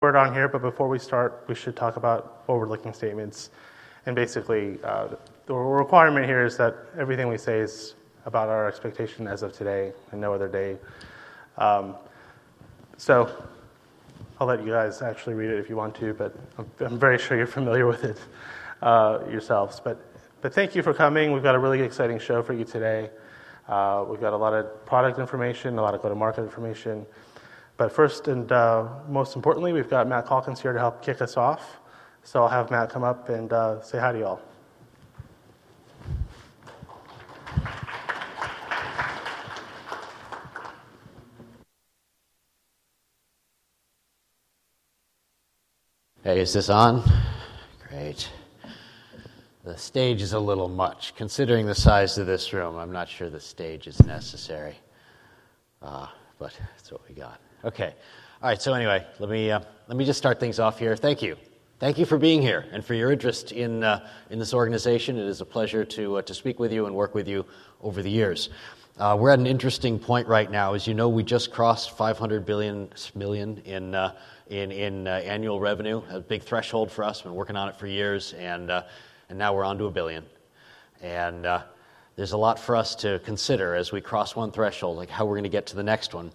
Forward-looking statements, but before we start, we should talk about forward-looking statements. And basically, the requirement here is that everything we say is about our expectation as of today and no other day. So I'll let you guys actually read it if you want to, but I'm very sure you're familiar with it yourselves. But thank you for coming. We've got a really exciting show for you today. We've got a lot of product information, a lot of go-to-market information. But first and most importantly, we've got Matt Calkins here to help kick us off. So I'll have Matt come up and say hi to you all. Hey, is this on? Great. The stage is a little much. Considering the size of this room, I'm not sure the stage is necessary. But it's what we got. Okay. All right. So anyway, let me just start things off here. Thank you. Thank you for being here and for your interest in this organization. It is a pleasure to speak with you and work with you over the years. We're at an interesting point right now. As you know, we just crossed $500 million in annual revenue. A big threshold for us. We've been working on it for years, and now we're on to $1 billion. And there's a lot for us to consider as we cross one threshold, like how we're going to get to the next one.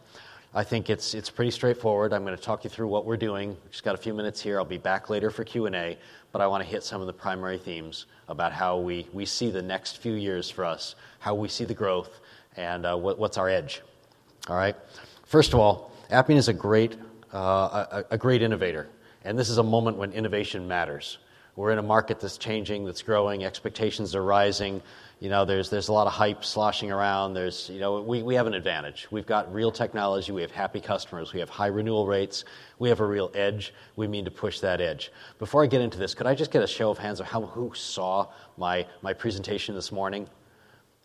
I think it's pretty straightforward. I'm going to talk you through what we're doing. We've just got a few minutes here. I'll be back later for Q&A. But I want to hit some of the primary themes about how we see the next few years for us, how we see the growth, and what's our edge. All right? First of all, Appian is a great innovator. This is a moment when innovation matters. We're in a market that's changing, that's growing. Expectations are rising. There's a lot of hype sloshing around. We have an advantage. We've got real technology. We have happy customers. We have high renewal rates. We have a real edge. We mean to push that edge. Before I get into this, could I just get a show of hands of who saw my presentation this morning?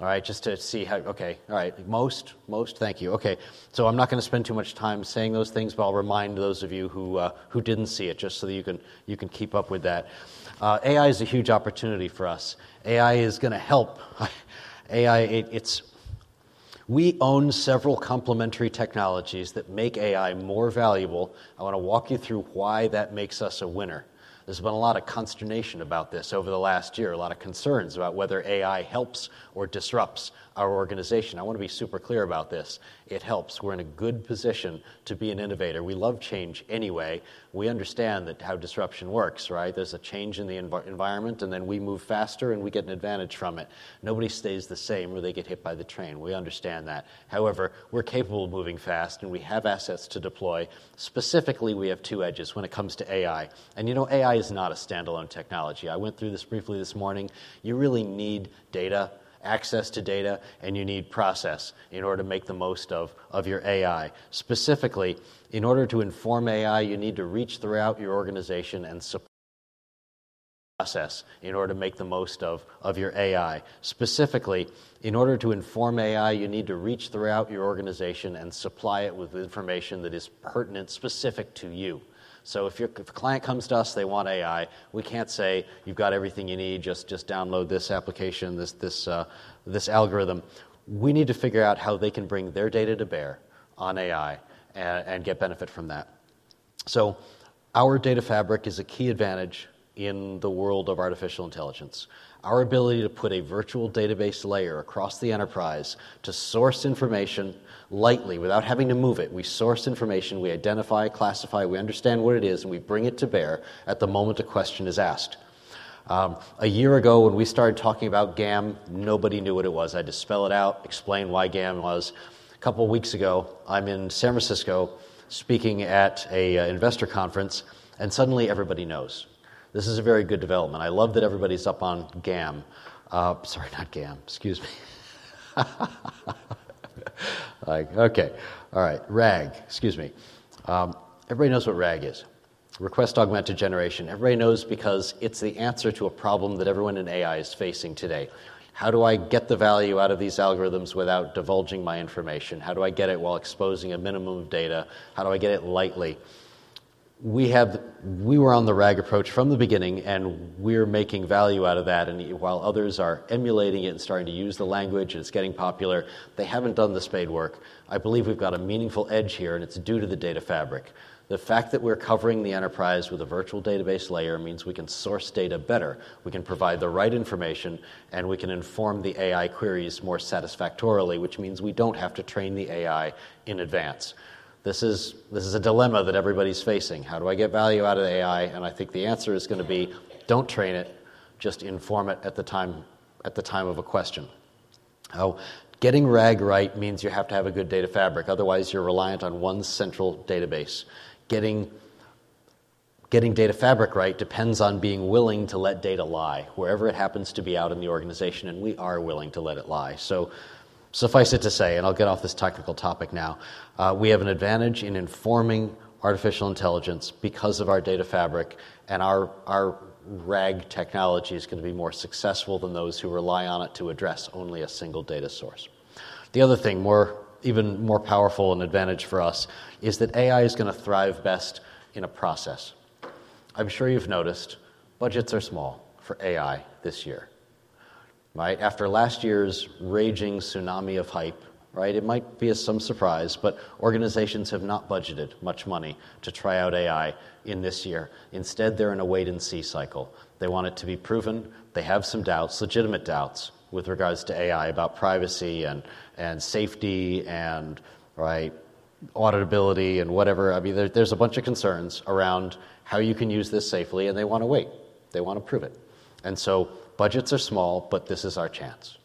All right? Just to see how OK. All right. Most? Most? Thank you. OK. So I'm not going to spend too much time saying those things, but I'll remind those of you who didn't see it just so that you can keep up with that. AI is a huge opportunity for us. AI is going to help. We own several complementary technologies that make AI more valuable. I want to walk you through why that makes us a winner. There's been a lot of consternation about this over the last year, a lot of concerns about whether AI helps or disrupts our organization. I want to be super clear about this. It helps. We're in a good position to be an innovator. We love change anyway. We understand how disruption works, right? There's a change in the environment, and then we move faster, and we get an advantage from it. Nobody stays the same or they get hit by the train. We understand that. However, we're capable of moving fast, and we have assets to deploy. Specifically, we have two edges when it comes to AI. You know AI is not a standalone technology. I went through this briefly this morning. You really need data, access to data, and you need process in order to make the most of your AI. Specifically, in order to inform AI, you need to reach throughout your organization and support the process in order to make the most of your AI. Specifically, in order to inform AI, you need to reach throughout your organization and supply it with information that is pertinent, specific to you. If a client comes to us, they want AI, we can't say, you've got everything you need. Just download this application, this algorithm. We need to figure out how they can bring their data to bear on AI and get benefit from that. So our Data Fabric is a key advantage in the world of artificial intelligence, our ability to put a virtual database layer across the enterprise to source information lightly without having to move it. We source information. We identify, classify. We understand what it is, and we bring it to bear at the moment a question is asked. A year ago, when we started talking about GAM, nobody knew what it was. I'd just spell it out, explain why GAM was. A couple of weeks ago, I'm in San Francisco speaking at an investor conference, and suddenly everybody knows. This is a very good development. I love that everybody's up on GAM. Sorry, not GAM. Excuse me. OK. All right. RAG. Excuse me. Everybody knows what RAG is, retrieval augmented generation. Everybody knows because it's the answer to a problem that everyone in AI is facing today. How do I get the value out of these algorithms without divulging my information? How do I get it while exposing a minimum of data? How do I get it lightly? We were on the RAG approach from the beginning, and we're making value out of that. And while others are emulating it and starting to use the language and it's getting popular, they haven't done the spade work. I believe we've got a meaningful edge here, and it's due to the Data Fabric. The fact that we're covering the enterprise with a virtual database layer means we can source data better. We can provide the right information, and we can inform the AI queries more satisfactorily, which means we don't have to train the AI in advance. This is a dilemma that everybody's facing. How do I get value out of the AI? I think the answer is going to be, don't train it. Just inform it at the time of a question. Getting RAG right means you have to have a good Data Fabric. Otherwise, you're reliant on one central database. Getting Data Fabric right depends on being willing to let data lie wherever it happens to be out in the organization. We are willing to let it lie. Suffice it to say, and I'll get off this technical topic now, we have an advantage in informing artificial intelligence because of our Data Fabric. And our RAG technology is going to be more successful than those who rely on it to address only a single data source. The other thing, even more powerful and advantage for us, is that AI is going to thrive best in a process. I'm sure you've noticed budgets are small for AI this year. After last year's raging tsunami of hype, it might be some surprise, but organizations have not budgeted much money to try out AI in this year. Instead, they're in a wait-and-see cycle. They want it to be proven. They have some doubts, legitimate doubts, with regards to AI about privacy and safety and auditability and whatever. I mean, there's a bunch of concerns around how you can use this safely. And they want to wait. They want to prove it. And so budgets are small, but this is our chance.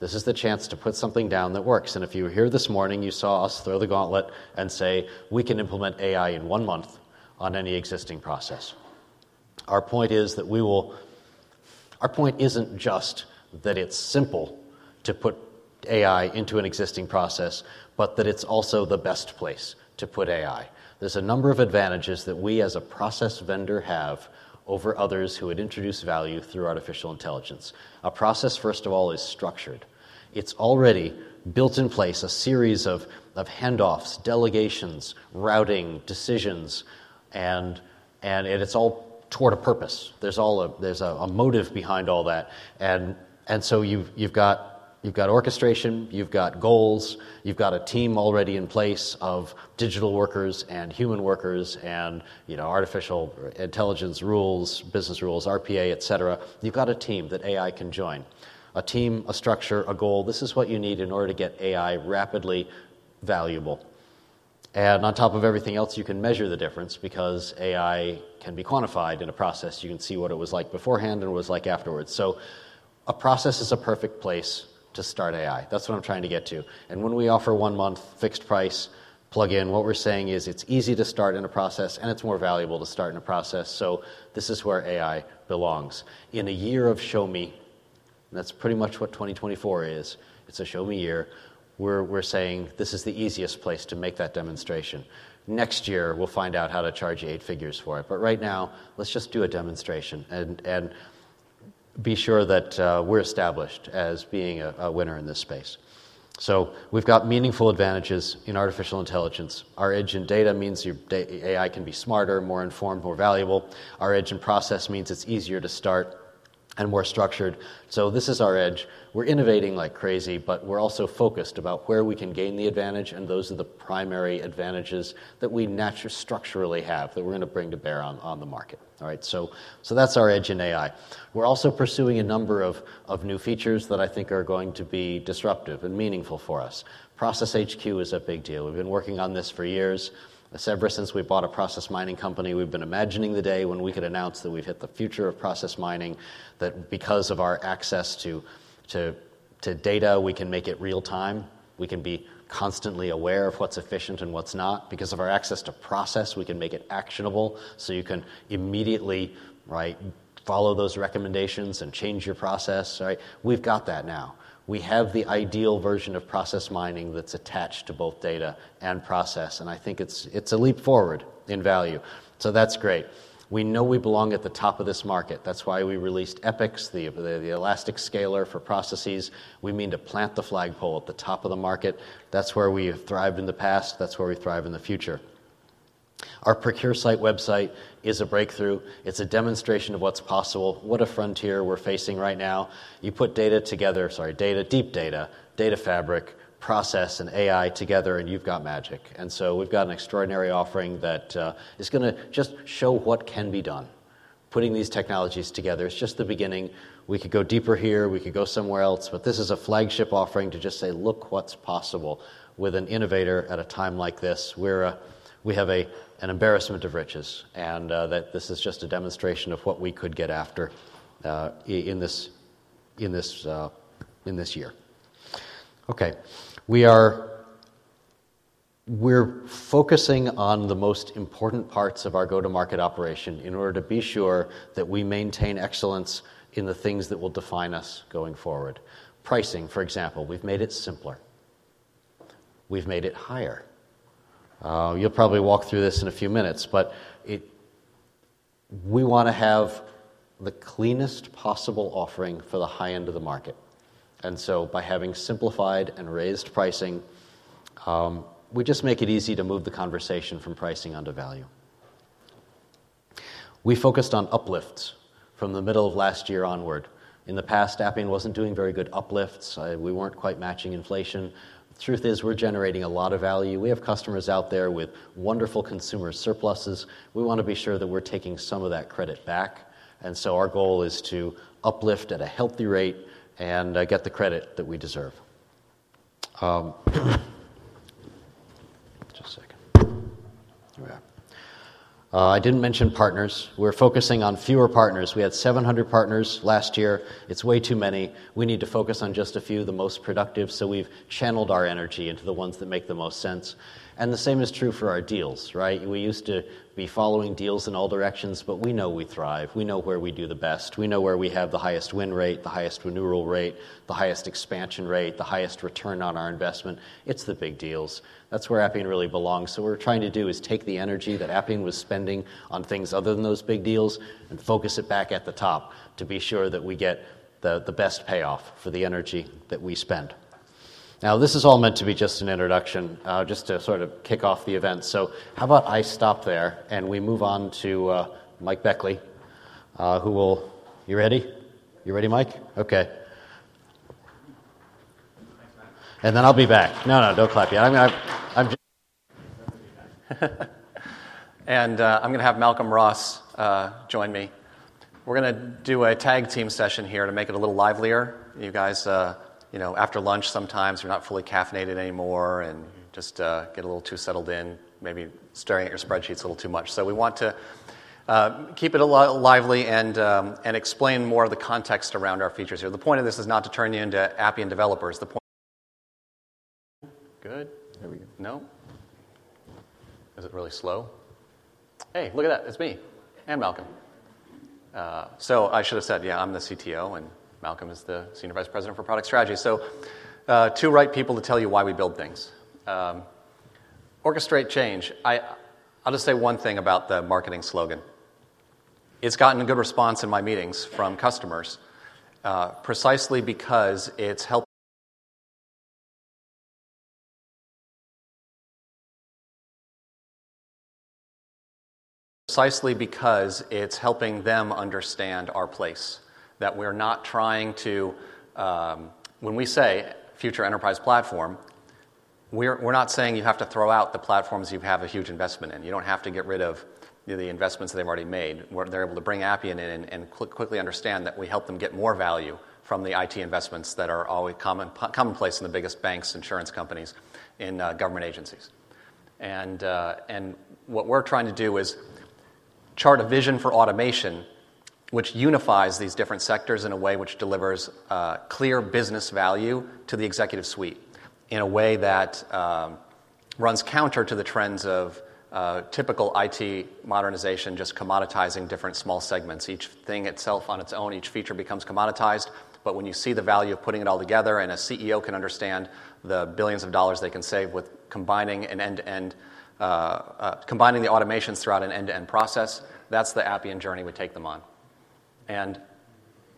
This is the chance to put something down that works. And if you were here this morning, you saw us throw the gauntlet and say, we can implement AI in one month on any existing process. Our point isn't just that it's simple to put AI into an existing process, but that it's also the best place to put AI. There's a number of advantages that we, as a process vendor, have over others who would introduce value through artificial intelligence. A process, first of all, is structured. It's already built in place a series of handoffs, delegations, routing, decisions. And it's all toward a purpose. There's a motive behind all that. And so you've got orchestration. You've got goals. You've got a team already in place of digital workers and human workers and artificial intelligence rules, business rules, RPA, et cetera. You've got a team that AI can join, a team, a structure, a goal. This is what you need in order to get AI rapidly valuable. And on top of everything else, you can measure the difference because AI can be quantified in a process. You can see what it was like beforehand and what it was like afterwards. So a process is a perfect place to start AI. That's what I'm trying to get to. And when we offer one-month fixed price plug-in, what we're saying is it's easy to start in a process, and it's more valuable to start in a process. So this is where AI belongs. In a year of show me, and that's pretty much what 2024 is. It's a show me year. We're saying this is the easiest place to make that demonstration. Next year, we'll find out how to charge you eight figures for it. But right now, let's just do a demonstration and be sure that we're established as being a winner in this space. So we've got meaningful advantages in artificial intelligence. Our edge in data means your AI can be smarter, more informed, more valuable. Our edge in process means it's easier to start and more structured. So this is our edge. We're innovating like crazy, but we're also focused about where we can gain the advantage. And those are the primary advantages that we naturally structurally have that we're going to bring to bear on the market. All right. So that's our edge in AI. We're also pursuing a number of new features that I think are going to be disruptive and meaningful for us. Process HQ is a big deal. We've been working on this for years. Ever since we bought a process mining company, we've been imagining the day when we could announce that we've hit the future of process mining, that because of our access to data, we can make it real time. We can be constantly aware of what's efficient and what's not. Because of our access to process, we can make it actionable so you can immediately follow those recommendations and change your process. We've got that now. We have the ideal version of process mining that's attached to both data and process. And I think it's a leap forward in value. So that's great. We know we belong at the top of this market. That's why we released Epics, the Elastic Scaler for processes. We mean to plant the flagpole at the top of the market. That's where we have thrived in the past. That's where we thrive in the future. Our ProcureSight website is a breakthrough. It's a demonstration of what's possible, what a frontier we're facing right now. You put data together sorry, data, deep data, Data Fabric, process, and AI together, and you've got magic. And so we've got an extraordinary offering that is going to just show what can be done. Putting these technologies together, it's just the beginning. We could go deeper here. We could go somewhere else. But this is a flagship offering to just say, look what's possible with an innovator at a time like this. We have an embarrassment of riches. And this is just a demonstration of what we could get after in this year. OK. We're focusing on the most important parts of our go-to-market operation in order to be sure that we maintain excellence in the things that will define us going forward. Pricing, for example, we've made it simpler. We've made it higher. You'll probably walk through this in a few minutes. We want to have the cleanest possible offering for the high end of the market. By having simplified and raised pricing, we just make it easy to move the conversation from pricing onto value. We focused on uplifts from the middle of last year onward. In the past, Appian wasn't doing very good uplifts. We weren't quite matching inflation. The truth is, we're generating a lot of value. We have customers out there with wonderful consumer surpluses. We want to be sure that we're taking some of that credit back. Our goal is to uplift at a healthy rate and get the credit that we deserve. Just a second. Here we are. I didn't mention partners. We're focusing on fewer partners. We had 700 partners last year. It's way too many. We need to focus on just a few, the most productive. So we've channeled our energy into the ones that make the most sense. And the same is true for our deals, right? We used to be following deals in all directions. But we know we thrive. We know where we do the best. We know where we have the highest win rate, the highest renewal rate, the highest expansion rate, the highest return on our investment. It's the big deals. That's where Appian really belongs. So what we're trying to do is take the energy that Appian was spending on things other than those big deals and focus it back at the top to be sure that we get the best payoff for the energy that we spend. Now, this is all meant to be just an introduction, just to sort of kick off the event. So how about I stop there, and we move on to Mike Beckley, who's ready? You ready, Mike? OK. And then I'll be back. No, no. Don't clap yet. I'm going to have Malcolm Ross join me. We're going to do a tag team session here to make it a little livelier. You guys, after lunch sometimes, you're not fully caffeinated anymore, and you just get a little too settled in, maybe staring at your spreadsheets a little too much. So we want to keep it a lot lively and explain more of the context around our features here. The point of this is not to turn you into Appian developers. The point is good. There we go. No? Is it really slow? Hey, look at that. It's me and Malcolm. So I should have said, yeah, I'm the CTO, and Malcolm is the Senior Vice President for Product Strategy. So two right people to tell you why we build things. Orchestrate change. I'll just say one thing about the marketing slogan. It's gotten a good response in my meetings from customers precisely because it's helping them understand our place, that we're not trying to when we say future enterprise platform, we're not saying you have to throw out the platforms you have a huge investment in. You don't have to get rid of the investments that they've already made. They're able to bring Appian in and quickly understand that we help them get more value from the IT investments that are commonplace in the biggest banks, insurance companies, and government agencies. What we're trying to do is chart a vision for automation, which unifies these different sectors in a way which delivers clear business value to the executive suite in a way that runs counter to the trends of typical IT modernization, just commoditizing different small segments. Each thing itself on its own, each feature becomes commoditized. But when you see the value of putting it all together, and a CEO can understand the billions of dollars they can save with combining the automations throughout an end-to-end process, that's the Appian journey we take them on.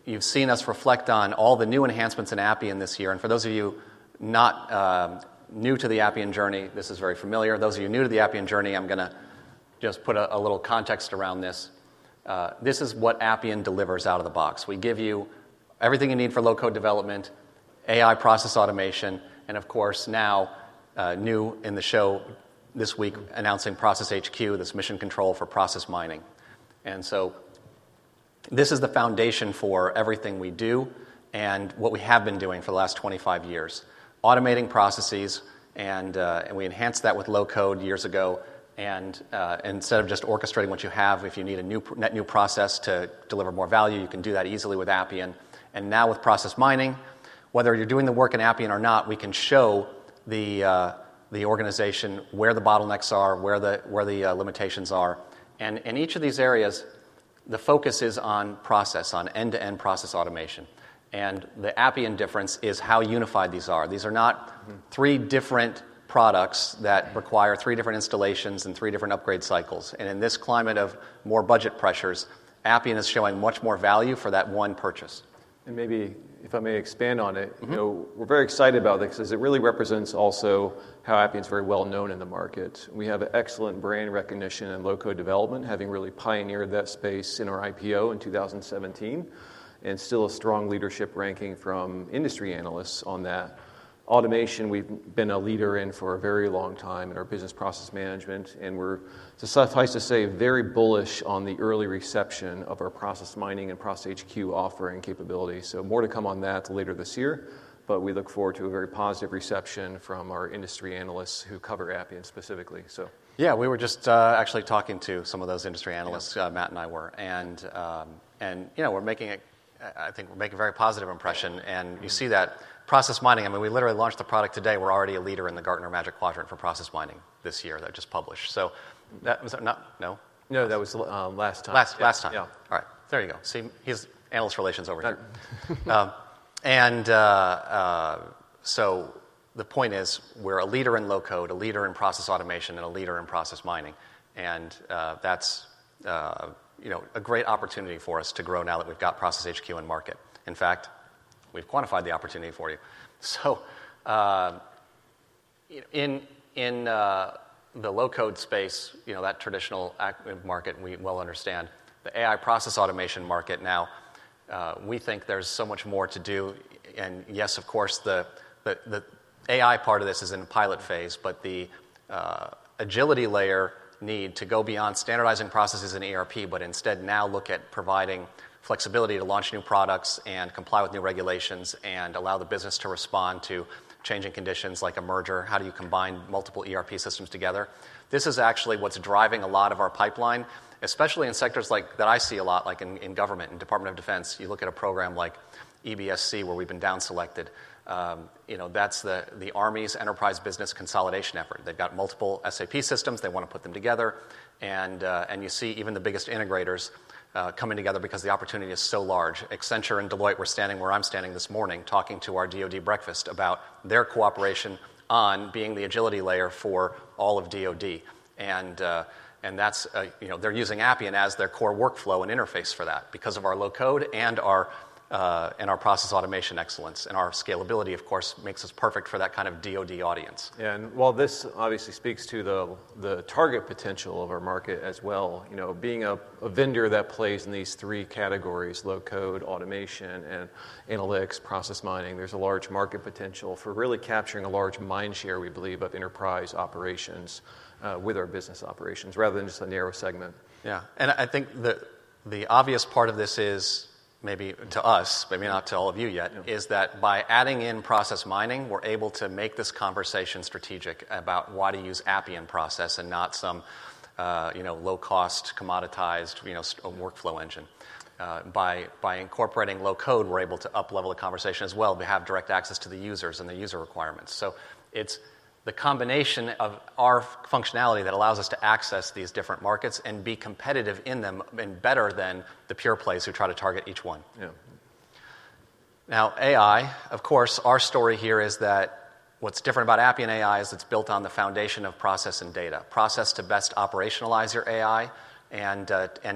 You've seen us reflect on all the new enhancements in Appian this year. For those of you not new to the Appian journey, this is very familiar. Those of you new to the Appian journey, I'm going to just put a little context around this. This is what Appian delivers out of the box. We give you everything you need for low-code development, AI process automation, and of course, now new in the show this week, announcing Process HQ, this mission control for process mining. And so this is the foundation for everything we do and what we have been doing for the last 25 years, automating processes. And we enhanced that with low-code years ago. And instead of just orchestrating what you have, if you need a net new process to deliver more value, you can do that easily with Appian. And now with process mining, whether you're doing the work in Appian or not, we can show the organization where the bottlenecks are, where the limitations are. And in each of these areas, the focus is on process, on end-to-end process automation. And the Appian difference is how unified these are. These are not three different products that require three different installations and three different upgrade cycles. In this climate of more budget pressures, Appian is showing much more value for that one purchase. Maybe, if I may expand on it, we're very excited about this because it really represents also how Appian is very well known in the market. We have excellent brand recognition in low-code development, having really pioneered that space in our IPO in 2017, and still a strong leadership ranking from industry analysts on that. Automation, we've been a leader in for a very long time in our business process management. It suffices to say, very bullish on the early reception of our process mining and Process HQ offering capability. More to come on that later this year. But we look forward to a very positive reception from our industry analysts who cover Appian specifically. So. Yeah, we were just actually talking to some of those industry analysts. Matt and I were. And we're making it I think we're making a very positive impression. And you see that process mining I mean, we literally launched the product today. We're already a leader in the Gartner Magic Quadrant for process mining this year that just published. So that was no? No, that was last time. Last time. Yeah. All right. There you go. See, he's analyst relations over here. And so the point is, we're a leader in low-code, a leader in process automation, and a leader in process mining. And that's a great opportunity for us to grow now that we've got Process HQ in market. In fact, we've quantified the opportunity for you. So in the low-code space, that traditional market, we well understand. The AI process automation market now, we think there's so much more to do. And yes, of course, the AI part of this is in a pilot phase. But the agility layer need to go beyond standardizing processes in ERP, but instead now look at providing flexibility to launch new products and comply with new regulations and allow the business to respond to changing conditions like a merger. How do you combine multiple ERP systems together? This is actually what's driving a lot of our pipeline, especially in sectors that I see a lot, like in government, in Department of Defense. You look at a program like EBS-C, where we've been down selected. That's the Army's enterprise business consolidation effort. They've got multiple SAP systems. They want to put them together. You see even the biggest integrators coming together because the opportunity is so large. Accenture and Deloitte were standing where I'm standing this morning talking to our DoD breakfast about their cooperation on being the agility layer for all of DoD. They're using Appian as their core workflow and interface for that because of our low-code and our process automation excellence. Our scalability, of course, makes us perfect for that kind of DoD audience. Yeah. While this obviously speaks to the target potential of our market as well, being a vendor that plays in these three categories, low-code, automation, and analytics, process mining, there's a large market potential for really capturing a large mind share, we believe, of enterprise operations with our business operations rather than just a narrow segment. Yeah. I think the obvious part of this is maybe to us, but maybe not to all of you yet, is that by adding in process mining, we're able to make this conversation strategic about why to use Appian process and not some low-cost, commoditized workflow engine. By incorporating low-code, we're able to uplevel the conversation as well. We have direct access to the users and the user requirements. So it's the combination of our functionality that allows us to access these different markets and be competitive in them and better than the pure plays who try to target each one. Yeah. Now, AI, of course, our story here is that what's different about Appian AI is it's built on the foundation of process and data, process to best operationalize your AI and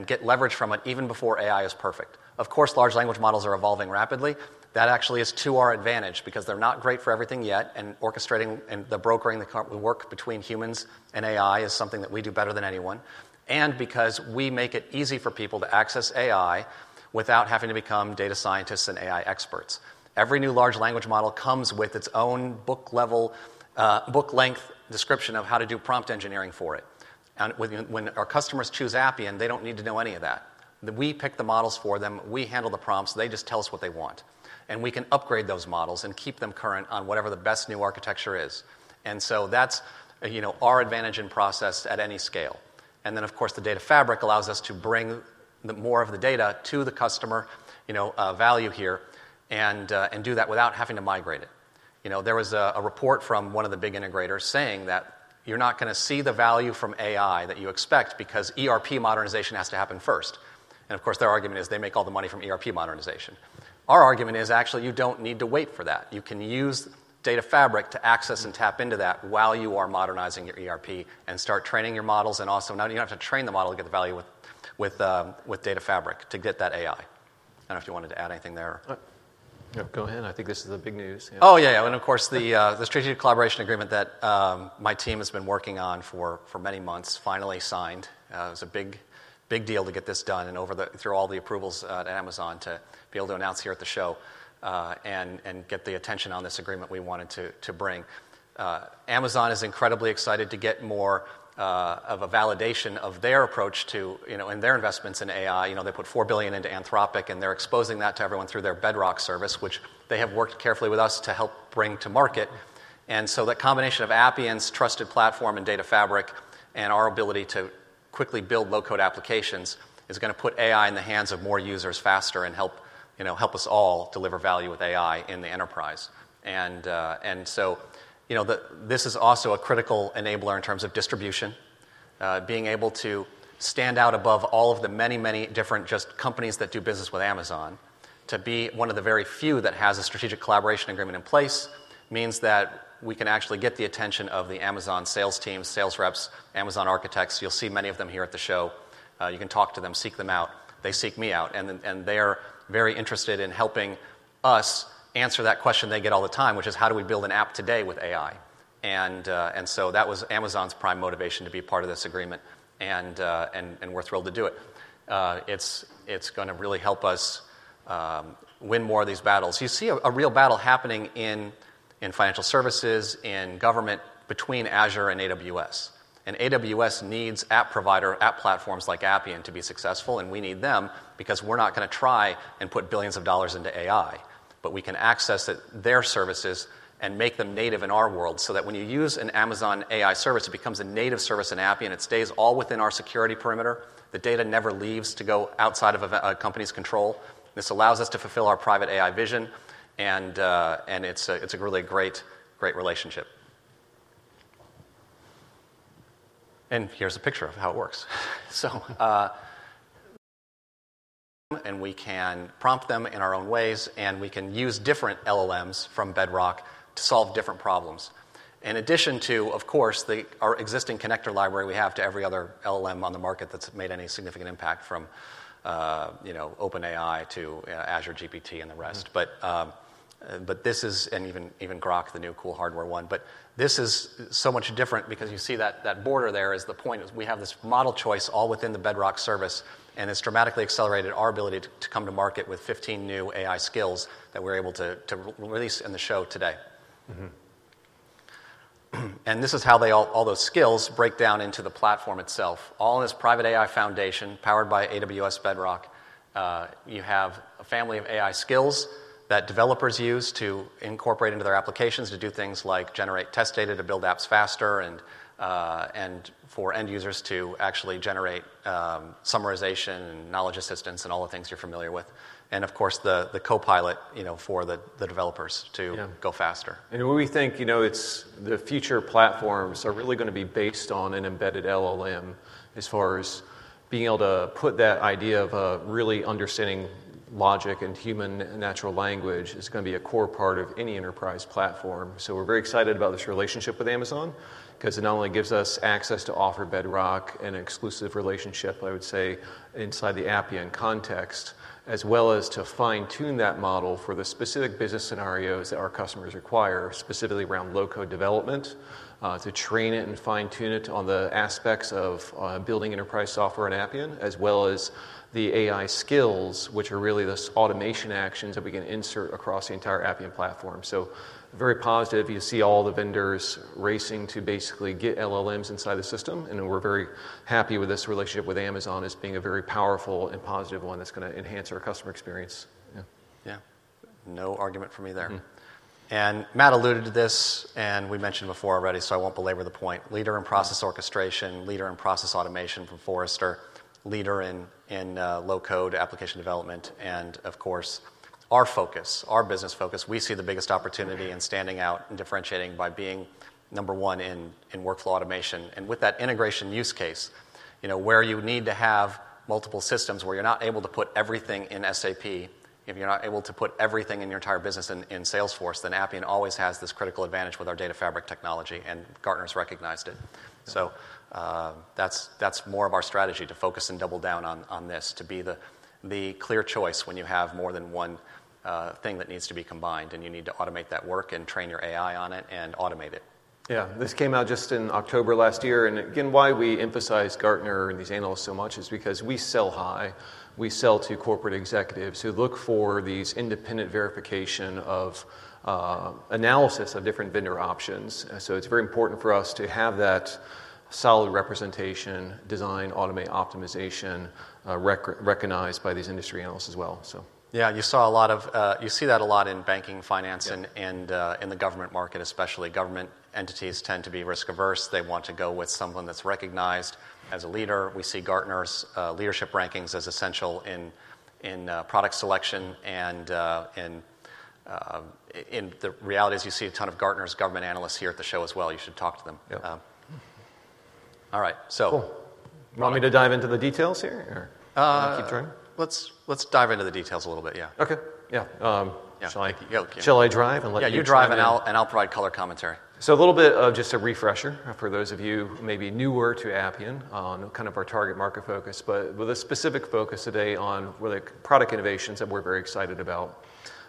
get leverage from it even before AI is perfect. Of course, large language models are evolving rapidly. That actually is to our advantage because they're not great for everything yet. Orchestrating and the brokering that we work between humans and AI is something that we do better than anyone, and because we make it easy for people to access AI without having to become data scientists and AI experts. Every new large language model comes with its own book-level, book-length description of how to do prompt engineering for it. When our customers choose Appian, they don't need to know any of that. We pick the models for them. We handle the prompts. They just tell us what they want. We can upgrade those models and keep them current on whatever the best new architecture is. So that's our advantage in process at any scale. And then, of course, the Data Fabric allows us to bring more of the data to the customer value here and do that without having to migrate it. There was a report from one of the big integrators saying that you're not going to see the value from AI that you expect because ERP modernization has to happen first. And of course, their argument is they make all the money from ERP modernization. Our argument is, actually, you don't need to wait for that. You can use Data Fabric to access and tap into that while you are modernizing your ERP and start training your models. And also, now you don't have to train the model to get the value with Data Fabric to get that AI. I don't know if you wanted to add anything there. Yeah, go ahead. I think this is the big news. Oh, yeah, yeah. Of course, the strategic collaboration agreement that my team has been working on for many months finally signed. It was a big deal to get this done and through all the approvals at Amazon to be able to announce here at the show and get the attention on this agreement we wanted to bring. Amazon is incredibly excited to get more of a validation of their approach to and their investments in AI. They put $4 billion into Anthropic. They're exposing that to everyone through their Bedrock service, which they have worked carefully with us to help bring to market. That combination of Appian's trusted platform and Data Fabric and our ability to quickly build low-code applications is going to put AI in the hands of more users faster and help us all deliver value with AI in the enterprise. And so this is also a critical enabler in terms of distribution, being able to stand out above all of the many, many different just companies that do business with Amazon. To be one of the very few that has a strategic collaboration agreement in place means that we can actually get the attention of the Amazon sales teams, sales reps, Amazon architects. You'll see many of them here at the show. You can talk to them, seek them out. They seek me out. And they're very interested in helping us answer that question they get all the time, which is, how do we build an app today with AI? And so that was Amazon's prime motivation to be part of this agreement. And we're thrilled to do it. It's going to really help us win more of these battles. You see a real battle happening in financial services, in government, between Azure and AWS. And AWS needs app provider, app platforms like Appian to be successful. And we need them because we're not going to try and put billions of dollars into AI. But we can access their services and make them native in our world so that when you use an Amazon AI service, it becomes a native service in Appian. It stays all within our security perimeter. The data never leaves to go outside of a company's control. This allows us to fulfill our Private AI vision. And it's a really great relationship. And here's a picture of how it works. So we can prompt them in our own ways. And we can use different LLMs from Bedrock to solve different problems, in addition to, of course, our existing connector library we have to every other LLM on the market that's made any significant impact from OpenAI to Azure GPT and the rest. But this is, and even Groq, the new cool hardware one. But this is so much different because you see that border there is the point. We have this model choice all within the Bedrock service. And it's dramatically accelerated our ability to come to market with 15 new AI skills that we're able to release in the show today. And this is how all those skills break down into the platform itself, all in this private AI foundation powered by AWS Bedrock. You have a family of AI Skills that developers use to incorporate into their applications to do things like generate test data to build apps faster and for end users to actually generate summarization and knowledge assistance and all the things you're familiar with, and of course, the Copilot for the developers to go faster. We think the future platforms are really going to be based on an embedded LLM as far as being able to put that idea of really understanding logic and human natural language is going to be a core part of any enterprise platform. So we're very excited about this relationship with Amazon because it not only gives us access to offer Bedrock an exclusive relationship, I would say, inside the Appian context, as well as to fine-tune that model for the specific business scenarios that our customers require, specifically around low-code development, to train it and fine-tune it on the aspects of building enterprise software in Appian, as well as the AI skills, which are really those automation actions that we can insert across the entire Appian platform. So very positive. You see all the vendors racing to basically get LLMs inside the system. And we're very happy with this relationship with Amazon as being a very powerful and positive one that's going to enhance our customer experience. Yeah. No argument for me there. And Matt alluded to this. And we mentioned before already. So I won't belabor the point. Leader in process orchestration, leader in process automation from Forrester, leader in low-code application development. And of course, our focus, our business focus, we see the biggest opportunity in standing out and differentiating by being number one in workflow automation. And with that integration use case, where you need to have multiple systems, where you're not able to put everything in SAP, if you're not able to put everything in your entire business in Salesforce, then Appian always has this critical advantage with our Data Fabric technology. And Gartner's recognized it. So that's more of our strategy to focus and double down on this, to be the clear choice when you have more than one thing that needs to be combined. And you need to automate that work and train your AI on it and automate it. Yeah. This came out just in October last year. And again, why we emphasize Gartner and these analysts so much is because we sell high. We sell to corporate executives who look for these independent verification of analysis of different vendor options. So it's very important for us to have that solid representation, design, automate, optimization recognized by these industry analysts as well. Yeah. You see that a lot in banking, finance, and in the government market especially. Government entities tend to be risk-averse. They want to go with someone that's recognized as a leader. We see Gartner's leadership rankings as essential in product selection. And in reality, as you see a ton of Gartner's government analysts here at the show as well, you should talk to them. All right. So want me to dive into the details here or keep drivin g? Let's dive into the details a little bit. Yeah. OK. Yeah. Shall I drive and let you? Yeah. You drive. And I'll provide color commentary. So a little bit of just a refresher for those of you maybe newer to Appian, kind of our target market focus, but with a specific focus today on really product innovations that we're very excited about.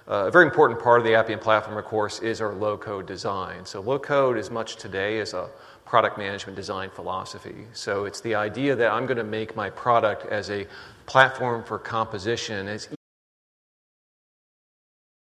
A very important part of the Appian platform, of course, is our low-code design. So low-code as much today as a product management design philosophy. So it's the idea that I'm going to make my product as a platform for composition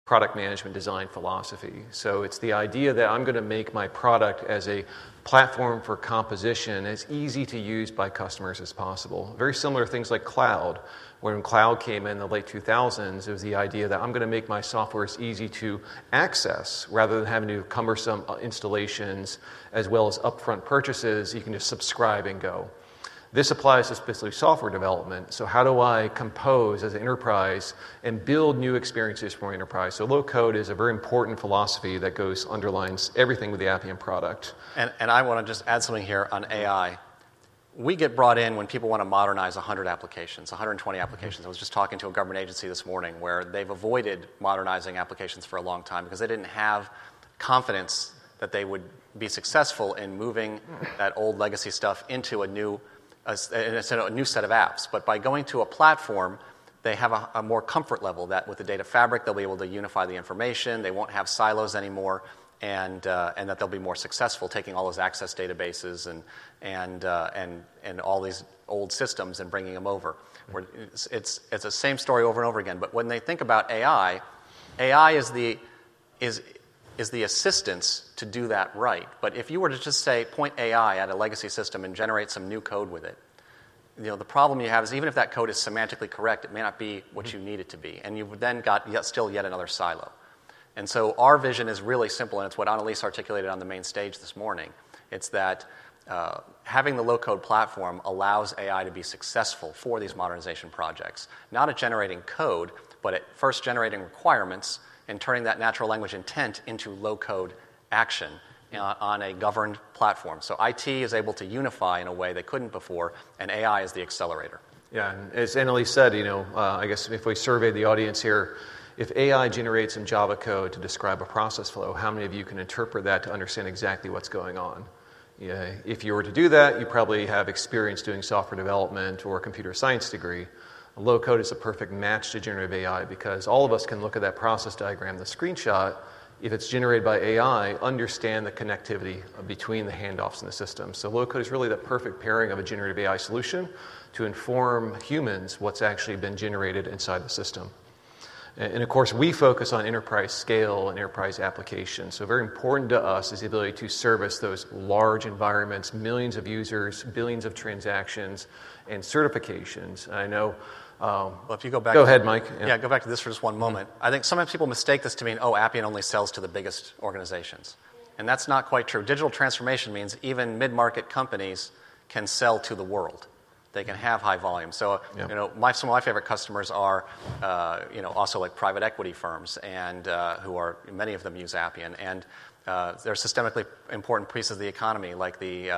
as product management design philosophy. So it's the idea that I'm going to make my product as a platform for composition as easy to use by customers as possible. Very similar to things like cloud. When cloud came in the late 2000s, it was the idea that I'm going to make my software as easy to access rather than having to do cumbersome installations as well as upfront purchases. You can just subscribe and go. This applies to specifically software development. So how do I compose as an enterprise and build new experiences for my enterprise? So low-code is a very important philosophy that underlines everything with the Appian product. And I want to just add something here on AI. We get brought in when people want to modernize 100 applications, 120 applications. I was just talking to a government agency this morning where they've avoided modernizing applications for a long time because they didn't have confidence that they would be successful in moving that old legacy stuff into a new set of apps. But by going to a platform, they have a more comfort level that with the Data Fabric, they'll be able to unify the information. They won't have silos anymore. And that they'll be more successful taking all those access databases and all these old systems and bringing them over. It's the same story over and over again. But when they think about AI, AI is the assistance to do that right. But if you were to just, say, point AI at a legacy system and generate some new code with it, the problem you have is even if that code is semantically correct, it may not be what you need it to be. And you've then got still yet another silo. And so our vision is really simple. And it's what Annelise articulated on the main stage this morning. It's that having the low-code platform allows AI to be successful for these modernization projects, not at generating code, but at first generating requirements and turning that natural language intent into low-code action on a governed platform. So IT is able to unify in a way they couldn't before. And AI is the accelerator. Yeah. And as Annelise said, I guess if we survey the audience here, if AI generates some Java code to describe a process flow, how many of you can interpret that to understand exactly what's going on? If you were to do that, you probably have experience doing software development or a computer science degree. Low-code is a perfect match to generative AI because all of us can look at that process diagram, the screenshot if it's generated by AI, understand the connectivity between the handoffs in the system. So low-code is really the perfect pairing of a generative AI solution to inform humans what's actually been generated inside the system. And of course, we focus on enterprise scale and enterprise applications. So very important to us is the ability to service those large environments, millions of users, billions of transactions, and certifications. I know. Well, if you go back. Go ahead, Mike. Yeah. Go back to this for just one moment. I think sometimes people mistake this to mean, oh, Appian only sells to the biggest organizations. And that's not quite true. Digital transformation means even mid-market companies can sell to the world. They can have high volume. So some of my favorite customers are also private equity firms who are many of them use Appian. They're systemically important pieces of the economy, like the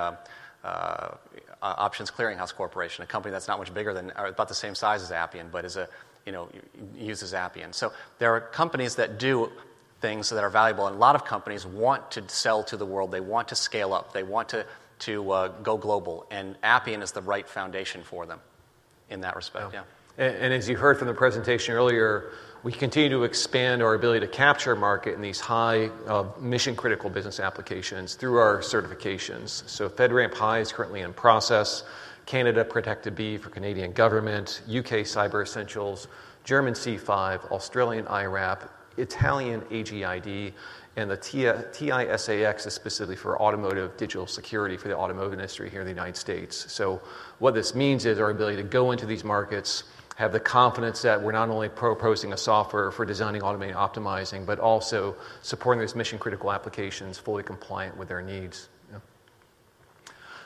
Options Clearing Corporation, a company that's not much bigger than or about the same size as Appian but uses Appian. So there are companies that do things that are valuable. And a lot of companies want to sell to the world. They want to scale up. They want to go global. And Appian is the right foundation for them in that respect. Yeah. And as you heard from the presentation earlier, we continue to expand our ability to capture market in these high mission-critical business applications through our certifications. So FedRAMP High is currently in process, Canada Protected B for Canadian government, U.K. Cyber Essentials, German C5, Australian IRAP, Italian AGID, and the TISAX is specifically for automotive digital security for the automotive industry here in the United States. So what this means is our ability to go into these markets, have the confidence that we're not only proposing a software for designing, automating, optimizing, but also supporting those mission-critical applications fully compliant with their needs.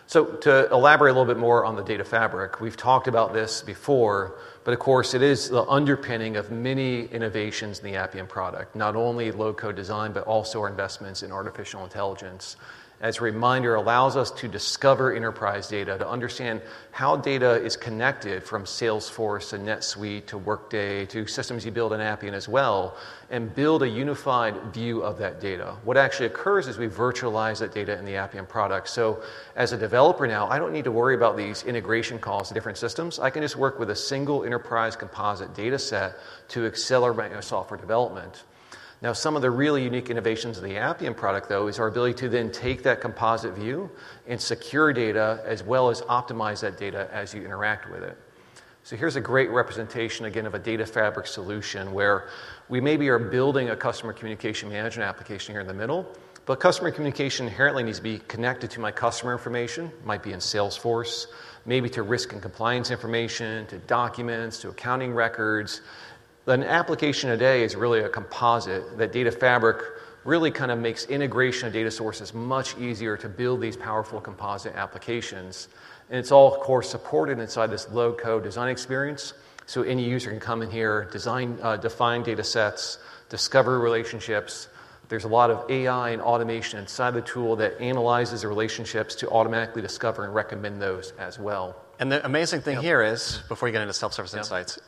So to elaborate a little bit more on the Data Fabric, we've talked about this before. But of course, it is the underpinning of many innovations in the Appian product, not only low-code design but also our investments in artificial intelligence. As a reminder, it allows us to discover enterprise data, to understand how data is connected from Salesforce to NetSuite to Workday to systems you build in Appian as well, and build a unified view of that data. What actually occurs is we virtualize that data in the Appian product. So as a developer now, I don't need to worry about these integration calls to different systems. I can just work with a single enterprise composite data set to accelerate my software development. Now, some of the really unique innovations of the Appian product, though, is our ability to then take that composite view and secure data as well as optimize that data as you interact with it. So here's a great representation, again, of a Data Fabric solution where we maybe are building a customer communication management application here in the middle. But customer communication inherently needs to be connected to my customer information, might be in Salesforce, maybe to risk and compliance information, to documents, to accounting records. An application today is really a composite. That Data Fabric really kind of makes integration of data sources much easier to build these powerful composite applications. It's all, of course, supported inside this low-code design experience. So any user can come in here, define data sets, discover relationships. There's a lot of AI and automation inside the tool that analyzes the relationships to automatically discover and recommend those as well. And the amazing thing here is before you get into self-service insights,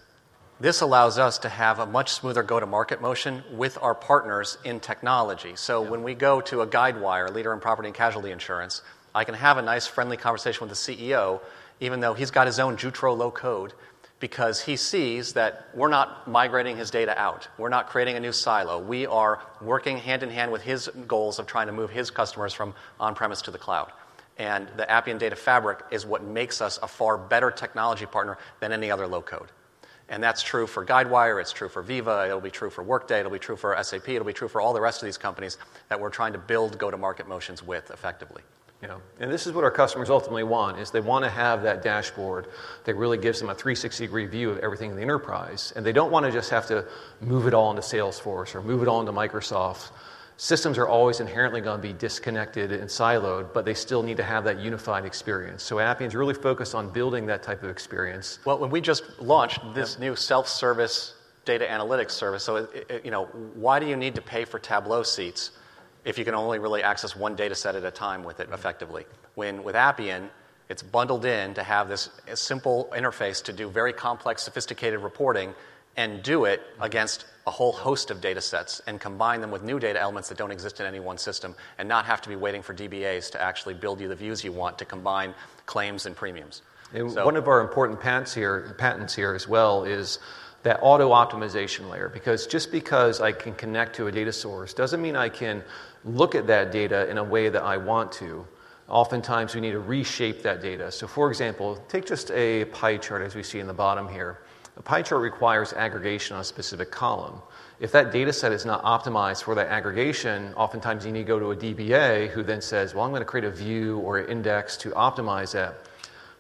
this allows us to have a much smoother go-to-market motion with our partners in technology. So when we go to a Guidewire, leader in property and casualty insurance, I can have a nice, friendly conversation with the CEO even though he's got his own Jutro low-code because he sees that we're not migrating his data out. We're not creating a new silo. We are working hand in hand with his goals of trying to move his customers from on-premise to the cloud. And the Appian Data Fabric is what makes us a far better technology partner than any other low-code. And that's true for Guidewire. It's true for Veeva. It'll be true for Workday. It'll be true for SAP. It'll be true for all the rest of these companies that we're trying to build go-to-market motions with effectively. Yeah. And this is what our customers ultimately want, is they want to have that dashboard that really gives them a 360-degree view of everything in the enterprise. And they don't want to just have to move it all into sales force or move it all into Microsoft. Systems are always inherently going to be disconnected and siloed. But they still need to have that unified experience. So Appian's really focused on building that type of experience. Well, when we just launched this new self-service data analytics service, so why do you need to pay for Tableau seats if you can only really access one data set at a time with it effectively? When with Appian, it's bundled in to have this simple interface to do very complex, sophisticated reporting and do it against a whole host of data sets and combine them with new data elements that don't exist in any one system and not have to be waiting for DBAs to actually build you the views you want to combine claims and premiums. One of our important patents here as well is that auto-optimization layer. Because just because I can connect to a data source doesn't mean I can look at that data in a way that I want to. Oftentimes, we need to reshape that data. So for example, take just a pie chart as we see in the bottom here. A pie chart requires aggregation on a specific column. If that data set is not optimized for that aggregation, oftentimes, you need to go to a DBA who then says, well, I'm going to create a view or an index to optimize that.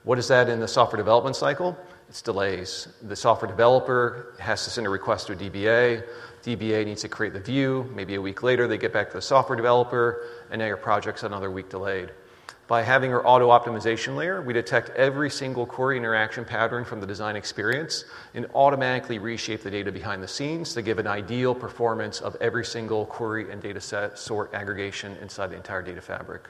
What does that in the software development cycle? It's delays. The software developer has to send a request to a DBA. DBA needs to create the view. Maybe a week later, they get back to the software developer. And now your project's another week delayed. By having our auto-optimization layer, we detect every single query interaction pattern from the design experience and automatically reshape the data behind the scenes to give an ideal performance of every single query and data set sort aggregation inside the entire Data Fabric.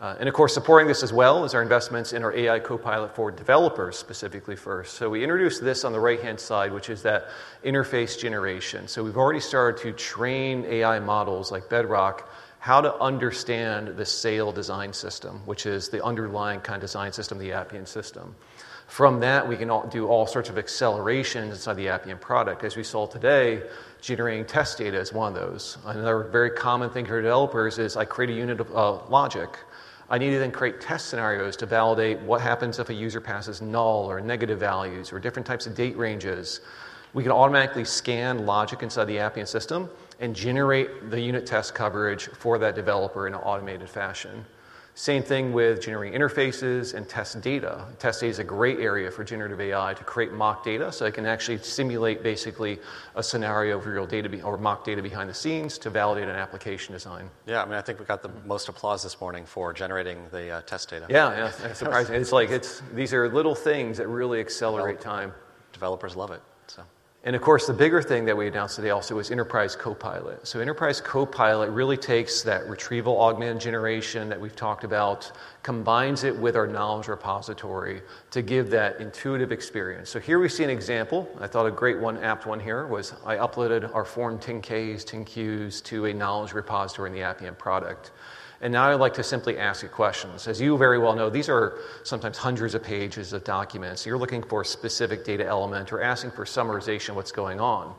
Of course, supporting this as well is our investments in our AI Copilot for developers specifically first. So we introduced this on the right-hand side, which is that interface generation. So we've already started to train AI models like Bedrock how to understand the SAIL design system, which is the underlying kind of design system, the Appian system. From that, we can do all sorts of accelerations inside the Appian product. As we saw today, generating test data is one of those. Another very common thing for developers is I create a unit of logic. I need to then create test scenarios to validate what happens if a user passes null or negative values or different types of date ranges. We can automatically scan logic inside the Appian system and generate the unit test coverage for that developer in an automated fashion. Same thing with generating interfaces and test data. Test data is a great area for generative AI to create mock data so it can actually simulate basically a scenario of real data or mock data behind the scenes to validate an application design. Yeah. I mean, I think we got the most applause this morning for generating the test data. Yeah. Yeah. Surprising. It's like these are little things that really accelerate time. Developers love it. And of course, the bigger thing that we announced today also was Enterprise Copilot. So Enterprise Copilot really takes that retrieval augmented generation that we've talked about, combines it with our knowledge repository to give that intuitive experience. So here we see an example. I thought a great one apt one here was I uploaded our Form 10-Ks, 10-Qs to a knowledge repository in the Appian product. And now I'd like to simply ask you questions. As you very well know, these are sometimes hundreds of pages of documents. You're looking for a specific data element or asking for summarization of what's going on.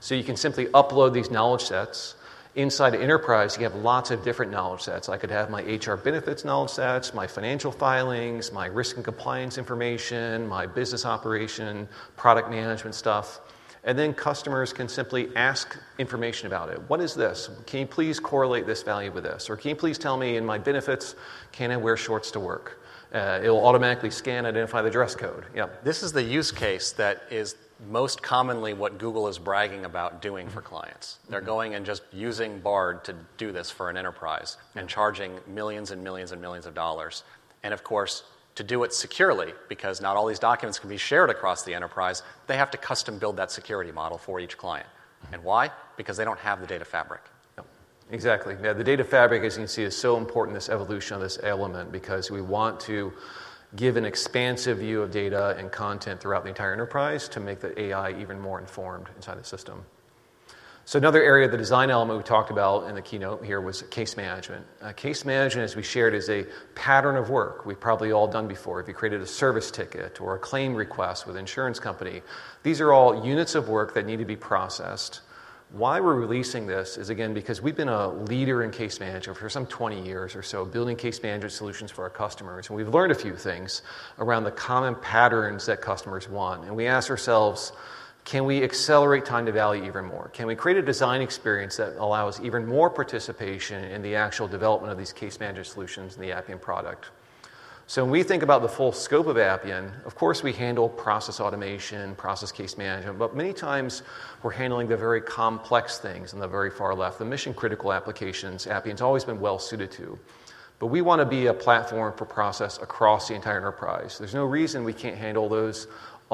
So you can simply upload these knowledge sets. Inside Enterprise, you have lots of different knowledge sets. I could have my HR benefits knowledge sets, my financial filings, my risk and compliance information, my business operation, product management stuff. And then customers can simply ask information about it. What is this? Can you please correlate this value with this? Or can you please tell me in my benefits, can I wear shorts to work? It'll automatically scan and identify the dress code. Yeah. This is the use case that is most commonly what Google is bragging about doing for clients. They're going and just using Bard to do this for an enterprise and charging $millions and $millions and $millions. Of course, to do it securely because not all these documents can be shared across the enterprise, they have to custom build that security model for each client. Why? Because they don't have the Data Fabric. Yep. Exactly. Now, the Data Fabric, as you can see, is so important in this evolution of this element because we want to give an expansive view of data and content throughout the entire enterprise to make the AI even more informed inside the system. Another area, the design element we talked about in the keynote here was case management. Case management, as we shared, is a pattern of work we've probably all done before. If you created a service ticket or a claim request with an insurance company, these are all units of work that need to be processed. Why we're releasing this is, again, because we've been a leader in case management for some 20 years or so building case management solutions for our customers. We've learned a few things around the common patterns that customers want. We ask ourselves, can we accelerate time to value even more? Can we create a design experience that allows even more participation in the actual development of these case management solutions in the Appian product? When we think about the full scope of Appian, of course, we handle process automation, process case management. Many times, we're handling the very complex things on the very far left, the mission-critical applications Appian's always been well-suited to. We want to be a platform for process across the entire enterprise. There's no reason we can't handle those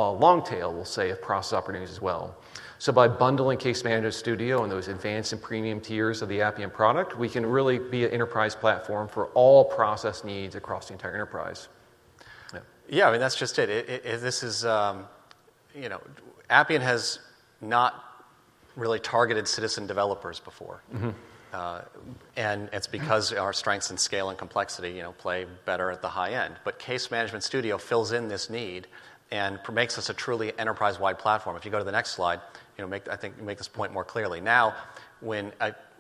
long-tail, we'll say, of process opportunities as well. So by bundling Case Management Studio and those advanced and premium tiers of the Appian product, we can really be an enterprise platform for all process needs across the entire enterprise. Yeah. I mean, that's just it. Appian has not really targeted citizen developers before. And it's because our strengths in scale and complexity play better at the high end. But Case Management Studio fills in this need and makes us a truly enterprise-wide platform. If you go to the next slide, I think you make this point more clearly. Now, when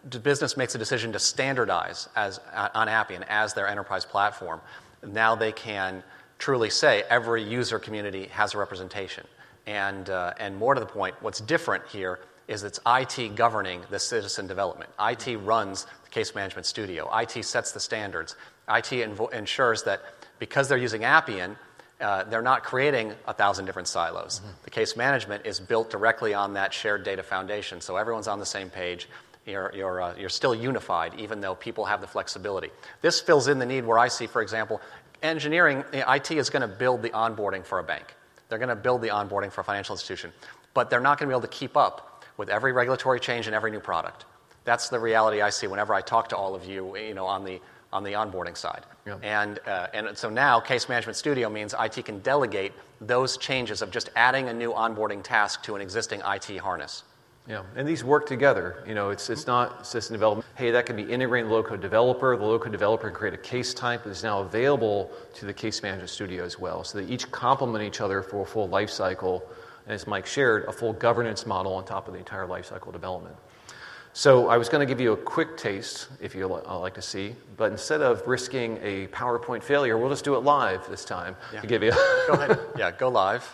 the business makes a decision to standardize on Appian as their enterprise platform, now they can truly say every user community has a representation. And more to the point, what's different here is it's IT governing the citizen development. IT runs Case Management Studio. IT sets the standards. IT ensures that because they're using Appian, they're not creating 1,000 different silos. The case management is built directly on that shared data foundation. So everyone's on the same page. You're still unified even though people have the flexibility. This fills in the need where I see, for example, engineering IT is going to build the onboarding for a bank. They're going to build the onboarding for a financial institution. But they're not going to be able to keep up with every regulatory change and every new product. That's the reality I see whenever I talk to all of you on the onboarding side. And so now, Case Management Studio means IT can delegate those changes of just adding a new onboarding task to an existing IT harness. Yeah. And these work together. It's not system development. Hey, that can be integrated into low-code developer. The low-code developer can create a case type that is now available to the Case Management Studio as well so they each complement each other for a full lifecycle. As Mike shared, a full governance model on top of the entire lifecycle development. I was going to give you a quick taste if you'd like to see. Instead of risking a PowerPoint failure, we'll just do it live this time to give you a go ahead. Yeah. Go live.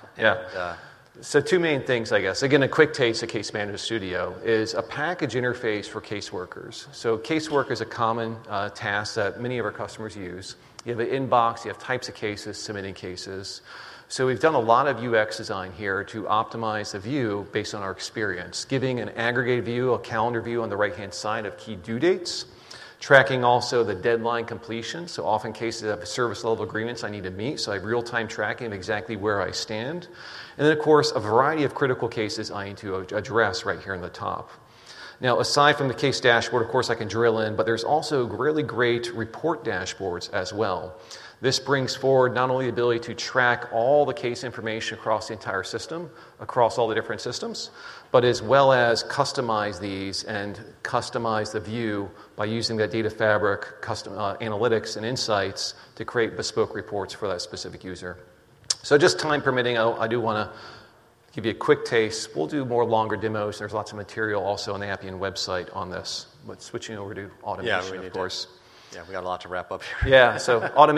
Two main things, I guess. Again, a quick taste of Case Management Studio is a package interface for caseworkers. Casework is a common task that many of our customers use. You have an inbox. You have types of cases, submitting cases. So we've done a lot of UX design here to optimize the view based on our experience, giving an aggregate view, a calendar view on the right-hand side of key due dates, tracking also the deadline completion. So often, cases have service-level agreements I need to meet. So I have real-time tracking of exactly where I stand. And then, of course, a variety of critical cases I need to address right here on the top. Now, aside from the case dashboard, of course, I can drill in. But there's also really great report dashboards as well. This brings forward not only the ability to track all the case information across the entire system, across all the different systems, but as well as customize these and customize the view by using that Data Fabric, analytics, and insights to create bespoke reports for that specific user. So just time permitting, I do want to give you a quick taste. We'll do more longer demos. There's lots of material also on the Appian website on this. But switching over to automation, of course. Yeah. We got a lot to wrap up here. Yeah. So our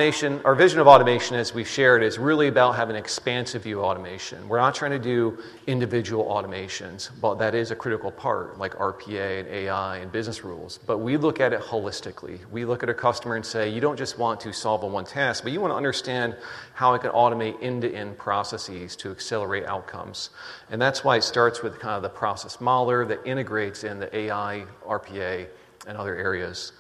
vision of automation, as we've shared, is really about having an expansive view of automation. We're not trying to do individual automations. But that is a critical part like RPA and AI and business rules. But we look at it holistically. We look at a customer and say, you don't just want to solve a one task. But you want to understand how it can automate end-to-end processes to accelerate outcomes. And that's why it starts with kind of the Process Modeler that integrates in the AI, RPA, and other areas.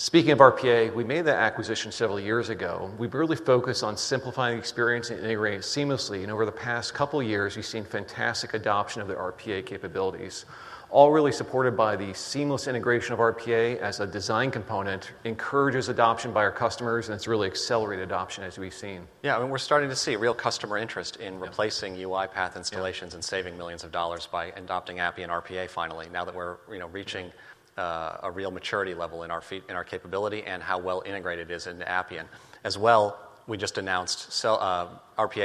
Speaking of RPA, we made that acquisition several years ago. We really focused on simplifying the experience and integrating it seamlessly. Over the past couple of years, we've seen fantastic adoption of the RPA capabilities, all really supported by the seamless integration of RPA as a design component, encourages adoption by our customers. It's really accelerated adoption as we've seen. Yeah. I mean, we're starting to see real customer interest in replacing UiPath installations and saving millions of dollars by adopting Appian RPA finally now that we're reaching a real maturity level in our capability and how well integrated it is into Appian. As well, we just announced RPA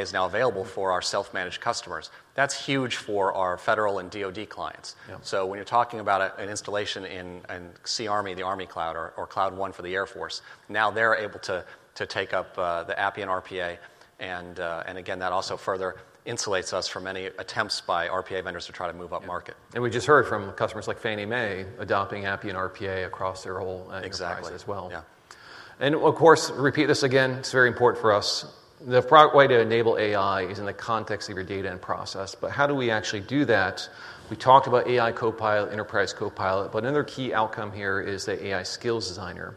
is now available for our self-managed customers. That's huge for our federal and DoD clients. So when you're talking about an installation in U.S. Army, the Army Cloud, or Cloud One for the Air Force, now they're able to take up the Appian RPA. Again, that also further insulates us from any attempts by RPA vendors to try to move up market. We just heard from customers like Fannie Mae adopting Appian RPA across their whole enterprise as well. Exactly. Yeah. Of course, repeat this again. It's very important for us. The right way to enable AI is in the context of your data and process. But how do we actually do that? We talked about AI Copilot, Enterprise Copilot. But another key outcome here is the AI Skills Designer.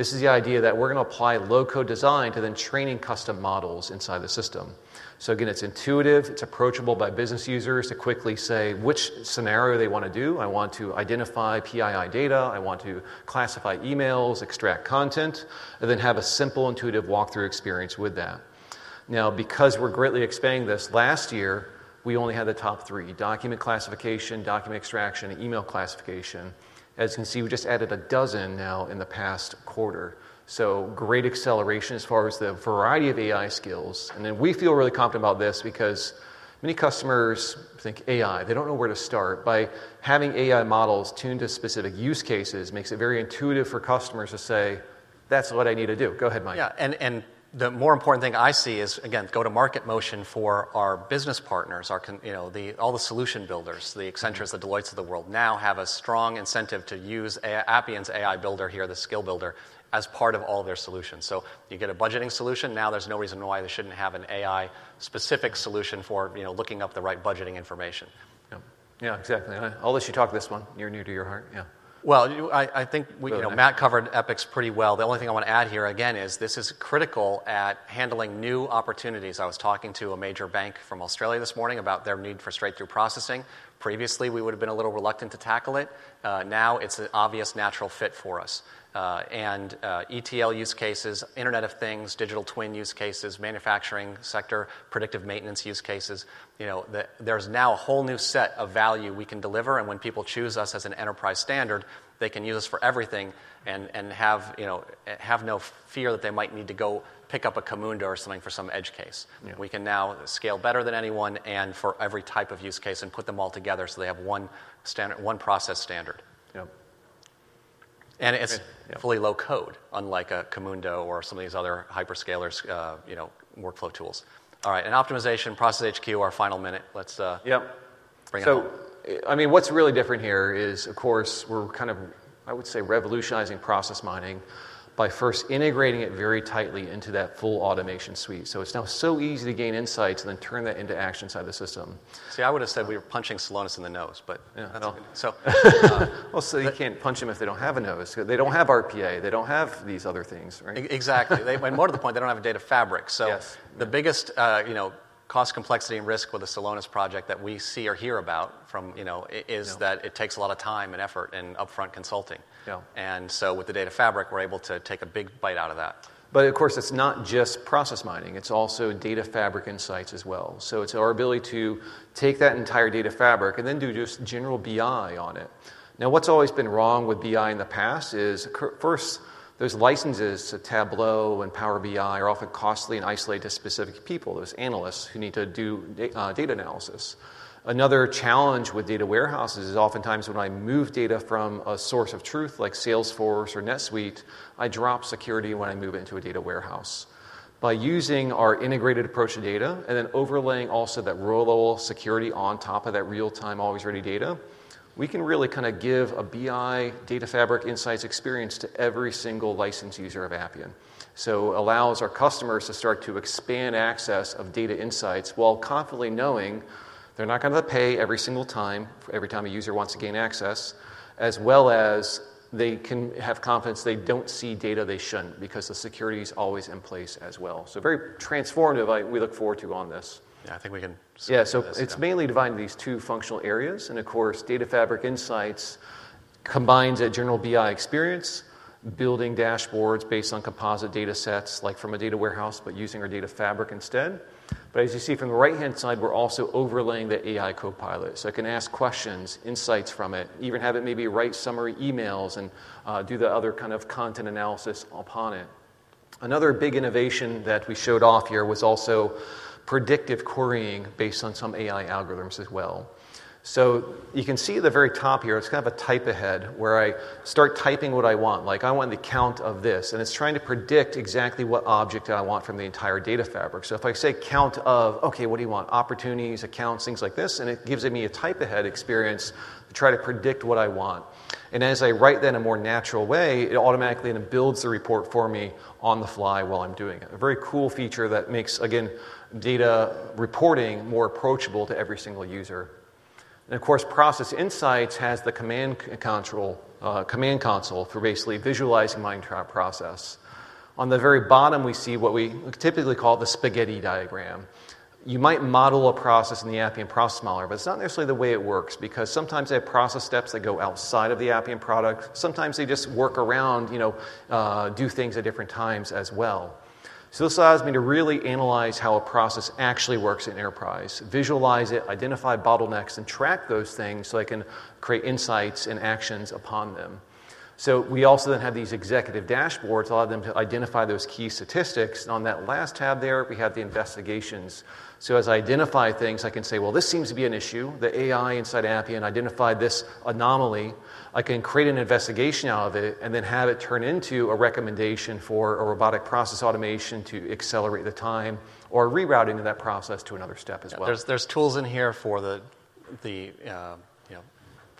This is the idea that we're going to apply low-code design to then training custom models inside the system. So again, it's intuitive. It's approachable by business users to quickly say which scenario they want to do. I want to identify PII data. I want to classify emails, extract content, and then have a simple, intuitive walkthrough experience with that. Now, because we're greatly expanding this last year, we only had the top three: document classification, document extraction, and email classification. As you can see, we just added 12 now in the past quarter. So great acceleration as far as the variety of AI skills. And then we feel really confident about this because many customers think AI. They don't know where to start. By having AI models tuned to specific use cases, it makes it very intuitive for customers to say, that's what I need to do. Go ahead, Mike. Yeah. And the more important thing I see is, again, go to market motion for our business partners, all the solution builders. The Accentures, the Deloittes of the world now have a strong incentive to use Appian's AI builder here, the Skill Builder, as part of all their solutions. So you get a budgeting solution. Now, there's no reason why they shouldn't have an AI-specific solution for looking up the right budgeting information. Yeah. Yeah. Exactly. All this you talk this one, you're near to your heart. Yeah. Well, I think Matt covered Epics pretty well. The only thing I want to add here, again, is this is critical at handling new opportunities. I was talking to a major bank from Australia this morning about their need for straight-through processing. Previously, we would have been a little reluctant to tackle it. Now, it's an obvious natural fit for us. And ETL use cases, Internet of Things, digital twin use cases, manufacturing sector, predictive maintenance use cases, there's now a whole new set of value we can deliver. And when people choose us as an enterprise standard, they can use us for everything and have no fear that they might need to go pick up a Camunda or something for some edge case. We can now scale better than anyone and for every type of use case and put them all together so they have one process standard. And it's fully low-code, unlike a Camunda or some of these other hyperscaler workflow tools. All right. And optimization, Process HQ, our final minute. Let's bring it up. So I mean, what's really different here is, of course, we're kind of, I would say, revolutionizing process mining by first integrating it very tightly into that full automation suite. So it's now so easy to gain insights and then turn that into action inside the system. See, I would have said we were punching Celonis in the nose. But we'll say you can't punch them if they don't have a nose. They don't have RPA. They don't have these other things, right? Exactly. And more to the point, they don't have a Data Fabric. So the biggest cost, complexity, and risk with the Celonis project that we see or hear about is that it takes a lot of time and effort and upfront consulting. And so with the Data Fabric, we're able to take a big bite out of that. But of course, it's not just process mining. It's also Data Fabric Insights as well. So it's our ability to take that entire Data Fabric and then do just general BI on it. Now, what's always been wrong with BI in the past is, first, those licenses to Tableau and Power BI are often costly and isolated to specific people, those analysts who need to do data analysis. Another challenge with data warehouses is oftentimes when I move data from a source of truth like sales force or NetSuite, I drop security when I move it into a data warehouse. By using our integrated approach to data and then overlaying also that row-level security on top of that real-time, always-ready data, we can really kind of give a BI Data Fabric Insights experience to every single licensed user of Appian. So it allows our customers to start to expand access of data insights while confidently knowing they're not going to pay every single time every time a user wants to gain access, as well as they can have confidence they don't see data they shouldn't because the security is always in place as well. So very transformative. We look forward to on this. Yeah. I think we can see that. Yeah. It's mainly divided into these two functional areas. Of course, Data Fabric Insights combines a general BI experience, building dashboards based on composite data sets, like from a data warehouse, but using our Data Fabric instead. But as you see from the right-hand side, we're also overlaying the AI Copilot. So it can ask questions, insights from it, even have it maybe write summary emails and do the other kind of content analysis upon it. Another big innovation that we showed off here was also predictive querying based on some AI algorithms as well. You can see at the very top here, it's kind of a type ahead where I start typing what I want. Like, I want the count of this. It's trying to predict exactly what object I want from the entire Data Fabric. So if I say count of, OK, what do you want? Opportunities, accounts, things like this. And it gives me a type ahead experience to try to predict what I want. And as I write that in a more natural way, it automatically then builds the report for me on the fly while I'm doing it, a very cool feature that makes, again, data reporting more approachable to every single user. And of course, Process Insights has the command console for basically visualizing my entire process. On the very bottom, we see what we typically call the spaghetti diagram. You might model a process in the Appian Process Modeler. But it's not necessarily the way it works because sometimes they have process steps that go outside of the Appian product. Sometimes they just work around, do things at different times as well. So this allows me to really analyze how a process actually works in enterprise, visualize it, identify bottlenecks, and track those things so I can create insights and actions upon them. So we also then have these executive dashboards that allow them to identify those key statistics. And on that last tab there, we have the investigations. So as I identify things, I can say, well, this seems to be an issue. The AI inside Appian identified this anomaly. I can create an investigation out of it and then have it turn into a recommendation for a robotic process automation to accelerate the time or reroute into that process to another step as well. Yeah. There's tools in here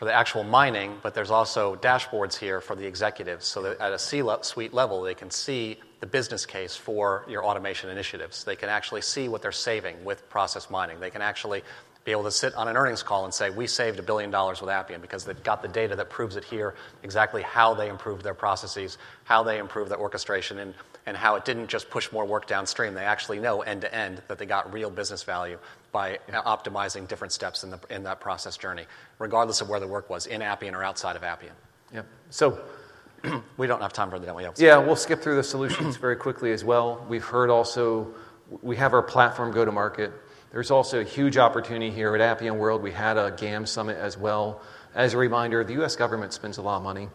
for the actual mining. But there's also dashboards here for the executives so that at a C-suite level, they can see the business case for your automation initiatives. They can actually see what they're saving with process mining. They can actually be able to sit on an earnings call and say, we saved $1 billion with Appian because they've got the data that proves it here, exactly how they improved their processes, how they improved that orchestration, and how it didn't just push more work downstream. They actually know end to end that they got real business value by optimizing different steps in that process journey, regardless of where the work was, in Appian or outside of Appian. Yep. So. We don't have time for that, don't we? Yeah. We'll skip through the solutions very quickly as well. We've heard also we have our platform go-to-market. There's also a huge opportunity here at Appian World. We had a GAM Summit as well. As a reminder, the U.S. government spends a lot of money,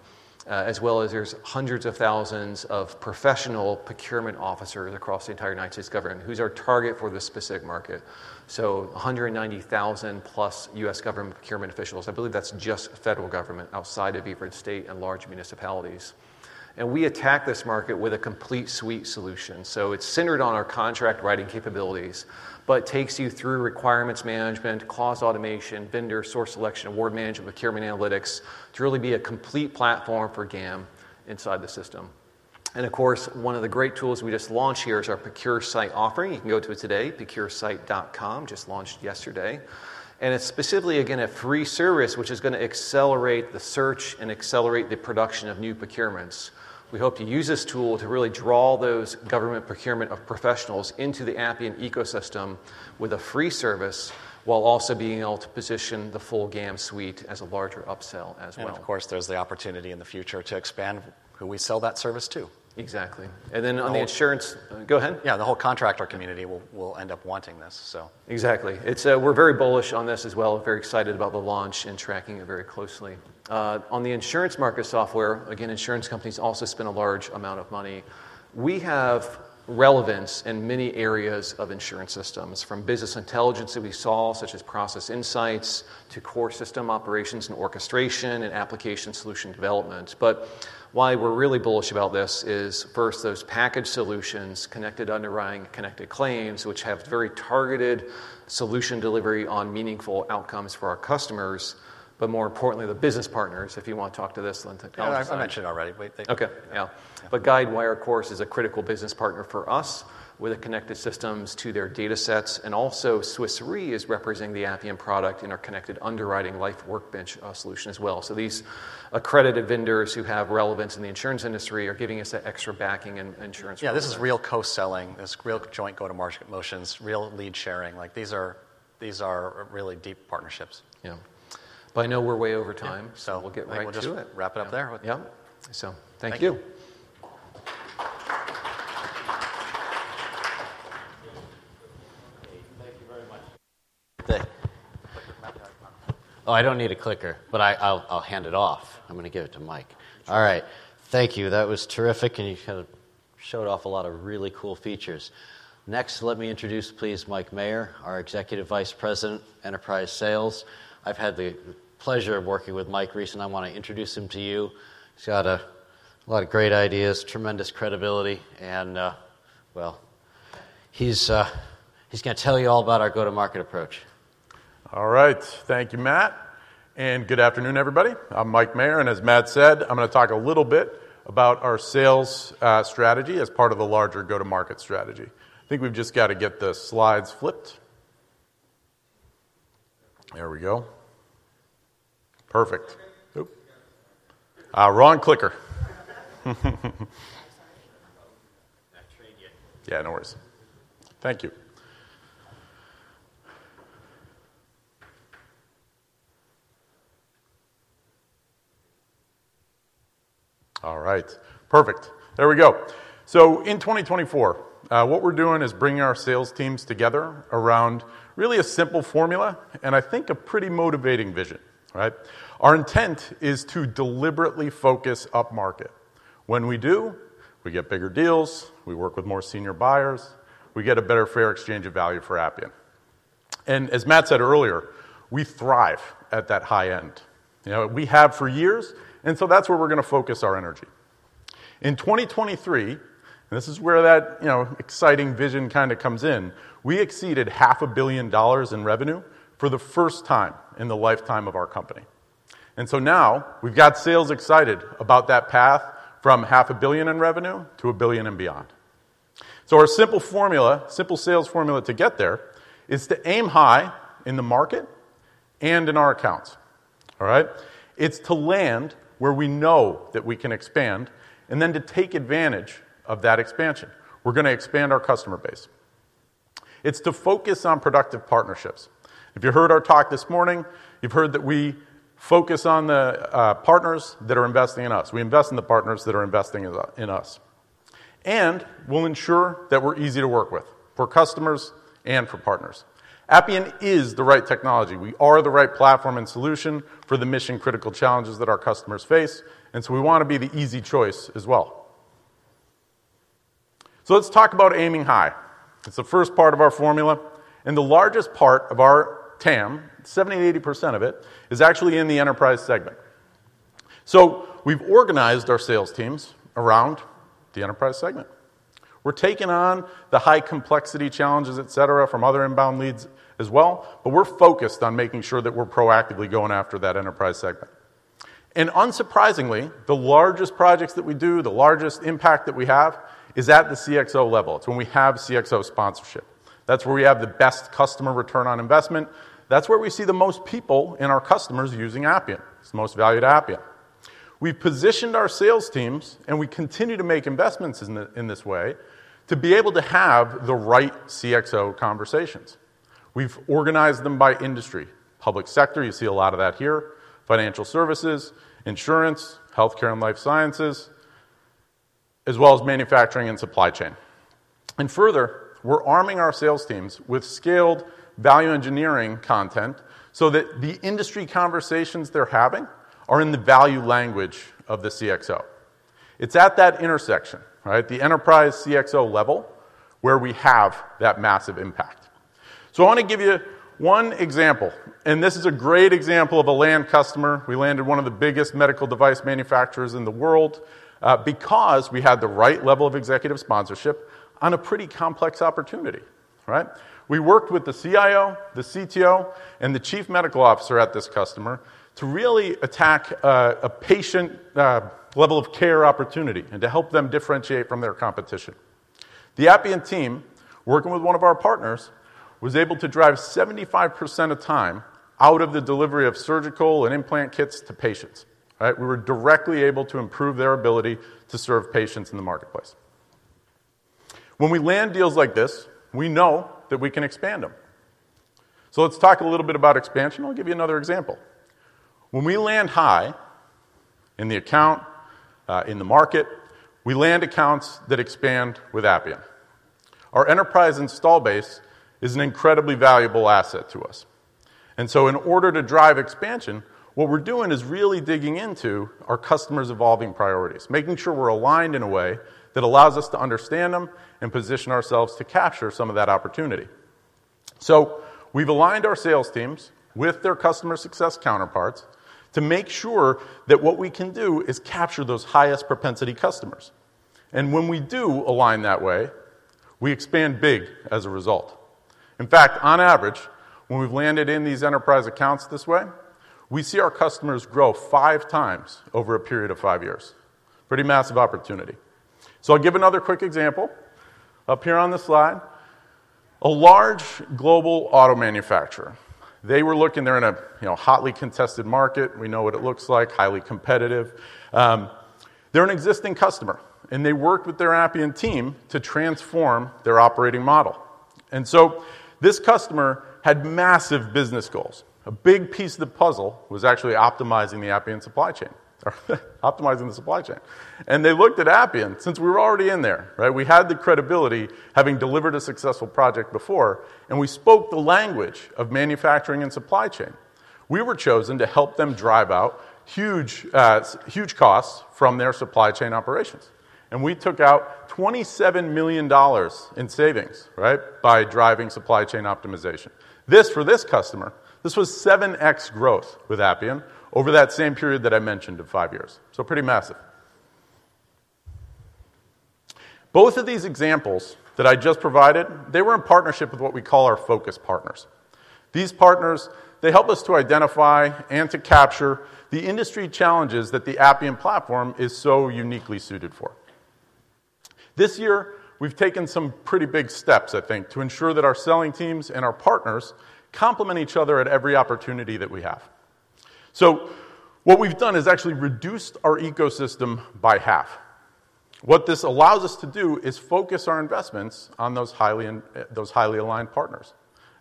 as well as there's hundreds of thousands of professional procurement officers across the entire United States government who's our target for this specific market, so 190,000-plus U.S. government procurement officials. I believe that's just federal government outside of the 50 states and large municipalities. We attack this market with a complete suite solution. It's centered on our contract-writing capabilities but takes you through requirements management, clause automation, vendor source selection, award management, procurement analytics to really be a complete platform for GAM inside the system. Of course, one of the great tools we just launched here is our ProcureSight offering. You can go to it today, procuresight.com, just launched yesterday. It's specifically, again, a free service which is going to accelerate the search and accelerate the production of new procurements. We hope to use this tool to really draw those government procurement professionals into the Appian ecosystem with a free service while also being able to position the full GAM suite as a larger upsell as well. Of course, there's the opportunity in the future to expand who we sell that service to. Exactly. Then on the insurance, go ahead. Yeah. The whole contractor community will end up wanting this, so. Exactly. We're very bullish on this as well, very excited about the launch and tracking it very closely. On the insurance market software, again, insurance companies also spend a large amount of money. We have relevance in many areas of insurance systems, from business intelligence that we saw, such as Process Insights, to core system operations and orchestration and application solution development. But why we're really bullish about this is, first, those packaged solutions, Connected Underwriting, Connected Claims, which have very targeted solution delivery on meaningful outcomes for our customers but more importantly, the business partners. If you want to talk to this, [Lynch] and I'll just. Yeah. I mentioned it already. OK. Yeah. But Guidewire, of course, is a critical business partner for us with the Connected Systems to their data sets. And also Swiss Re is representing the Appian product in our Connected Underwriting Life Workbench solution as well. So these accredited vendors who have relevance in the insurance industry are giving us that extra backing and insurance. Yeah. This is real co-selling. This is real joint go-to-market motions, real lead sharing. These are really deep partnerships. Yeah. But I know we're way over time. So we'll get right to it, wrap it up there. Yep. So thank you. OK. Thank you very much. Oh, I don't need a clicker. But I'll hand it off. I'm going to give it to Mike. All right. Thank you. That was terrific. And you kind of showed off a lot of really cool features. Next, let me introduce, please, Mike Mayer, our Executive Vice President, Enterprise Sales. I've had the pleasure of working with Mike recently. I want to introduce him to you. He's got a lot of great ideas, tremendous credibility. And well, he's going to tell you all about our go-to-market approach. All right. Thank you, Matt. And good afternoon, everybody. I'm Mike Mayer. And as Matt said, I'm going to talk a little bit about our sales strategy as part of the larger go-to-market strategy. I think we've just got to get the slides flipped. There we go. Perfect. Oops. Wrong clicker. Not trained yet. Yeah. Noworries. Thank you. All right. Perfect. There we go. So in 2024, what we're doing is bringing our sales teams together around really a simple formula and I think a pretty motivating vision, right? Our intent is to deliberately focus upmarket. When we do, we get bigger deals. We work with more senior buyers. We get a better fair exchange of value for Appian. And as Matt said earlier, we thrive at that high end. We have for years. And so that's where we're going to focus our energy. In 2023, and this is where that exciting vision kind of comes in, we exceeded $500 million in revenue for the first time in the lifetime of our company. And so now, we've got sales excited about that path from $500 million in revenue to $1 billion and beyond. So our simple formula, simple sales formula to get there, is to aim high in the market and in our accounts, all right? It's to land where we know that we can expand and then to take advantage of that expansion. We're going to expand our customer base. It's to focus on productive partnerships. If you heard our talk this morning, you've heard that we focus on the partners that are investing in us. We invest in the partners that are investing in us. And we'll ensure that we're easy to work with for customers and for partners. Appian is the right technology. We are the right platform and solution for the mission-critical challenges that our customers face. And so we want to be the easy choice as well. So let's talk about aiming high. It's the first part of our formula. The largest part of our TAM, 70%-80% of it, is actually in the enterprise segment. We've organized our sales teams around the enterprise segment. We're taking on the high complexity challenges, et cetera, from other inbound leads as well. We're focused on making sure that we're proactively going after that enterprise segment. Unsurprisingly, the largest projects that we do, the largest impact that we have, is at the CXO level. It's when we have CXO sponsorship. That's where we have the best customer return on investment. That's where we see the most people in our customers using Appian. It's the most valued Appian. We've positioned our sales teams, and we continue to make investments in this way, to be able to have the right CXO conversations. We've organized them by industry: public sector, you see a lot of that here, financial services, insurance, health care, and life sciences, as well as manufacturing and supply chain. Further, we're arming our sales teams with scaled value engineering content so that the industry conversations they're having are in the value language of the CXO. It's at that intersection, right, the enterprise CXO level, where we have that massive impact. I want to give you one example. This is a great example of a land customer. We landed one of the biggest medical device manufacturers in the world because we had the right level of executive sponsorship on a pretty complex opportunity, right? We worked with the CIO, the CTO, and the Chief Medical Officer at this customer to really attack a patient level of care opportunity and to help them differentiate from their competition. The Appian team, working with one of our partners, was able to drive 75% of time out of the delivery of surgical and implant kits to patients, right? We were directly able to improve their ability to serve patients in the marketplace. When we land deals like this, we know that we can expand them. So let's talk a little bit about expansion. I'll give you another example. When we land high in the account, in the market, we land accounts that expand with Appian. Our enterprise install base is an incredibly valuable asset to us. So in order to drive expansion, what we're doing is really digging into our customer's evolving priorities, making sure we're aligned in a way that allows us to understand them and position ourselves to capture some of that opportunity. So we've aligned our sales teams with their customer success counterparts to make sure that what we can do is capture those highest propensity customers. And when we do align that way, we expand big as a result. In fact, on average, when we've landed in these enterprise accounts this way, we see our customers grow five times over a period of five years, pretty massive opportunity. So I'll give another quick example up here on the slide. A large global auto manufacturer, they were looking. They're in a hotly contested market. We know what it looks like, highly competitive. They're an existing customer. And they worked with their Appian team to transform their operating model. And so this customer had massive business goals. A big piece of the puzzle was actually optimizing the Appian supply chain, optimizing the supply chain. And they looked at Appian. Since we were already in there, right, we had the credibility having delivered a successful project before. We spoke the language of manufacturing and supply chain. We were chosen to help them drive out huge costs from their supply chain operations. We took out $27 million in savings, right, by driving supply chain optimization. For this customer, this was 7x growth with Appian over that same period that I mentioned of five years, so pretty massive. Both of these examples that I just provided, they were in partnership with what we call our focus partners. These partners, they help us to identify and to capture the industry challenges that the Appian platform is so uniquely suited for. This year, we've taken some pretty big steps, I think, to ensure that our selling teams and our partners complement each other at every opportunity that we have. So what we've done is actually reduced our ecosystem by half. What this allows us to do is focus our investments on those highly aligned partners.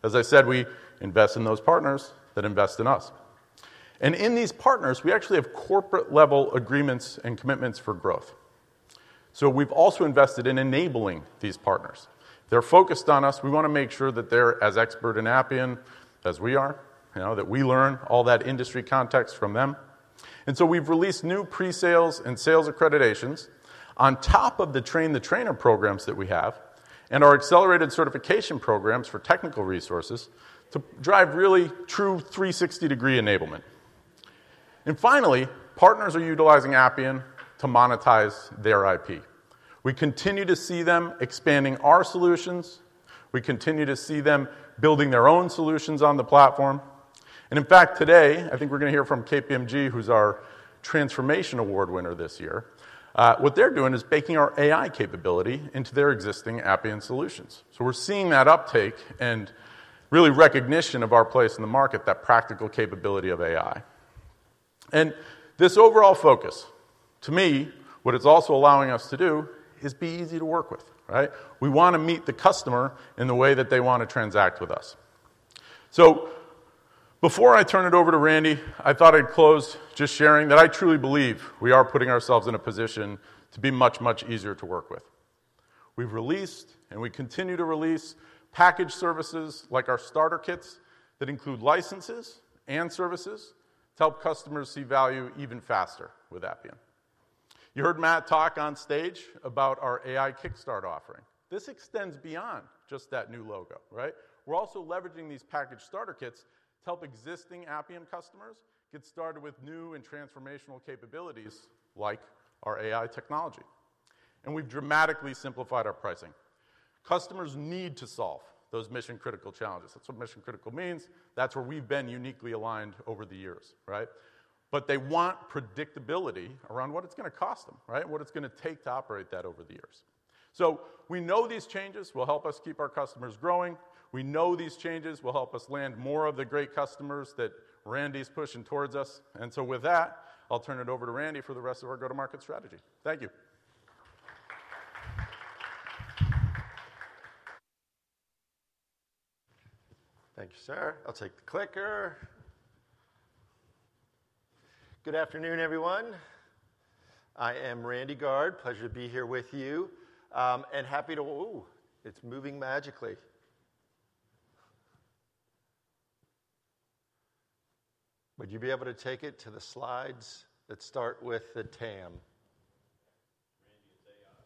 As I said, we invest in those partners that invest in us. And in these partners, we actually have corporate-level agreements and commitments for growth. So we've also invested in enabling these partners. They're focused on us. We want to make sure that they're as expert in Appian as we are, that we learn all that industry context from them. And so we've released new presales and sales accreditations on top of the Train the Trainer programs that we have and our accelerated certification programs for technical resources to drive really true 360-degree enablement. And finally, partners are utilizing Appian to monetize their IP. We continue to see them expanding our solutions. We continue to see them building their own solutions on the platform. In fact, today, I think we're going to hear from KPMG, who's our Transformation Award winner this year. What they're doing is baking our AI capability into their existing Appian solutions. So we're seeing that uptake and really recognition of our place in the market, that practical capability of AI. And this overall focus, to me, what it's also allowing us to do is be easy to work with, right? We want to meet the customer in the way that they want to transact with us. So before I turn it over to Randy, I thought I'd close just sharing that I truly believe we are putting ourselves in a position to be much, much easier to work with. We've released, and we continue to release, packaged services like our starter kits that include licenses and services to help customers see value even faster with Appian. You heard Matt talk on stage about our AI Kickstart offering. This extends beyond just that new logo, right? We're also leveraging these package starter kits to help existing Appian customers get started with new and transformational capabilities like our AI technology. And we've dramatically simplified our pricing. Customers need to solve those mission-critical challenges. That's what mission-critical means. That's where we've been uniquely aligned over the years, right? But they want predictability around what it's going to cost them, right, and what it's going to take to operate that over the years. So we know these changes will help us keep our customers growing. We know these changes will help us land more of the great customers that Randy's pushing towards us. And so with that, I'll turn it over to Randy for the rest of our go-to-market strategy. Thank you. Thank you, sir. I'll take the clicker. Good afternoon, everyone. I am Randy Guard. Pleasure to be here with you. And happy to ooh, it's moving magically. Would you be able to take it to the slides that start with the TAM? Randy, it's AI.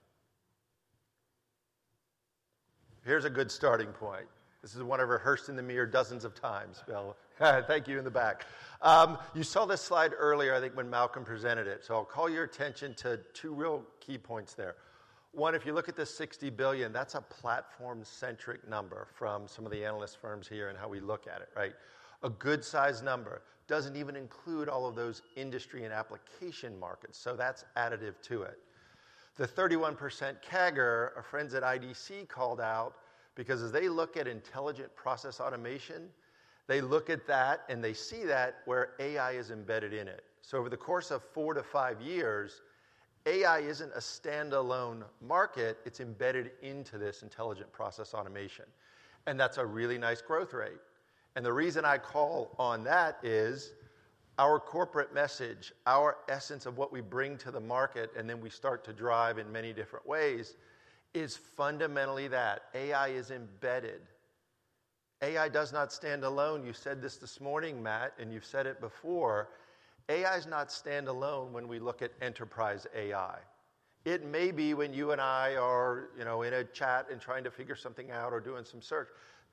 Here's a good starting point. This is one I've rehearsed in the mirror dozens of times, Bill. Thank you in the back. You saw this slide earlier, I think, when Malcolm presented it. So I'll call your attention to two real key points there. One, if you look at the $60 billion, that's a platform-centric number from some of the analyst firms here and how we look at it, right? A good-sized number doesn't even include all of those industry and application markets. So that's additive to it. The 31% CAGR our friends at IDC called out because as they look at intelligent process automation, they look at that, and they see that where AI is embedded in it. So over the course of 4-5 years, AI isn't a standalone market. It's embedded into this intelligent process automation. And that's a really nice growth rate. And the reason I call on that is our corporate message, our essence of what we bring to the market, and then we start to drive in many different ways, is fundamentally that AI is embedded. AI does not stand alone. You said this this morning, Matt, and you've said it before. AI is not standalone when we look at enterprise AI. It may be when you and I are in a chat and trying to figure something out or doing some search.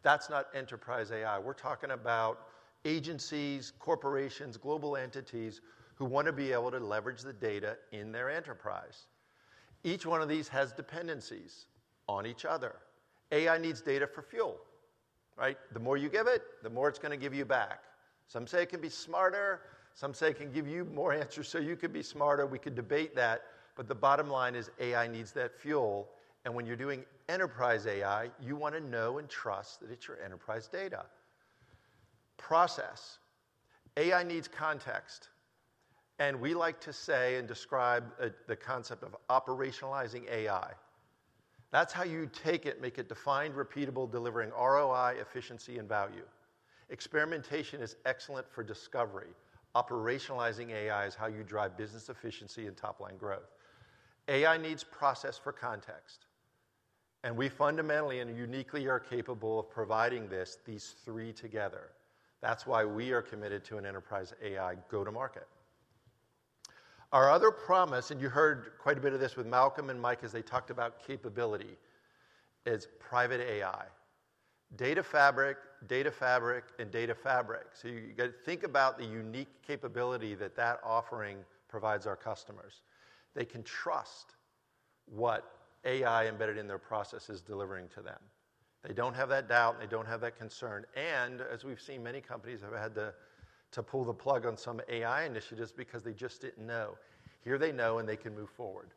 That's not enterprise AI. We're talking about agencies, corporations, global entities who want to be able to leverage the data in their enterprise. Each one of these has dependencies on each other. AI needs data for fuel, right? The more you give it, the more it's going to give you back. Some say it can be smarter. Some say it can give you more answers. So you could be smarter. We could debate that. But the bottom line is AI needs that fuel. And when you're doing enterprise AI, you want to know and trust that it's your enterprise data. Process. AI needs context. And we like to say and describe the concept of operationalizing AI. That's how you take it, make it defined, repeatable, delivering ROI, efficiency, and value. Experimentation is excellent for discovery. Operationalizing AI is how you drive business efficiency and top-line growth. AI needs process for context. And we fundamentally and uniquely are capable of providing this, these three together. That's why we are committed to an enterprise AI go-to-market. Our other promise and you heard quite a bit of this with Malcolm and Mike as they talked about capability is private AI, Data Fabric, Data Fabric, and Data Fabric. So you got to think about the unique capability that that offering provides our customers. They can trust what AI embedded in their process is delivering to them. They don't have that doubt. They don't have that concern. And as we've seen, many companies have had to pull the plug on some AI initiatives because they just didn't know. Here they know, and they can move forward.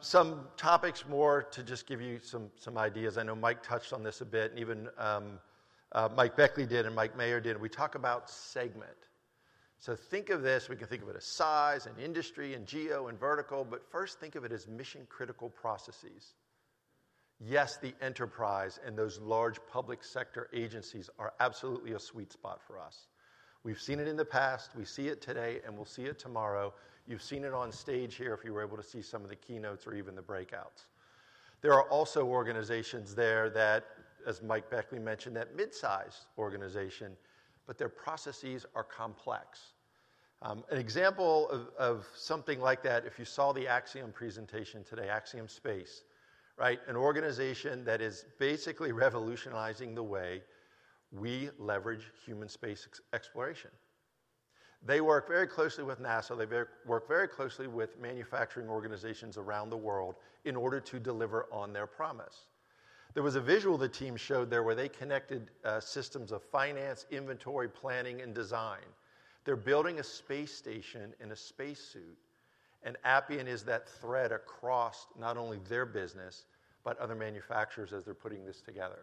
Some topics more to just give you some ideas. I know Mike touched on this a bit, and even Mike Beckley did, and Mike Mayer did. We talk about segment. So, think of this. We can think of it as size and industry and geo and vertical. But first, think of it as mission-critical processes. Yes, the enterprise and those large public sector agencies are absolutely a sweet spot for us. We've seen it in the past. We see it today, and we'll see it tomorrow. You've seen it on stage here if you were able to see some of the keynotes or even the breakouts. There are also organizations there that, as Mike Beckley mentioned, that midsized organization, but their processes are complex. An example of something like that, if you saw the Axiom presentation today, Axiom Space, right, an organization that is basically revolutionizing the way we leverage human space exploration. They work very closely with NASA. They work very closely with manufacturing organizations around the world in order to deliver on their promise. There was a visual the team showed there where they Connected Systems of finance, inventory, planning, and design. They're building a space station in a spacesuit. Appian is that thread across not only their business but other manufacturers as they're putting this together.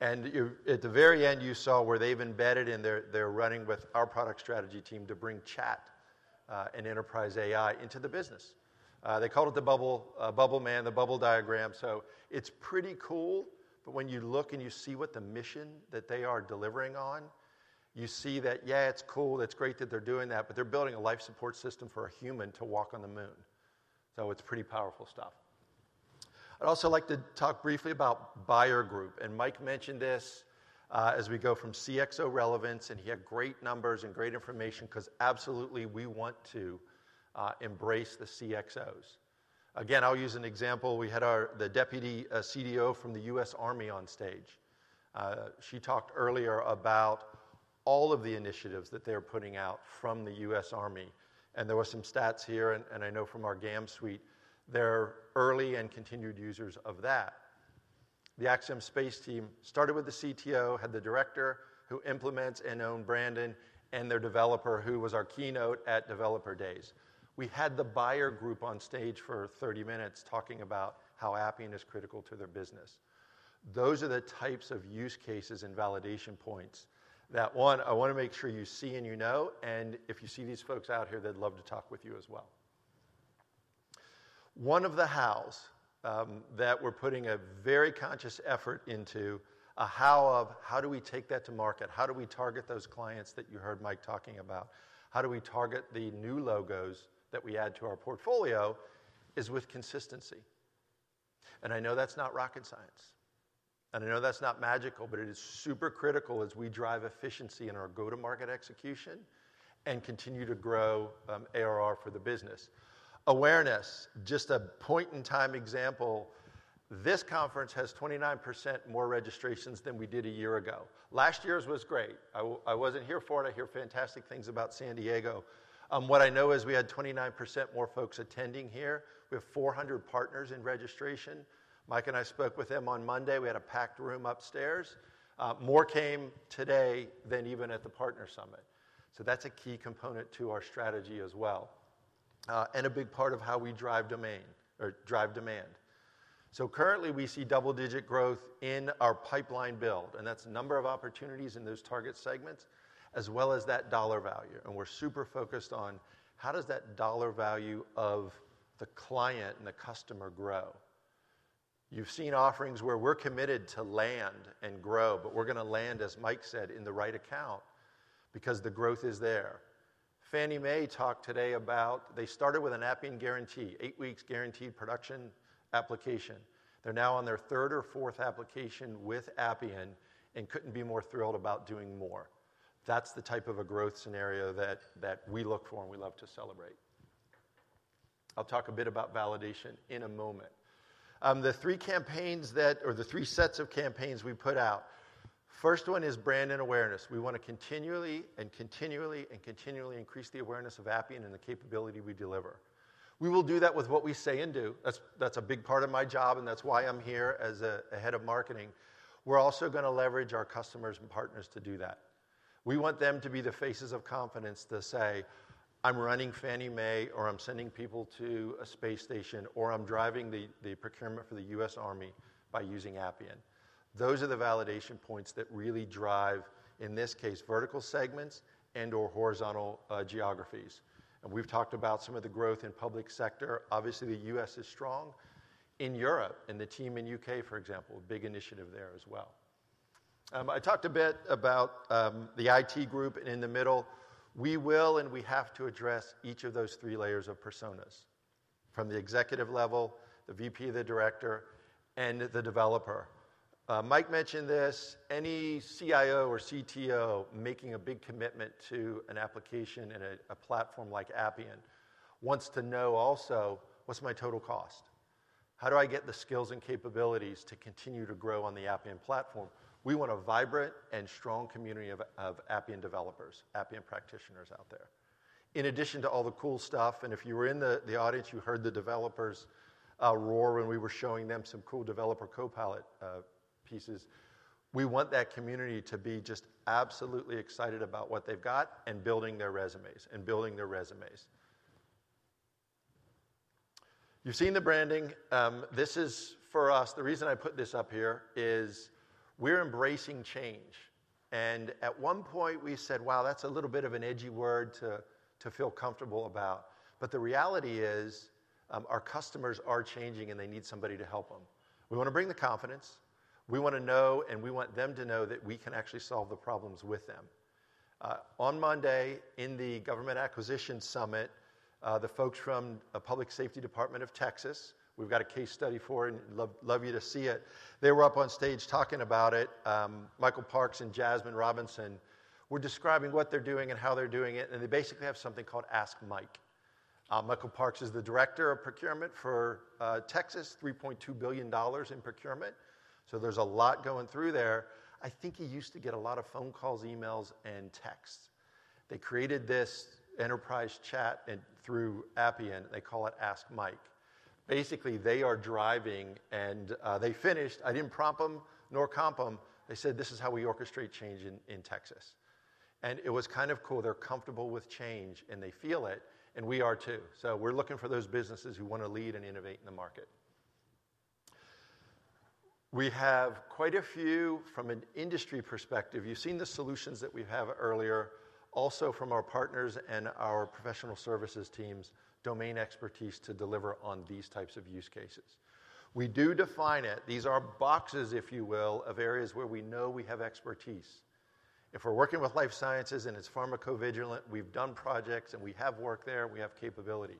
At the very end, you saw where they've embedded in their running with our product strategy team to bring chat and enterprise AI into the business. They called it the bubble man, the bubble diagram. It's pretty cool. When you look and you see what the mission that they are delivering on, you see that, yeah, it's cool. It's great that they're doing that. They're building a life support system for a human to walk on the moon. It's pretty powerful stuff. I'd also like to talk briefly about Buyer Group. Mike mentioned this as we go from CXO relevance. And he had great numbers and great information because absolutely, we want to embrace the CXOs. Again, I'll use an example. We had the deputy CDO from the U.S. Army on stage. She talked earlier about all of the initiatives that they are putting out from the U.S. Army. And there were some stats here, and I know from our GAM suite, they're early and continued users of that. The Axiom Space team started with the CTO, had the director who implements and owned Brandon, and their developer who was our keynote at Developer Days. We had the Buyer Group on stage for 30 minutes talking about how Appian is critical to their business. Those are the types of use cases and validation points that, one, I want to make sure you see and you know. If you see these folks out here, they'd love to talk with you as well. One of the how's that we're putting a very conscious effort into a how of how do we take that to market? How do we target those clients that you heard Mike talking about? How do we target the new logos that we add to our portfolio is with consistency. I know that's not rocket science. I know that's not magical. But it is super critical as we drive efficiency in our go-to-market execution and continue to grow ARR for the business. Awareness, just a point-in-time example, this conference has 29% more registrations than we did a year ago. Last year's was great. I wasn't here for it. I hear fantastic things about San Diego. What I know is we had 29% more folks attending here. We have 400 partners in registration. Mike and I spoke with them on Monday. We had a packed room upstairs. More came today than even at the Partner Summit. So that's a key component to our strategy as well and a big part of how we drive domain or drive demand. So currently, we see double-digit growth in our pipeline build. And that's number of opportunities in those target segments as well as that dollar value. And we're super focused on how does that dollar value of the client and the customer grow? You've seen offerings where we're committed to land and grow. But we're going to land, as Mike said, in the right account because the growth is there. Fannie Mae talked today about they started with an Appian Guarantee, eight weeks guaranteed production application. They're now on their third or fourth application with Appian and couldn't be more thrilled about doing more. That's the type of a growth scenario that we look for, and we love to celebrate. I'll talk a bit about validation in a moment. The three campaigns that or the three sets of campaigns we put out, first one is brand and awareness. We want to continually and continually and continually increase the awareness of Appian and the capability we deliver. We will do that with what we say and do. That's a big part of my job, and that's why I'm here as a head of marketing. We're also going to leverage our customers and partners to do that. We want them to be the faces of confidence to say, "I'm running Fannie Mae," or, "I'm sending people to a space station," or, "I'm driving the procurement for the U.S. Army by using Appian." Those are the validation points that really drive, in this case, vertical segments and/or horizontal geographies. And we've talked about some of the growth in public sector. Obviously, the U.S. is strong. In Europe and the team in U.K., for example, a big initiative there as well. I talked a bit about the IT group. And in the middle, we will and we have to address each of those three layers of personas from the executive level, the VP, the director, and the developer. Mike mentioned this. Any CIO or CTO making a big commitment to an application and a platform like Appian wants to know also, "What's my total cost? How do I get the skills and capabilities to continue to grow on the Appian platform?" We want a vibrant and strong community of Appian developers, Appian practitioners out there. In addition to all the cool stuff, if you were in the audience, you heard the developers roar when we were showing them some cool developer Copilot pieces. We want that community to be just absolutely excited about what they've got and building their resumes and building their resumes. You've seen the branding. This is for us. The reason I put this up here is we're embracing change. At one point, we said, "Wow, that's a little bit of an edgy word to feel comfortable about." But the reality is our customers are changing, and they need somebody to help them. We want to bring the confidence. We want to know, and we want them to know that we can actually solve the problems with them. On Monday, in the Government Acquisition Summit, the folks from the Texas Department of Public Safety we've got a case study for and love you to see it. They were up on stage talking about it. Michael Parks and Jasmine Robinson were describing what they're doing and how they're doing it. They basically have something called Ask Mike. Michael Parks is the director of procurement for Texas, $3.2 billion in procurement. So there's a lot going through there. I think he used to get a lot of phone calls, emails, and texts. They created this enterprise chat through Appian. They call it Ask Mike. Basically, they are driving and they finished. I didn't prompt them nor comp them. They said, "This is how we orchestrate change in Texas." It was kind of cool. They're comfortable with change, and they feel it. We are too. We're looking for those businesses who want to lead and innovate in the market. We have quite a few from an industry perspective. You've seen the solutions that we have earlier, also from our partners and our professional services teams, domain expertise to deliver on these types of use cases. We do define it. These are boxes, if you will, of areas where we know we have expertise. If we're working with life sciences and it's pharmacovigilance, we've done projects, and we have work there. We have capability.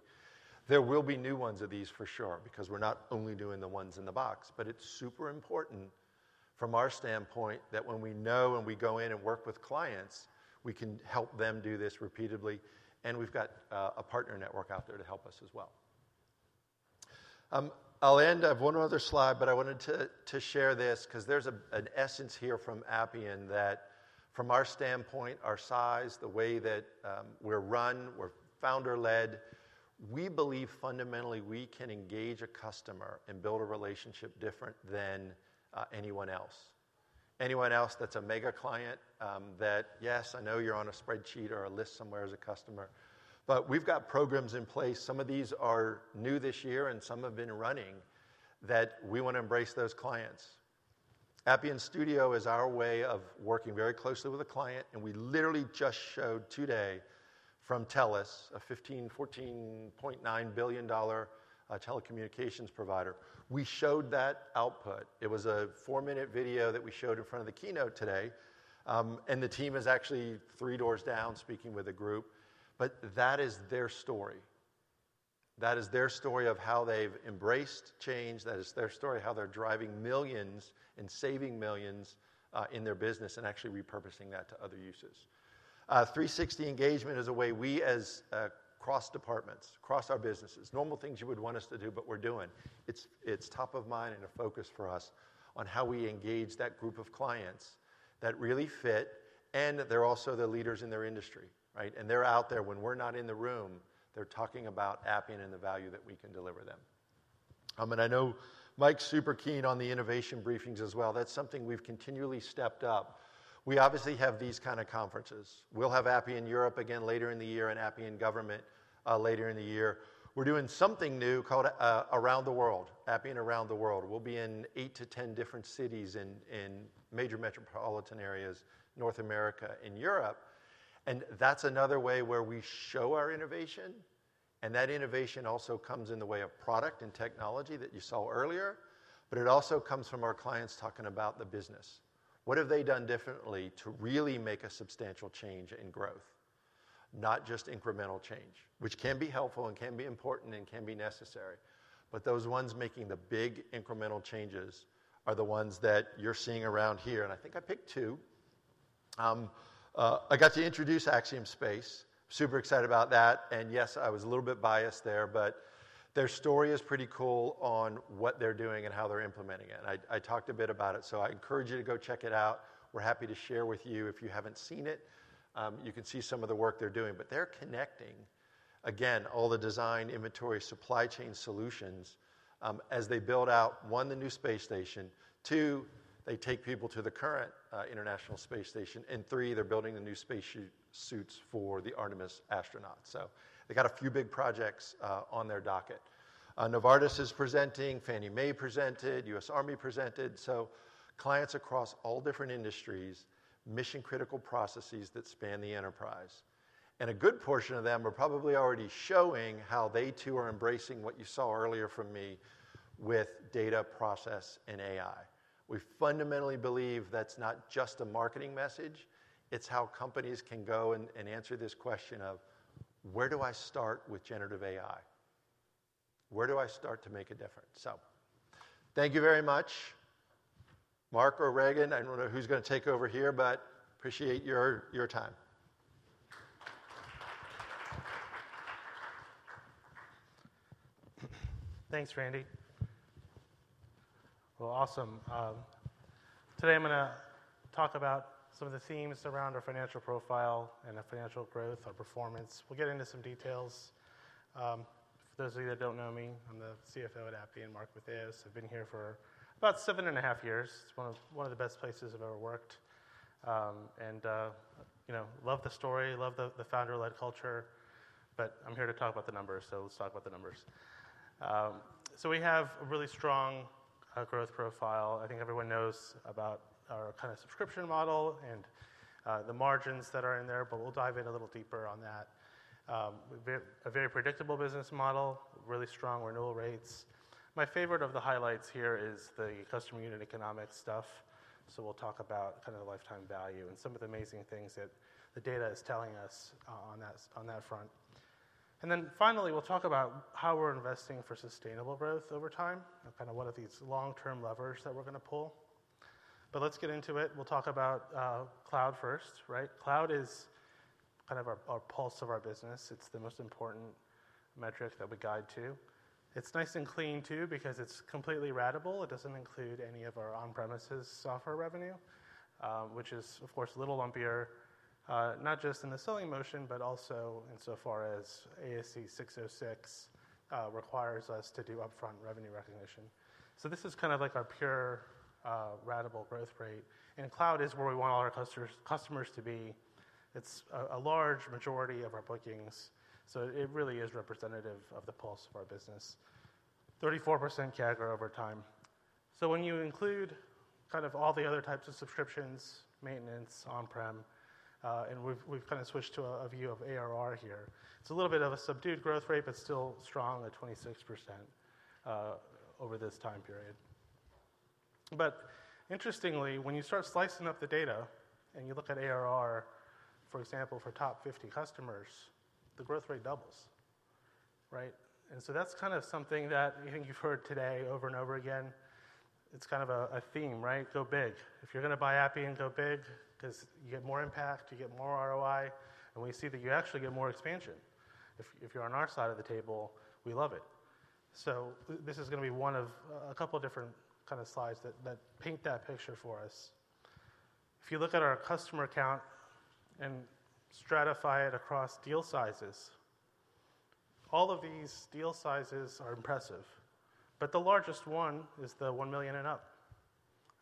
There will be new ones of these for sure because we're not only doing the ones in the box. But it's super important from our standpoint that when we know and we go in and work with clients, we can help them do this repeatedly. And we've got a partner network out there to help us as well. I'll end. I have one other slide. But I wanted to share this because there's an essence here from Appian that from our standpoint, our size, the way that we're run, we're founder-led, we believe fundamentally, we can engage a customer and build a relationship different than anyone else, anyone else that's a mega client that, "Yes, I know you're on a spreadsheet or a list somewhere as a customer." But we've got programs in place. Some of these are new this year, and some have been running that we want to embrace those clients. Appian Studio is our way of working very closely with a client. And we literally just showed today from Telus, a $15, $14.9 billion telecommunications provider, we showed that output. It was a four-minute video that we showed in front of the keynote today. And the team is actually three doors down speaking with a group. But that is their story. That is their story of how they've embraced change. That is their story of how they're driving millions and saving millions in their business and actually repurposing that to other uses. 360 engagement is a way we as cross departments, cross our businesses, normal things you would want us to do but we're doing, it's top of mind and a focus for us on how we engage that group of clients that really fit. And they're also the leaders in their industry, right? And they're out there. When we're not in the room, they're talking about Appian and the value that we can deliver them. And I know Mike's super keen on the innovation briefings as well. That's something we've continually stepped up. We obviously have these kind of conferences. We'll have Appian Europe again later in the year and Appian Government later in the year. We're doing something new called Around the World, Appian Around the World. We'll be in 8-10 different cities in major metropolitan areas, North America and Europe. And that's another way where we show our innovation. And that innovation also comes in the way of product and technology that you saw earlier. But it also comes from our clients talking about the business. What have they done differently to really make a substantial change in growth, not just incremental change, which can be helpful and can be important and can be necessary? But those ones making the big incremental changes are the ones that you're seeing around here. And I think I picked two. I got to introduce Axiom Space. Super excited about that. And yes, I was a little bit biased there. But their story is pretty cool on what they're doing and how they're implementing it. And I talked a bit about it. So I encourage you to go check it out. We're happy to share with you if you haven't seen it. You can see some of the work they're doing. But they're connecting, again, all the design, inventory, supply chain solutions as they build out one, the new space station, two, they take people to the current international space station, and three, they're building the new spacesuits for the Artemis astronauts. So they got a few big projects on their docket. Novartis is presenting. Fannie Mae presented. U.S. Army presented. So clients across all different industries, mission-critical processes that span the enterprise. And a good portion of them are probably already showing how they, too, are embracing what you saw earlier from me with data, process, and AI. We fundamentally believe that's not just a marketing message. It's how companies can go and answer this question of, "Where do I start with generative AI? Where do I start to make a difference?" So thank you very much. Mark or Regan I don't know who's going to take over here. But appreciate your time. Thanks, Randy. Well, awesome. Today, I'm going to talk about some of the themes around our financial profile and our financial growth, our performance. We'll get into some details. For those of you that don't know me, I'm the CFO at Appian. Mark Matheos. I've been here for about 7.5 years. It's one of the best places I've ever worked. And love the story, love the founder-led culture. But I'm here to talk about the numbers. So let's talk about the numbers. So we have a really strong growth profile. I think everyone knows about our kind of subscription model and the margins that are in there. But we'll dive in a little deeper on that. A very predictable business model, really strong renewal rates. My favorite of the highlights here is the customer unit economics stuff. So we'll talk about kind of the lifetime value and some of the amazing things that the data is telling us on that front. And then finally, we'll talk about how we're investing for sustainable growth over time, kind of what are these long-term levers that we're going to pull. But let's get into it. We'll talk about cloud first, right? Cloud is kind of our pulse of our business. It's the most important metric that we guide to. It's nice and clean, too, because it's completely ratable. It doesn't include any of our on-premises software revenue, which is, of course, a little lumpier, not just in the selling motion but also insofar as ASC 606 requires us to do upfront revenue recognition. So this is kind of like our pure ratable growth rate. And cloud is where we want all our customers to be. It's a large majority of our bookings. So it really is representative of the pulse of our business, 34% CAGR over time. So when you include kind of all the other types of subscriptions, maintenance, on-prem, and we've kind of switched to a view of ARR here, it's a little bit of a subdued growth rate but still strong, at 26% over this time period. But interestingly, when you start slicing up the data and you look at ARR, for example, for top 50 customers, the growth rate doubles, right? And so that's kind of something that I think you've heard today over and over again. It's kind of a theme, right? Go big. If you're going to buy Appian, go big because you get more impact. You get more ROI. And we see that you actually get more expansion. If you're on our side of the table, we love it. So this is going to be one of a couple of different kind of slides that paint that picture for us. If you look at our customer count and stratify it across deal sizes, all of these deal sizes are impressive. But the largest one is the $1 million and up.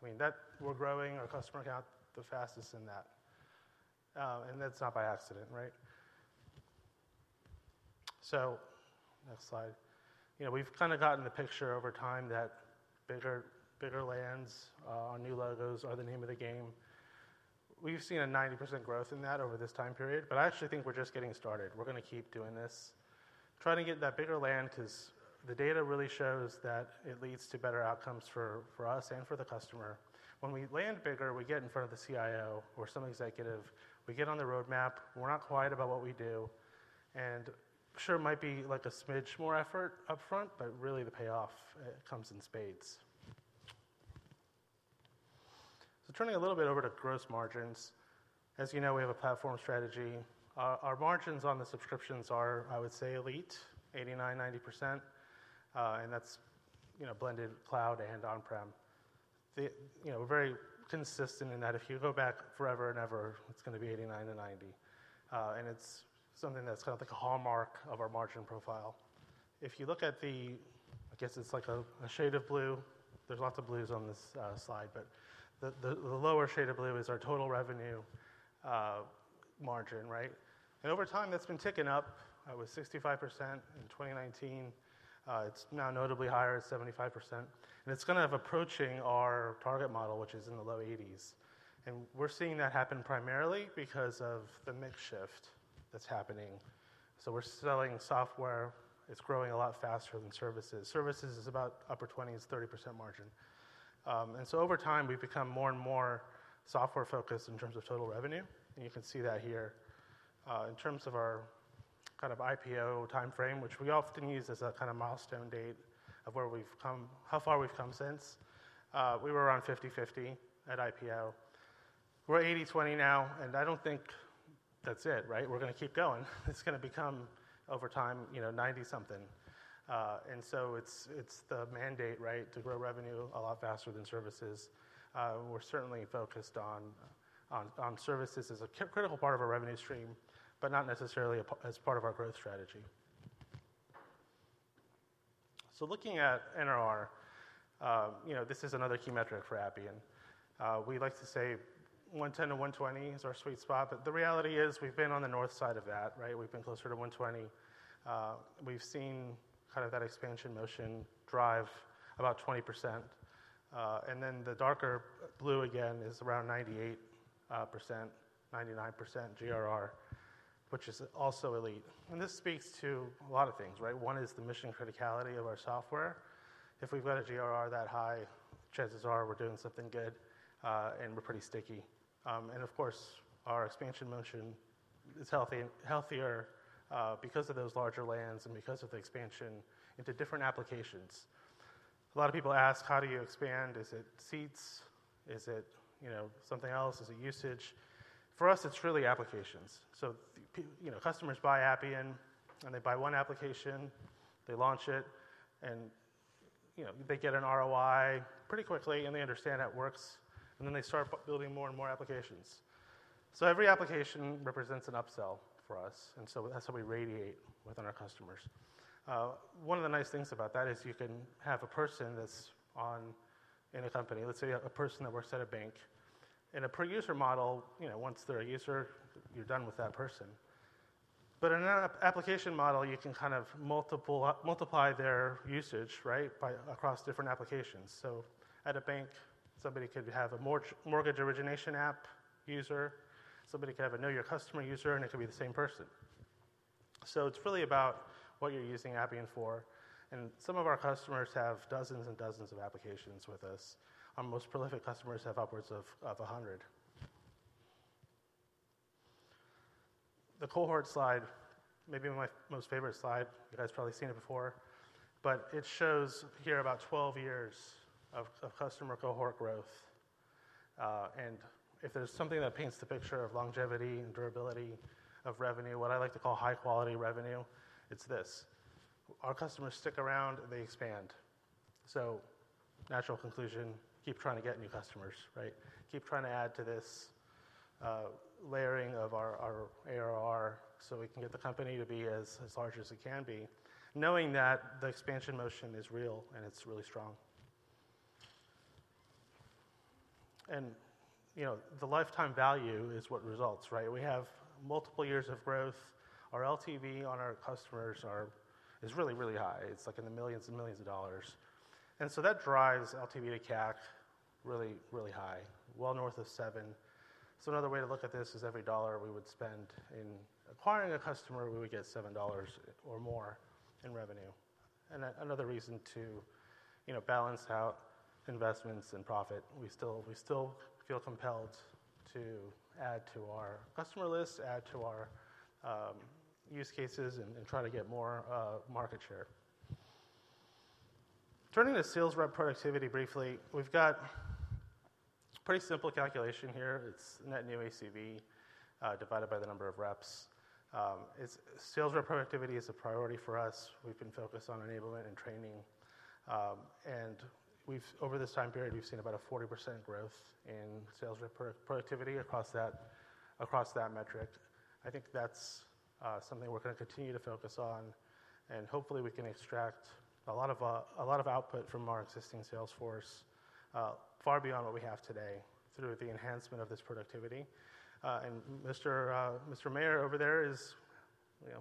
I mean, we're growing our customer count the fastest in that. And that's not by accident, right? So next slide. We've kind of gotten the picture over time that bigger lands, our new logos, are the name of the game. We've seen a 90% growth in that over this time period. But I actually think we're just getting started. We're going to keep doing this, trying to get that bigger land because the data really shows that it leads to better outcomes for us and for the customer. When we land bigger, we get in front of the CIO or some executive. We get on the roadmap. We're not quiet about what we do. Sure, it might be like a smidge more effort upfront. Really, the payoff comes in spades. Turning a little bit over to gross margins, as you know, we have a platform strategy. Our margins on the subscriptions are, I would say, elite, 89%, 90%. That's blended cloud and on-prem. We're very consistent in that. If you go back forever and ever, it's going to be 89%-90%. It's something that's kind of like a hallmark of our margin profile. If you look at the, I guess it's like a shade of blue. There's lots of blues on this slide. The lower shade of blue is our total revenue margin, right? Over time, that's been ticking up. It was 65% in 2019. It's now notably higher. It's 75%. It's kind of approaching our target model, which is in the low 80s. We're seeing that happen primarily because of the mix shift that's happening. We're selling software. It's growing a lot faster than services. Services is about upper 20%, 30% margin. Over time, we've become more and more software-focused in terms of total revenue. You can see that here. In terms of our kind of IPO time frame, which we often use as a kind of milestone date of how far we've come since, we were around 50/50 at IPO. We're 80/20 now. I don't think that's it, right? We're going to keep going. It's going to become over time 90-something. It's the mandate, right, to grow revenue a lot faster than services. We're certainly focused on services as a critical part of our revenue stream but not necessarily as part of our growth strategy. So looking at NRR, this is another key metric for Appian. We like to say 110-120 is our sweet spot. But the reality is, we've been on the north side of that, right? We've been closer to 120. We've seen kind of that expansion motion drive about 20%. And then the darker blue again is around 98%, 99% GRR, which is also elite. And this speaks to a lot of things, right? One is the mission criticality of our software. If we've got a GRR that high, chances are we're doing something good. And we're pretty sticky. And of course, our expansion motion is healthier because of those larger lands and because of the expansion into different applications. A lot of people ask, "How do you expand? Is it seeds? Is it something else? Is it usage?" For us, it's really applications. So customers buy Appian. And they buy one application. They launch it. And they get an ROI pretty quickly. And they understand how it works. And then they start building more and more applications. So every application represents an upsell for us. And so that's how we radiate within our customers. One of the nice things about that is you can have a person that's in a company, let's say a person that works at a bank. In a per-user model, once they're a user, you're done with that person. But in an application model, you can kind of multiply their usage, right, across different applications. So at a bank, somebody could have a mortgage origination app user. Somebody could have a Know Your Customer user. It could be the same person. It's really about what you're using Appian for. Some of our customers have dozens and dozens of applications with us. Our most prolific customers have upwards of 100. The cohort slide, maybe my most favorite slide. You guys have probably seen it before. It shows here about 12 years of customer cohort growth. If there's something that paints the picture of longevity and durability of revenue, what I like to call high-quality revenue, it's this. Our customers stick around. They expand. Natural conclusion, keep trying to get new customers, right? Keep trying to add to this layering of our ARR so we can get the company to be as large as it can be, knowing that the expansion motion is real. It's really strong. The lifetime value is what results, right? We have multiple years of growth. Our LTV on our customers is really, really high. It's like in the $ millions and millions. And so that drives LTV to CAC really, really high, well north of 7. So another way to look at this is every dollar we would spend in acquiring a customer, we would get $7 or more in revenue, another reason to balance out investments and profit. We still feel compelled to add to our customer list, add to our use cases, and try to get more market share. Turning to sales rep productivity briefly, we've got a pretty simple calculation here. It's net new ACV divided by the number of reps. Sales rep productivity is a priority for us. We've been focused on enablement and training. And over this time period, we've seen about a 40% growth in sales rep productivity across that metric. I think that's something we're going to continue to focus on. And hopefully, we can extract a lot of output from our existing sales force far beyond what we have today through the enhancement of this productivity. And Mike Mayer over there is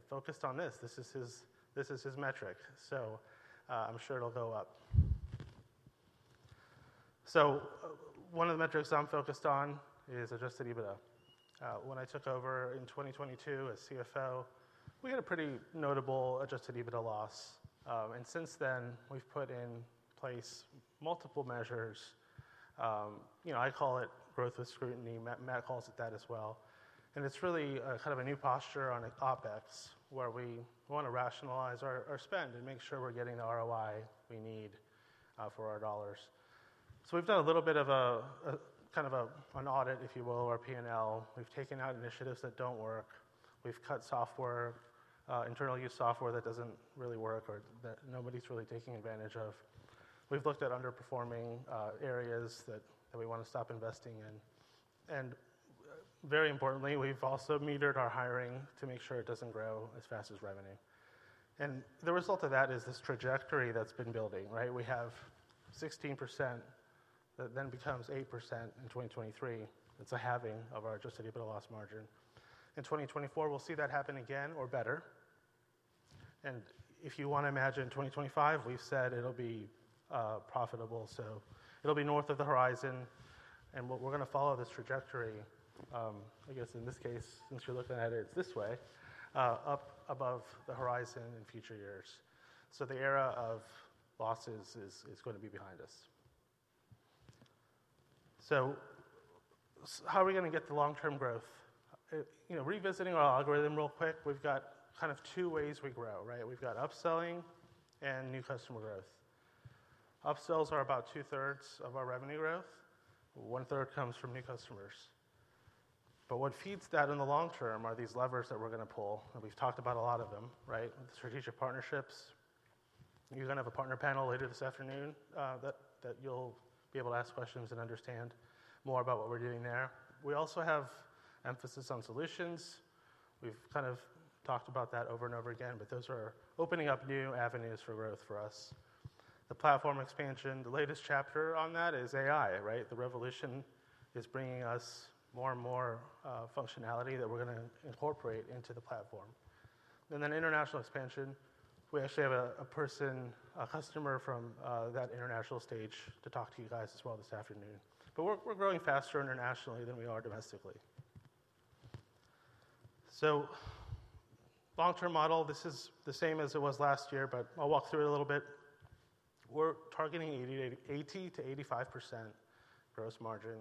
focused on this. This is his metric. So I'm sure it'll go up. So one of the metrics I'm focused on is adjusted EBITDA. When I took over in 2022 as CFO, we had a pretty notable adjusted EBITDA loss. And since then, we've put in place multiple measures. I call it growth with scrutiny. Matt calls it that as well. And it's really kind of a new posture on OpEx where we want to rationalize our spend and make sure we're getting the ROI we need for our dollars. So we've done a little bit of kind of an audit, if you will, of our P&L. We've taken out initiatives that don't work. We've cut internal-use software that doesn't really work or that nobody's really taking advantage of. We've looked at underperforming areas that we want to stop investing in. And very importantly, we've also metered our hiring to make sure it doesn't grow as fast as revenue. And the result of that is this trajectory that's been building, right? We have 16% that then becomes 8% in 2023. It's a halving of our adjusted EBITDA loss margin. In 2024, we'll see that happen again or better. And if you want to imagine 2025, we've said it'll be profitable. So it'll be north of the horizon. And we're going to follow this trajectory, I guess, in this case, since you're looking at it this way, up above the horizon in future years. So the era of losses is going to be behind us. How are we going to get the long-term growth? Revisiting our algorithm real quick, we've got kind of two ways we grow, right? We've got upselling and new customer growth. Upsells are about two-thirds of our revenue growth. One-third comes from new customers. But what feeds that in the long term are these levers that we're going to pull. We've talked about a lot of them, right, with the strategic partnerships. You're going to have a partner panel later this afternoon that you'll be able to ask questions and understand more about what we're doing there. We also have emphasis on solutions. We've kind of talked about that over and over again. But those are opening up new avenues for growth for us. The platform expansion, the latest chapter on that is AI, right? The revolution is bringing us more and more functionality that we're going to incorporate into the platform. And then international expansion. We actually have a person, a customer from that international stage to talk to you guys as well this afternoon. But we're growing faster internationally than we are domestically. So long-term model, this is the same as it was last year. But I'll walk through it a little bit. We're targeting 80%-85% gross margin.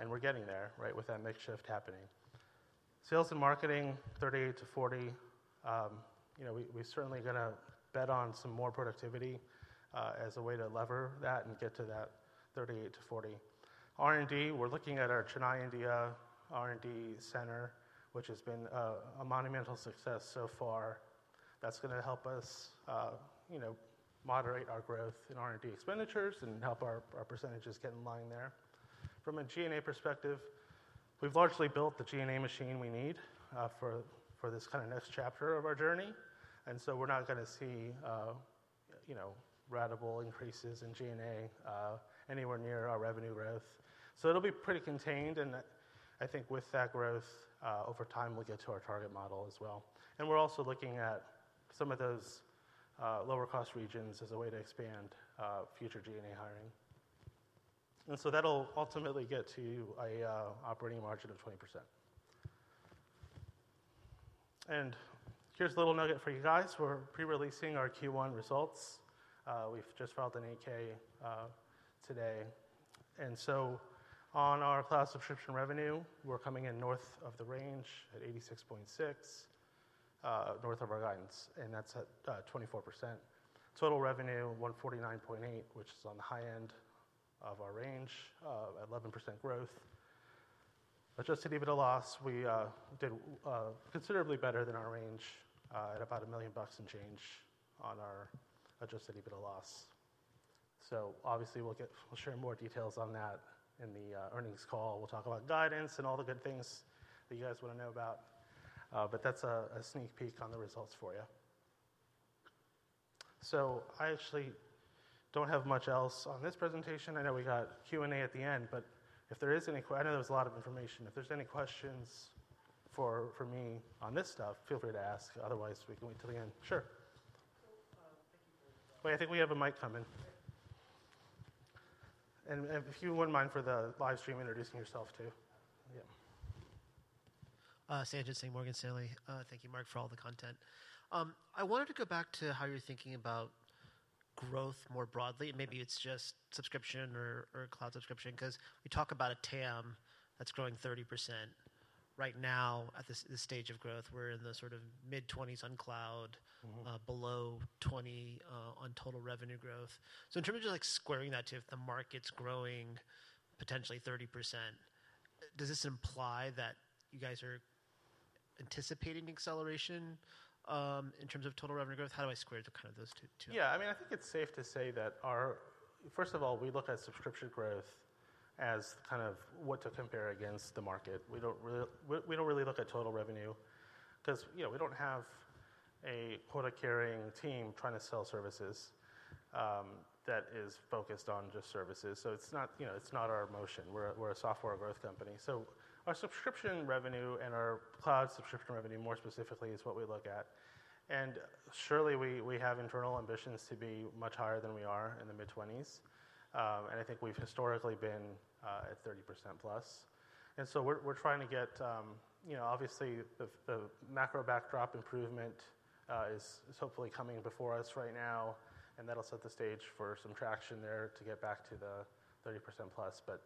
And we're getting there, right, with that mix shift happening. Sales and marketing, 38%-40%. We're certainly going to bet on some more productivity as a way to lever that and get to that 38%-40%. R&D, we're looking at our Chennai, India R&D Center, which has been a monumental success so far. That's going to help us moderate our growth in R&D expenditures and help our percentages get in line there. From a G&A perspective, we've largely built the G&A machine we need for this kind of next chapter of our journey. We're not going to see radical increases in G&A anywhere near our revenue growth. So it'll be pretty contained. I think with that growth, over time, we'll get to our target model as well. We're also looking at some of those lower-cost regions as a way to expand future G&A hiring. That'll ultimately get to an operating margin of 20%. Here's a little nugget for you guys. We're prereleasing our Q1 results. We've just filed an 8-K today. On our cloud subscription revenue, we're coming in north of the range at $86.6, north of our guidance. That's at 24%. Total revenue, $149.8 million, which is on the high end of our range, 11% growth. Adjusted EBITDA loss, we did considerably better than our range at about $1 million and change on our adjusted EBITDA loss. So obviously, we'll share more details on that in the earnings call. We'll talk about guidance and all the good things that you guys want to know about. But that's a sneak peek on the results for you. So I actually don't have much else on this presentation. I know we got Q&A at the end. But if there is any I know there was a lot of information. If there's any questions for me on this stuff, feel free to ask. Otherwise, we can wait till the end. Sure. So, thank you for. Wait. I think we have a mic coming. Great. If you wouldn't mind, for the live stream, introducing yourself too. Yeah. Sanjit Singh, Morgan Stanley. Thank you, Mark, for all the content. I wanted to go back to how you're thinking about growth more broadly. Maybe it's just subscription or cloud subscription because we talk about a TAM that's growing 30%. Right now, at this stage of growth, we're in the sort of mid-20s on cloud, below 20 on total revenue growth. In terms of squaring that to the market's growing potentially 30%, does this imply that you guys are anticipating acceleration in terms of total revenue growth? How do I square kind of those two? Yeah. I mean, I think it's safe to say that our first of all, we look at subscription growth as kind of what to compare against the market. We don't really look at total revenue because we don't have a quota-carrying team trying to sell services that is focused on just services. So it's not our motion. We're a software growth company. So our subscription revenue and our cloud subscription revenue, more specifically, is what we look at. And surely, we have internal ambitions to be much higher than we are in the mid-20s. And I think we've historically been at 30%+. And so we're trying to get obviously, the macro backdrop improvement is hopefully coming before us right now. And that'll set the stage for some traction there to get back to the 30%+. But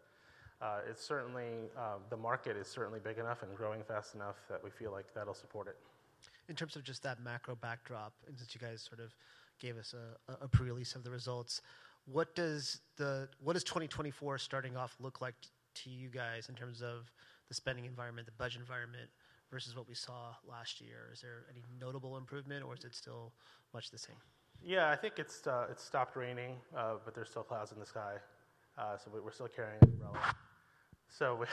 the market is certainly big enough and growing fast enough that we feel like that'll support it. In terms of just that macro backdrop and since you guys sort of gave us a prerelease of the results, what does 2024 starting off look like to you guys in terms of the spending environment, the budget environment versus what we saw last year? Is there any notable improvement? Or is it still much the same? Yeah. I think it stopped raining. But there's still clouds in the sky. So we're still carrying the umbrella. So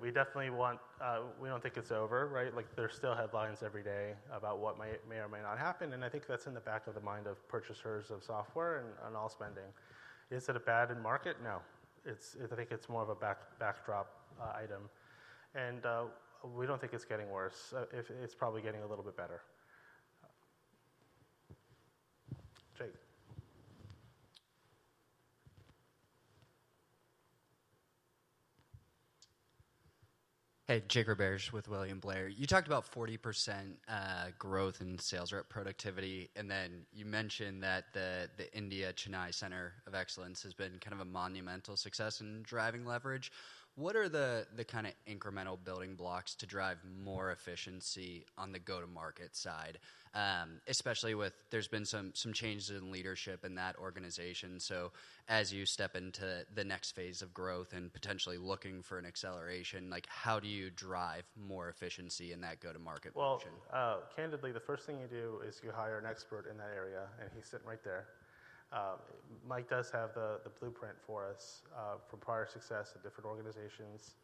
we definitely want, we don't think it's over, right? There's still headlines every day about what may or may not happen. And I think that's in the back of the mind of purchasers of software and all spending. Is it a bad market? No. I think it's more of a backdrop item. And we don't think it's getting worse. It's probably getting a little bit better. Jake. Jake Roberge with William Blair. You talked about 40% growth in sales rep productivity. And then you mentioned that the India Chennai Center of Excellence has been kind of a monumental success in driving leverage. What are the kind of incremental building blocks to drive more efficiency on the go-to-market side, especially with there's been some changes in leadership in that organization? So as you step into the next phase of growth and potentially looking for an acceleration, how do you drive more efficiency in that go-to-market position? Well, candidly, the first thing you do is you hire an expert in that area. And he's sitting right there. Mike does have the blueprint for us from prior success at different organizations.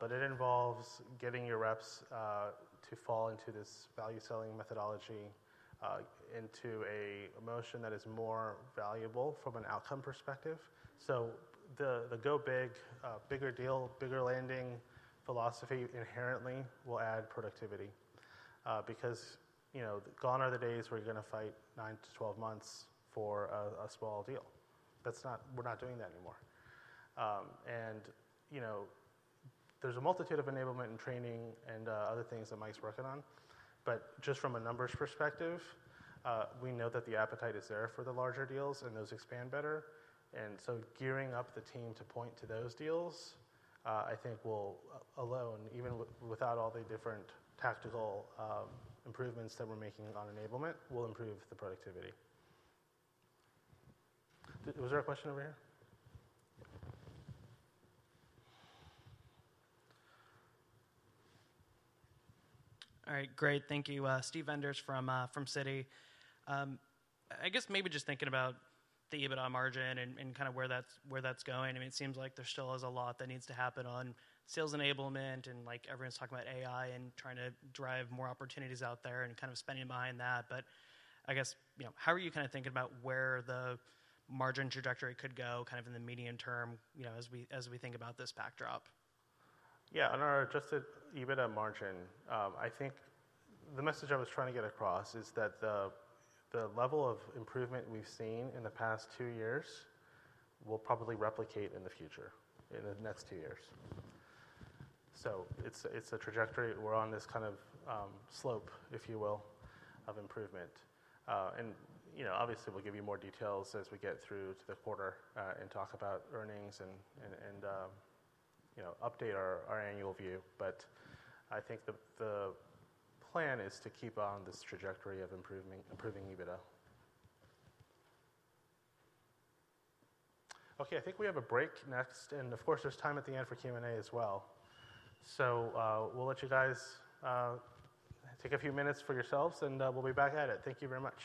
But it involves getting your reps to fall into this value selling methodology, into a motion that is more valuable from an outcome perspective. So the go big, bigger deal, bigger landing philosophy inherently will add productivity because gone are the days where you're going to fight 9-12 months for a small deal. We're not doing that anymore. And there's a multitude of enablement and training and other things that Mike's working on. But just from a numbers perspective, we know that the appetite is there for the larger deals. And those expand better. And so gearing up the team to point to those deals, I think, alone, even without all the different tactical improvements that we're making on enablement, will improve the productivity. Was there a question over here? All right. Great. Thank you. Steve Enders from Citi. I guess maybe just thinking about the EBITDA margin and kind of where that's going. I mean, it seems like there still is a lot that needs to happen on sales enablement. And everyone's talking about AI and trying to drive more opportunities out there and kind of spending money on that. But I guess how are you kind of thinking about where the margin trajectory could go kind of in the medium term as we think about this backdrop? Yeah. On our adjusted EBITDA margin, I think the message I was trying to get across is that the level of improvement we've seen in the past two years will probably replicate in the future, in the next two years. So it's a trajectory we're on, this kind of slope, if you will, of improvement. And obviously, we'll give you more details as we get through to the quarter and talk about earnings and update our annual view. But I think the plan is to keep on this trajectory of improving EBITDA. OK. I think we have a break next. And of course, there's time at the end for Q&A as well. So we'll let you guys take a few minutes for yourselves. And we'll be back at it. Thank you very much.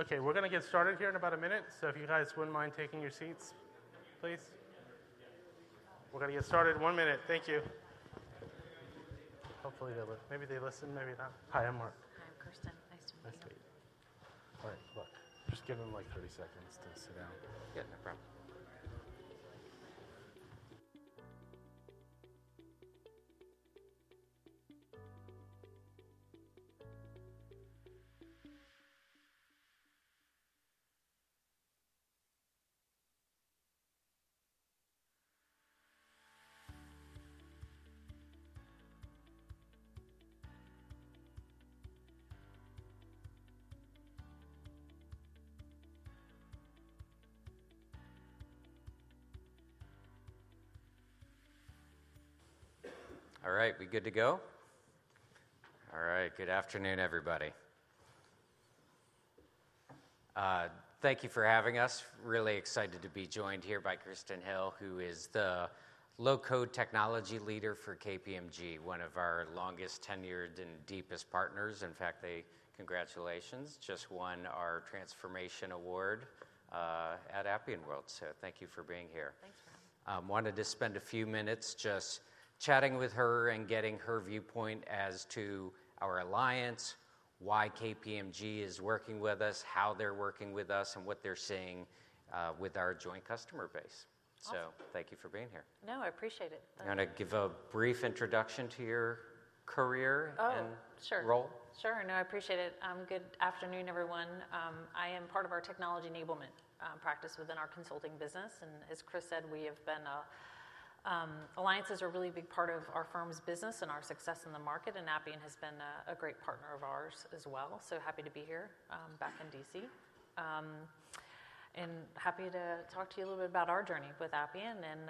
OK. We're going to get started here in about a minute. So if you guys wouldn't mind taking your seats, please. We're going to get started. One minute. Thank you. Hopefully, they listen. Maybe they listen. Maybe not. Hi. I'm Mark. Hi. I'm Kirsten. Nice to meet you. Nice to meet you. All right. Look, just give them like 30 seconds to sit down. Yeah. No problem. All right. We good to go? All right. Good afternoon, everybody. Thank you for having us. Really excited to be joined here by Kirsten Hill, who is the low-code technology leader for KPMG, one of our longest-tenured and deepest partners. In fact, congratulations. Just won our Transformation Award at Appian World. So thank you for being here. Thanks for having me. Wanted to spend a few minutes just chatting with her and getting her viewpoint as to our alliance, why KPMG is working with us, how they're working with us, and what they're seeing with our joint customer base. Thank you for being here. No. I appreciate it. You want to give a brief introduction to your career and role? Oh. Sure. Sure. No. I appreciate it. Good afternoon, everyone. I am part of our technology enablement practice within our consulting business. As Chris said, alliances are a really big part of our firm's business and our success in the market. Appian has been a great partner of ours as well. So happy to be here back in D.C. Happy to talk to you a little bit about our journey with Appian and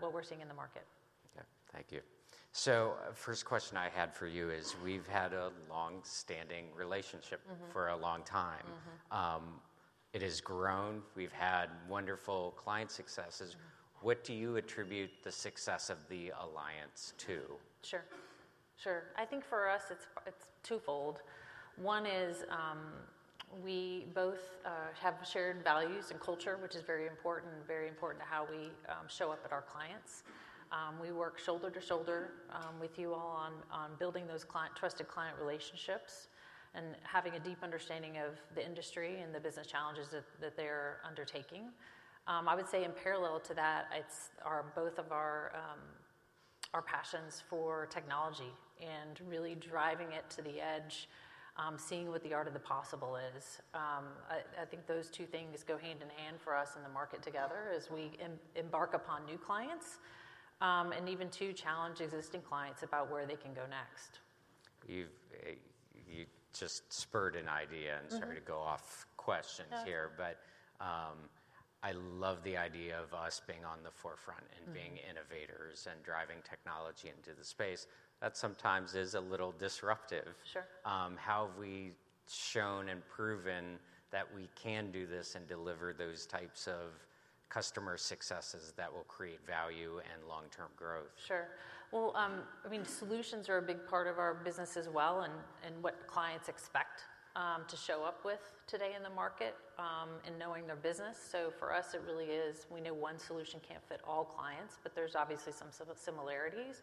what we're seeing in the market. Yeah. Thank you. So first question I had for you is we've had a longstanding relationship for a long time. It has grown. We've had wonderful client successes. What do you attribute the success of the alliance to? Sure. Sure. I think for us, it's twofold. One is we both have shared values and culture, which is very important, very important to how we show up at our clients. We work shoulder to shoulder with you all on building those trusted client relationships and having a deep understanding of the industry and the business challenges that they're undertaking. I would say in parallel to that are both of our passions for technology and really driving it to the edge, seeing what the art of the possible is. I think those two things go hand in hand for us in the market together as we embark upon new clients and even to challenge existing clients about where they can go next. You just spurred an idea and started to go off questions here. But I love the idea of us being on the forefront and being innovators and driving technology into the space. That sometimes is a little disruptive. How have we shown and proven that we can do this and deliver those types of customer successes that will create value and long-term growth? Sure. Well, I mean, solutions are a big part of our business as well and what clients expect to show up with today in the market and knowing their business. So for us, it really is we know one solution can't fit all clients, but there's obviously some similarities.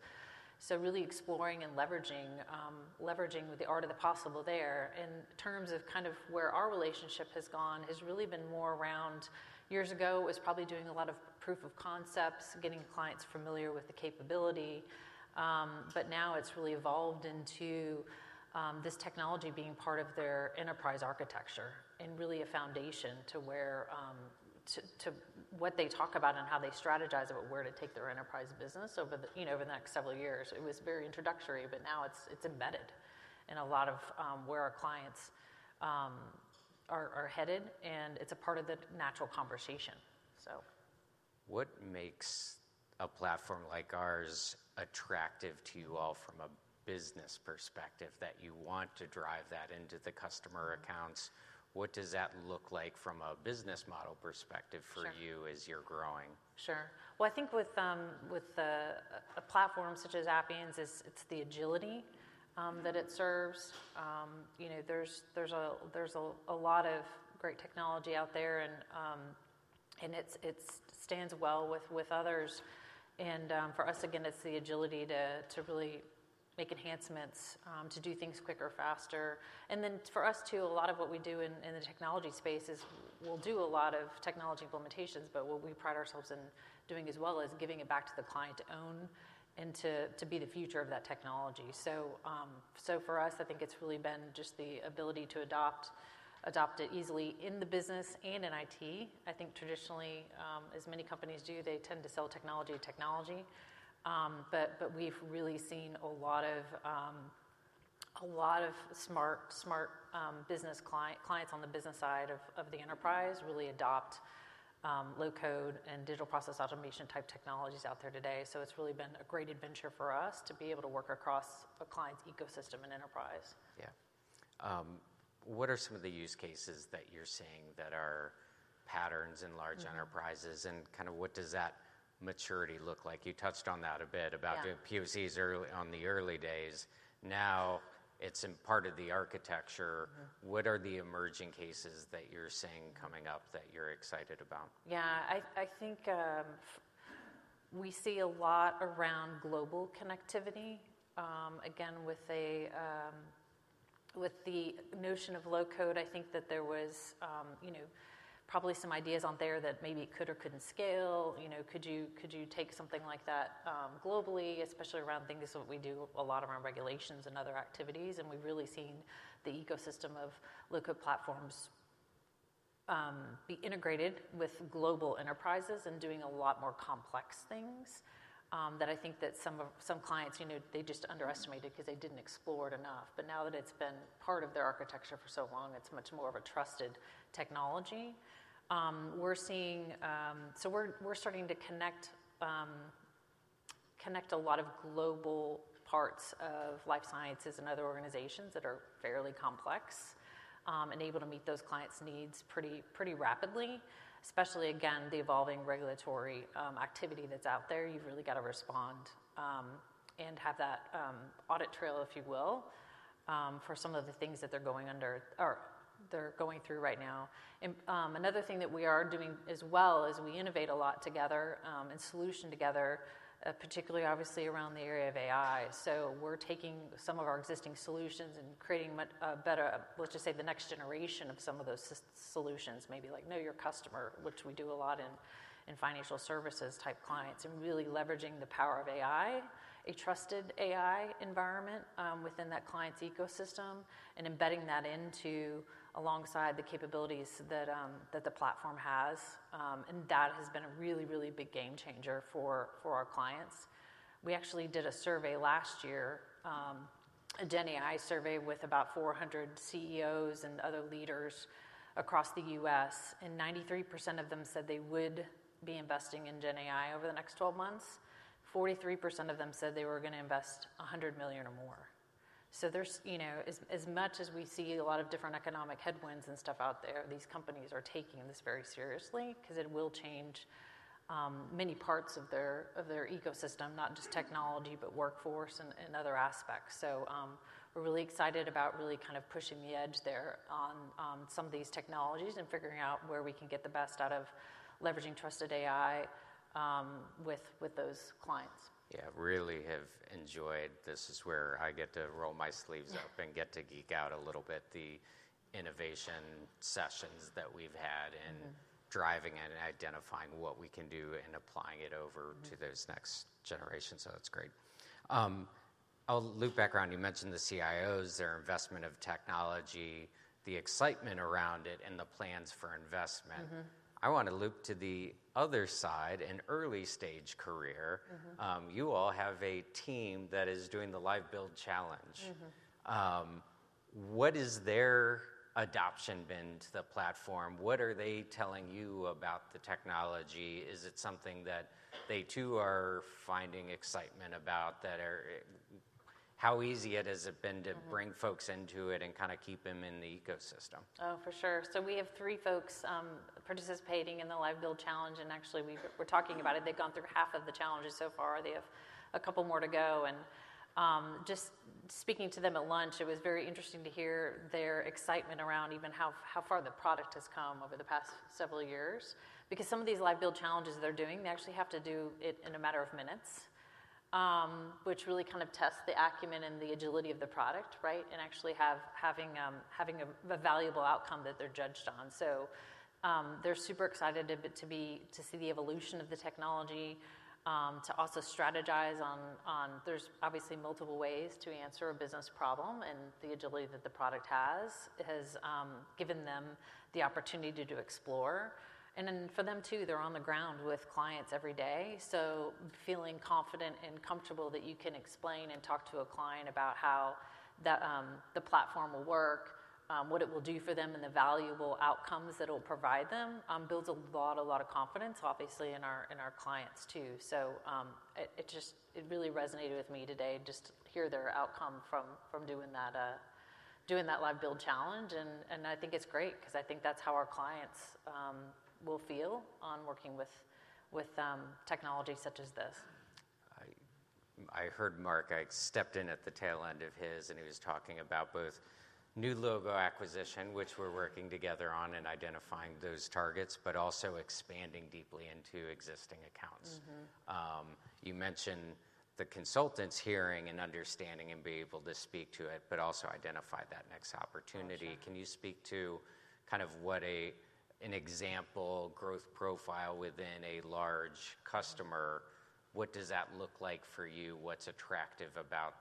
So really exploring and leveraging the art of the possible there in terms of kind of where our relationship has gone has really been more around years ago, it was probably doing a lot of proof of concepts, getting clients familiar with the capability. But now it's really evolved into this technology being part of their enterprise architecture and really a foundation to what they talk about and how they strategize about where to take their enterprise business over the next several years. It was very introductory, but now it's embedded in a lot of where our clients are headed. It's a part of the natural conversation, so. What makes a platform like ours attractive to you all from a business perspective that you want to drive that into the customer accounts? What does that look like from a business model perspective for you as you're growing? Sure. Well, I think with a platform such as Appian's, it's the agility that it serves. There's a lot of great technology out there. It stands well with others. For us, again, it's the agility to really make enhancements, to do things quicker, faster. Then for us too, a lot of what we do in the technology space is we'll do a lot of technology implementations. But what we pride ourselves in doing as well is giving it back to the client to own and to be the future of that technology. So for us, I think it's really been just the ability to adopt it easily in the business and in IT. I think traditionally, as many companies do, they tend to sell technology to technology. We've really seen a lot of smart business clients on the business side of the enterprise really adopt low-code and digital process automation type technologies out there today. It's really been a great adventure for us to be able to work across a client's ecosystem and enterprise. Yeah. What are some of the use cases that you're seeing that are patterns in large enterprises? And kind of what does that maturity look like? You touched on that a bit about POCs on the early days. Now it's part of the architecture. What are the emerging cases that you're seeing coming up that you're excited about? Yeah. I think we see a lot around global connectivity. Again, with the notion of low-code, I think that there was probably some ideas on there that maybe it could or couldn't scale. Could you take something like that globally, especially around things that we do a lot around regulations and other activities? And we've really seen the ecosystem of low-code platforms be integrated with global enterprises and doing a lot more complex things that I think that some clients, they just underestimated because they didn't explore it enough. But now that it's been part of their architecture for so long, it's much more of a trusted technology. So we're starting to connect a lot of global parts of life sciences and other organizations that are fairly complex and able to meet those clients' needs pretty rapidly, especially, again, the evolving regulatory activity that's out there. You've really got to respond and have that audit trail, if you will, for some of the things that they're going through right now. Another thing that we are doing as well is we innovate a lot together and solution together, particularly, obviously, around the area of AI. So we're taking some of our existing solutions and creating a better, let's just say, the next generation of some of those solutions, maybe like, Know Your Customer, which we do a lot in financial services type clients, and really leveraging the power of AI, a trusted AI environment within that client's ecosystem, and embedding that alongside the capabilities that the platform has. And that has been a really, really big game changer for our clients. We actually did a survey last year, a GenAI survey with about 400 CEOs and other leaders across the U.S. 93% of them said they would be investing in GenAI over the next 12 months. 43% of them said they were going to invest $100 million or more. So as much as we see a lot of different economic headwinds and stuff out there, these companies are taking this very seriously because it will change many parts of their ecosystem, not just technology, but workforce and other aspects. So we're really excited about really kind of pushing the edge there on some of these technologies and figuring out where we can get the best out of leveraging trusted AI with those clients. Yeah. Really have enjoyed. This is where I get to roll my sleeves up and get to geek out a little bit, the innovation sessions that we've had in driving it and identifying what we can do and applying it over to those next generations. So that's great. I'll loop back around. You mentioned the CIOs, their investment of technology, the excitement around it, and the plans for investment. I want to loop to the other side, an early-stage career. You all have a team that is doing the Live Build Challenge. What has their adoption been to the platform? What are they telling you about the technology? Is it something that they, too, are finding excitement about? How easy has it been to bring folks into it and kind of keep them in the ecosystem? Oh, for sure. So we have three folks participating in the Live Build Challenge. Actually, we're talking about it. They've gone through half of the challenges so far. They have a couple more to go. Just speaking to them at lunch, it was very interesting to hear their excitement around even how far the product has come over the past several years. Because some of these Live Build Challenges they're doing, they actually have to do it in a matter of minutes, which really kind of tests the acumen and the agility of the product, right, and actually having a valuable outcome that they're judged on. So they're super excited to see the evolution of the technology, to also strategize on there's obviously multiple ways to answer a business problem. The agility that the product has has given them the opportunity to explore. Then for them, too, they're on the ground with clients every day. Feeling confident and comfortable that you can explain and talk to a client about how the platform will work, what it will do for them, and the valuable outcomes that it'll provide them builds a lot, a lot of confidence, obviously, in our clients, too. It really resonated with me today just to hear their outcome from doing that Live Build Challenge. I think it's great because I think that's how our clients will feel on working with technology such as this. I heard Mark. I stepped in at the tail end of his. And he was talking about both new logo acquisition, which we're working together on, and identifying those targets, but also expanding deeply into existing accounts. You mentioned the consultants hearing and understanding and being able to speak to it, but also identify that next opportunity. Can you speak to kind of what an example growth profile within a large customer, what does that look like for you? What's attractive about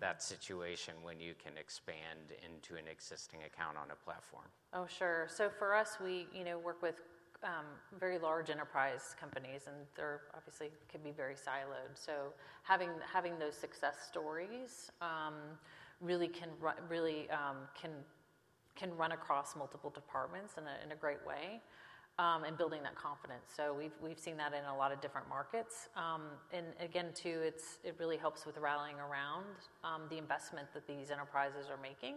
that situation when you can expand into an existing account on a platform? Oh, sure. So for us, we work with very large enterprise companies. And they obviously could be very siloed. So having those success stories really can run across multiple departments in a great way and building that confidence. So we've seen that in a lot of different markets. And again, too, it really helps with rallying around the investment that these enterprises are making.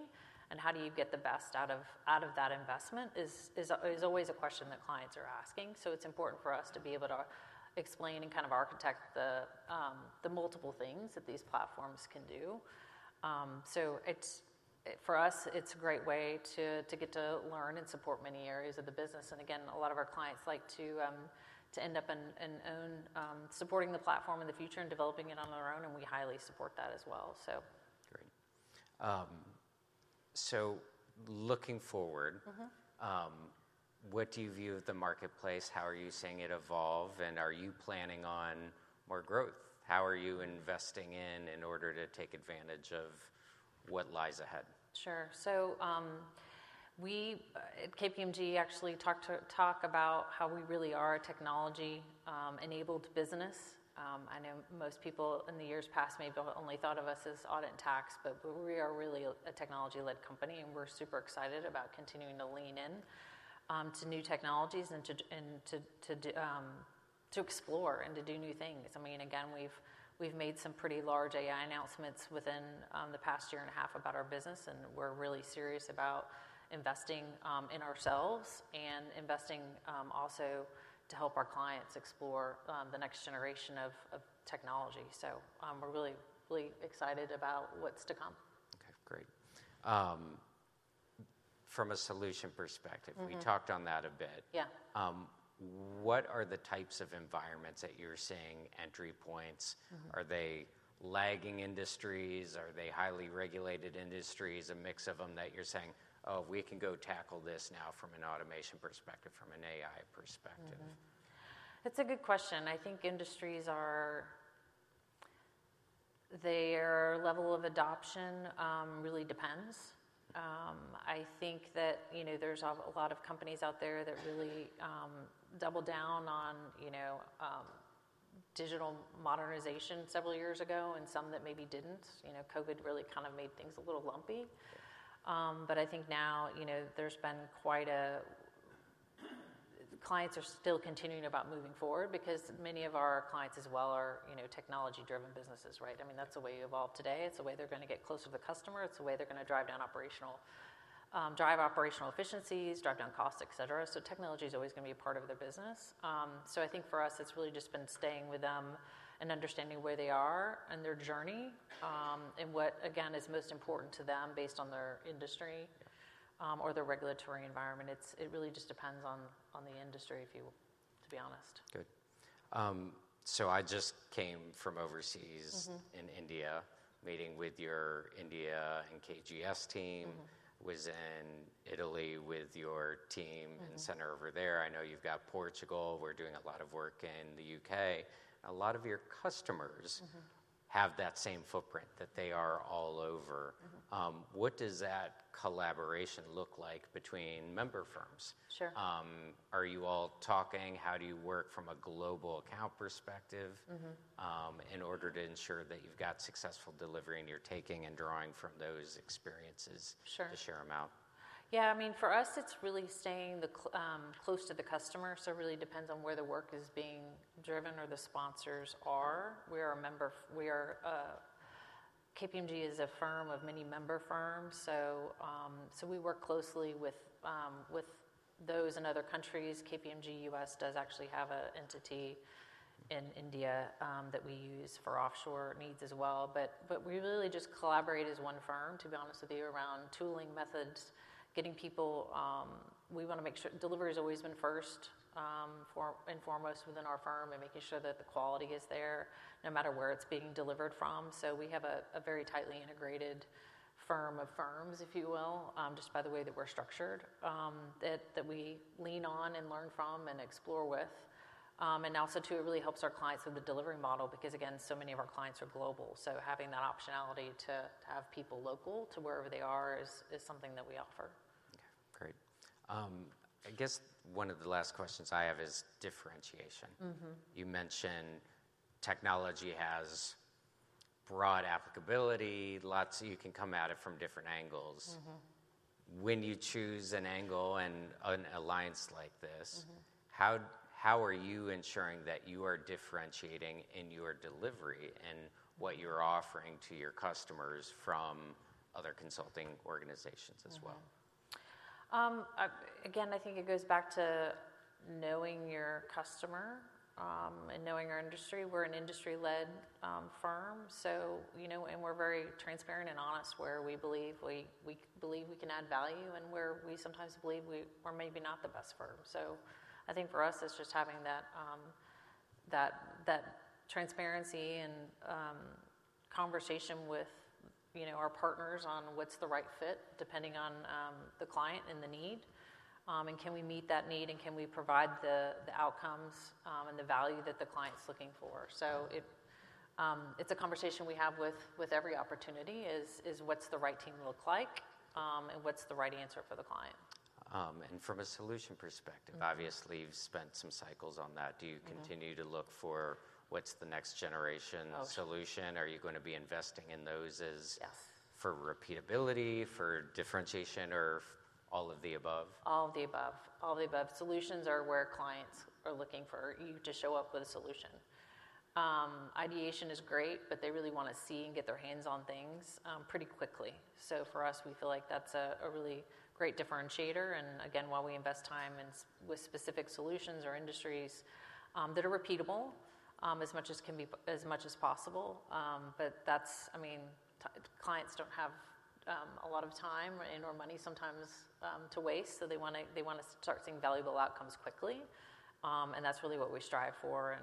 And how do you get the best out of that investment is always a question that clients are asking. So it's important for us to be able to explain and kind of architect the multiple things that these platforms can do. So for us, it's a great way to get to learn and support many areas of the business. And again, a lot of our clients like to end up and own supporting the platform in the future and developing it on their own. We highly support that as well, so. Great. Looking forward, what do you view of the marketplace? How are you seeing it evolve? Are you planning on more growth? How are you investing in order to take advantage of what lies ahead? Sure. So at KPMG, actually talk about how we really are a technology-enabled business. I know most people in the years past maybe only thought of us as audit and tax. But we are really a technology-led company. And we're super excited about continuing to lean in to new technologies and to explore and to do new things. I mean, again, we've made some pretty large AI announcements within the past year and a half about our business. And we're really serious about investing in ourselves and investing also to help our clients explore the next generation of technology. So we're really, really excited about what's to come. Okay. Great. From a solution perspective, we talked on that a bit. What are the types of environments that you're seeing entry points? Are they lagging industries? Are they highly regulated industries, a mix of them that you're saying, "Oh, we can go tackle this now from an automation perspective, from an AI perspective"? It's a good question. I think industries' level of adoption really depends. I think that there's a lot of companies out there that really doubled down on digital modernization several years ago and some that maybe didn't. COVID really kind of made things a little lumpy. But I think now there's been quite a few clients that are still continuing to move forward because many of our clients as well are technology-driven businesses, right? I mean, that's the way you evolve today. It's the way they're going to get close to the customer. It's the way they're going to drive down operational efficiencies, drive down costs, et cetera. So technology is always going to be a part of their business. So I think for us, it's really just been staying with them and understanding where they are and their journey and what, again, is most important to them based on their industry or their regulatory environment. It really just depends on the industry, to be honest. Good. So I just came from overseas in India, meeting with your India and KGS team, was in Italy with your team and center over there. I know you've got Portugal. We're doing a lot of work in the U.K. A lot of your customers have that same footprint that they are all over. What does that collaboration look like between member firms? Are you all talking? How do you work from a global account perspective in order to ensure that you've got successful delivery and you're taking and drawing from those experiences to share them out? Yeah. I mean, for us, it's really staying close to the customer. So it really depends on where the work is being driven or the sponsors are. We are a member. KPMG is a firm of many member firms. So we work closely with those in other countries. KPMG U.S. does actually have an entity in India that we use for offshore needs as well. But we really just collaborate as one firm, to be honest with you, around tooling methods, getting people. We want to make sure delivery has always been first and foremost within our firm and making sure that the quality is there no matter where it's being delivered from. So we have a very tightly integrated firm of firms, if you will, just by the way that we're structured, that we lean on and learn from and explore with. And also, too, it really helps our clients with the delivery model because, again, so many of our clients are global. So having that optionality to have people local to wherever they are is something that we offer. Okay. Great. I guess one of the last questions I have is differentiation. You mentioned technology has broad applicability. You can come at it from different angles. When you choose an angle and an alliance like this, how are you ensuring that you are differentiating in your delivery and what you're offering to your customers from other consulting organizations as well? Again, I think it goes back to knowing your customer and knowing our industry. We're an industry-led firm, and we're very transparent and honest where we believe we can add value and where we sometimes believe we're maybe not the best firm. So I think for us, it's just having that transparency and conversation with our partners on what's the right fit depending on the client and the need. And can we meet that need? And can we provide the outcomes and the value that the client's looking for? So it's a conversation we have with every opportunity is what's the right team look like? And what's the right answer for the client? From a solution perspective, obviously, you've spent some cycles on that. Do you continue to look for what's the next generation solution? Are you going to be investing in those for repeatability, for differentiation, or all of the above? All of the above. All of the above. Solutions are where clients are looking for you to show up with a solution. Ideation is great, but they really want to see and get their hands on things pretty quickly. So for us, we feel like that's a really great differentiator. And again, while we invest time with specific solutions or industries that are repeatable as much as possible, but I mean, clients don't have a lot of time and/or money sometimes to waste. So they want to start seeing valuable outcomes quickly. And that's really what we strive for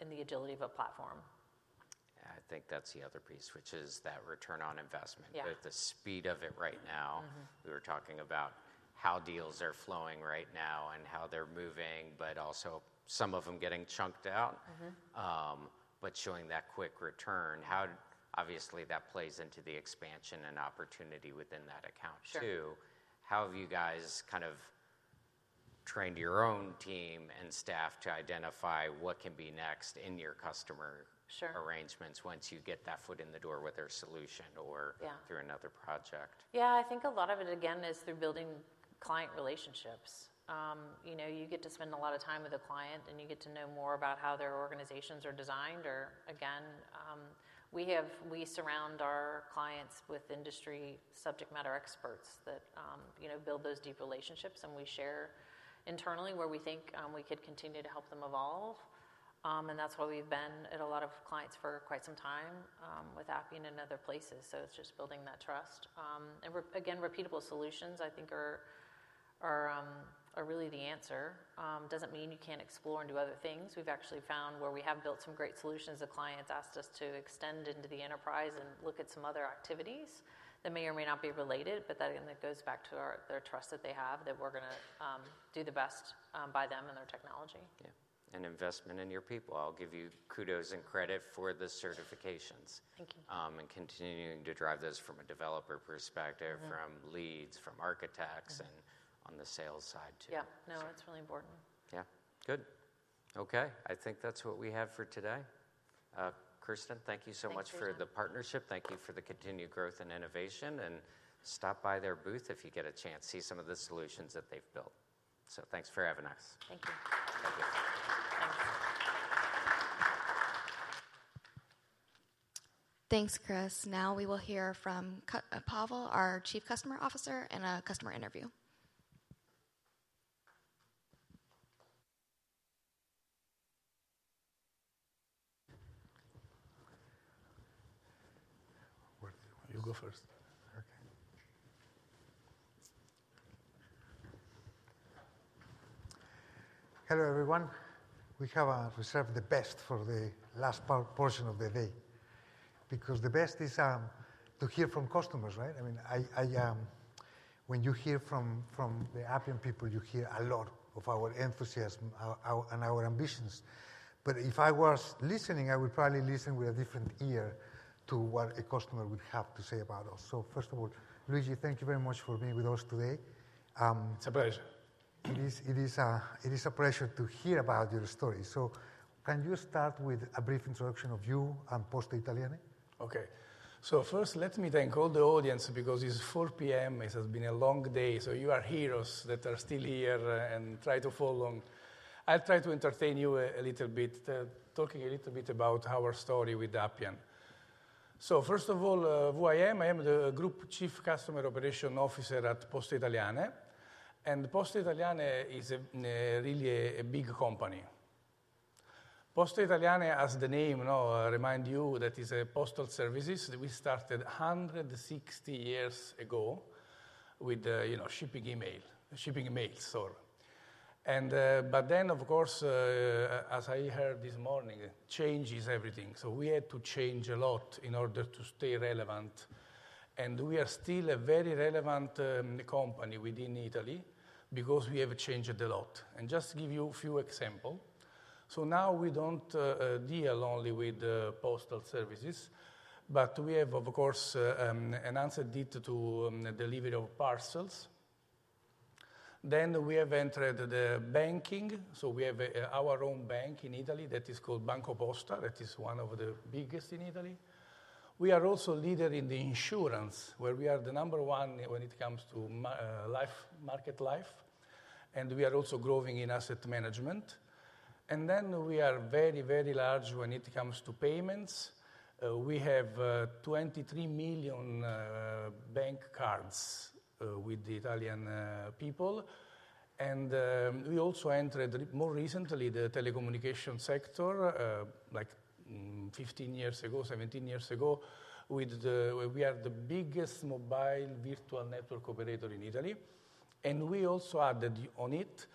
in the agility of a platform. Yeah. I think that's the other piece, which is that return on investment, the speed of it right now. We were talking about how deals are flowing right now and how they're moving, but also some of them getting chunked out. But showing that quick return, obviously, that plays into the expansion and opportunity within that account, too. How have you guys kind of trained your own team and staff to identify what can be next in your customer arrangements once you get that foot in the door with their solution or through another project? Yeah. I think a lot of it, again, is through building client relationships. You get to spend a lot of time with a client. You get to know more about how their organizations are designed. Or again, we surround our clients with industry subject matter experts that build those deep relationships. We share internally where we think we could continue to help them evolve. That's why we've been at a lot of clients for quite some time with Appian and other places. It's just building that trust. Again, repeatable solutions, I think, are really the answer. It doesn't mean you can't explore and do other things. We've actually found where we have built some great solutions, the clients asked us to extend into the enterprise and look at some other activities that may or may not be related. But then it goes back to their trust that they have that we're going to do the best by them and their technology. Yeah. Investment in your people. I'll give you kudos and credit for the certifications and continuing to drive those from a developer perspective, from leads, from architects, and on the sales side, too. Yeah. No, it's really important. Yeah. Good. Okay. I think that's what we have for today. Kirsten, thank you so much for the partnership. Thank you for the continued growth and innovation. Stop by their booth if you get a chance, see some of the solutions that they've built. Thanks for having us. Thank you. Thank you. Thanks. Thanks, Chris. Now we will hear from Pavel, our Chief Customer Officer, in a customer interview. You go first. Okay. Hello, everyone. We have reserved the best for the last portion of the day because the best is to hear from customers, right? I mean, when you hear from the Appian people, you hear a lot of our enthusiasm and our ambitions. But if I was listening, I would probably listen with a different ear to what a customer would have to say about us. So first of all, Luigi, thank you very much for being with us today. It's a pleasure. It is a pleasure to hear about your story. Can you start with a brief introduction of you and Poste Italiane? Okay. So first, let me then call the audience because it's 4:00 P.M. It has been a long day. So you are heroes that are still here and try to follow. I'll try to entertain you a little bit, talking a little bit about our story with Appian. So first of all, who I am? I am the group chief Customer Operation Officer at Poste Italiane. And Poste Italiane is really a big company. Poste Italiane, as the name reminds you, that is a postal services that we started 160 years ago with shipping emails, sorry. But then, of course, as I heard this morning, change is everything. So we had to change a lot in order to stay relevant. And we are still a very relevant company within Italy because we have changed a lot. And just to give you a few examples, so now we don't deal only with postal services. But we have, of course, enhanced it to delivery of parcels. Then we have entered the banking. So we have our own bank in Italy that is called BancoPosta. That is one of the biggest in Italy. We are also leader in the insurance where we are the number one when it comes to market life. And we are also growing in asset management. And then we are very, very large when it comes to payments. We have 23 million bank cards with the Italian people. And we also entered more recently the telecommunication sector, like 15 years ago, 17 years ago. We are the biggest mobile virtual network operator in Italy. And we also added on it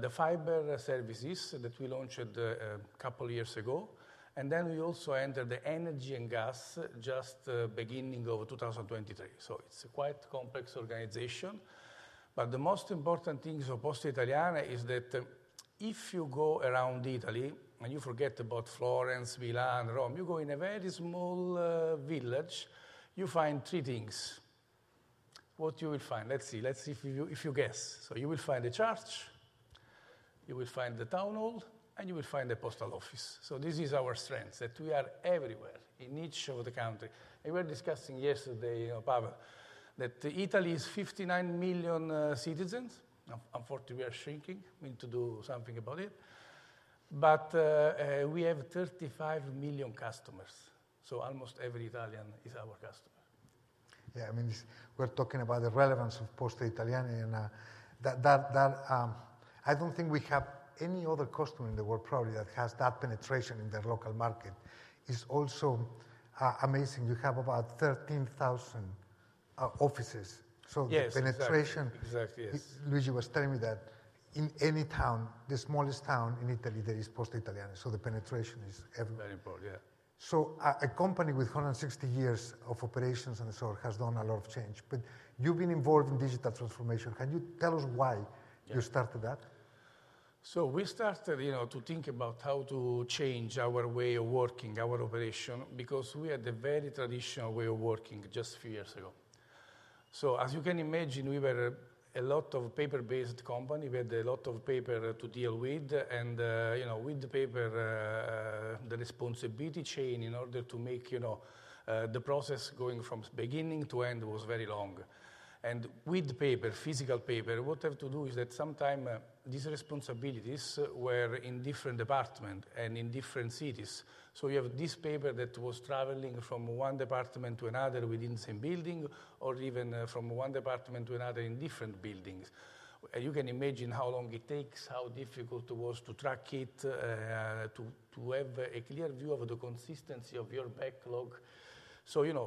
the fiber services that we launched a couple of years ago. Then we also entered the energy and gas just beginning of 2023. So it's a quite complex organization. But the most important thing for Poste Italiane is that if you go around Italy and you forget about Florence, Milan, Rome, you go in a very small village, you find three things. What you will find? Let's see. Let's see if you guess. So you will find the church. You will find the town hall. And you will find the postal office. So this is our strength, that we are everywhere in each of the countries. And we were discussing yesterday, Pavel, that Italy is 59 million citizens. Unfortunately, we are shrinking. We need to do something about it. But we have 35 million customers. So almost every Italian is our customer. Yeah. I mean, we're talking about the relevance of Poste Italiane. I don't think we have any other customer in the world, probably, that has that penetration in their local market. It's also amazing. You have about 13,000 offices. The penetration, Luigi was telling me that in any town, the smallest town in Italy, there is Poste Italiane. The penetration is everywhere. Very important. Yeah. So a company with 160 years of operations and so on has done a lot of change. But you've been involved in digital transformation. Can you tell us why you started that? We started to think about how to change our way of working, our operation, because we had a very traditional way of working just a few years ago. As you can imagine, we were a paper-based company. We had a lot of paper to deal with. With the paper, the responsibility chain in order to make the process going from beginning to end was very long. With paper, physical paper, what we have to do is that sometimes these responsibilities were in different departments and in different cities. You have this paper that was traveling from one department to another within the same building or even from one department to another in different buildings. You can imagine how long it takes, how difficult it was to track it, to have a clear view of the consistency of your backlog.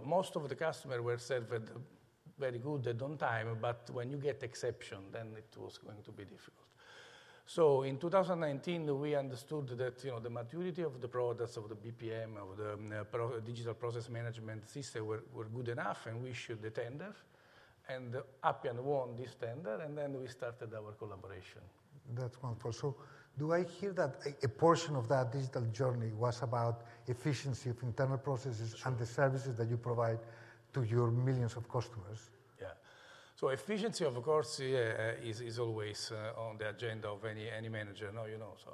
Most of the customers were served very good on time. But when you get exceptions, then it was going to be difficult. In 2019, we understood that the maturity of the products of the BPM, of the digital process management system, were good enough. We issued a tender. Appian won this tender. We started our collaboration. That's wonderful. So do I hear that a portion of that digital journey was about efficiency of internal processes and the services that you provide to your millions of customers? Yeah. So efficiency, of course, is always on the agenda of any manager. So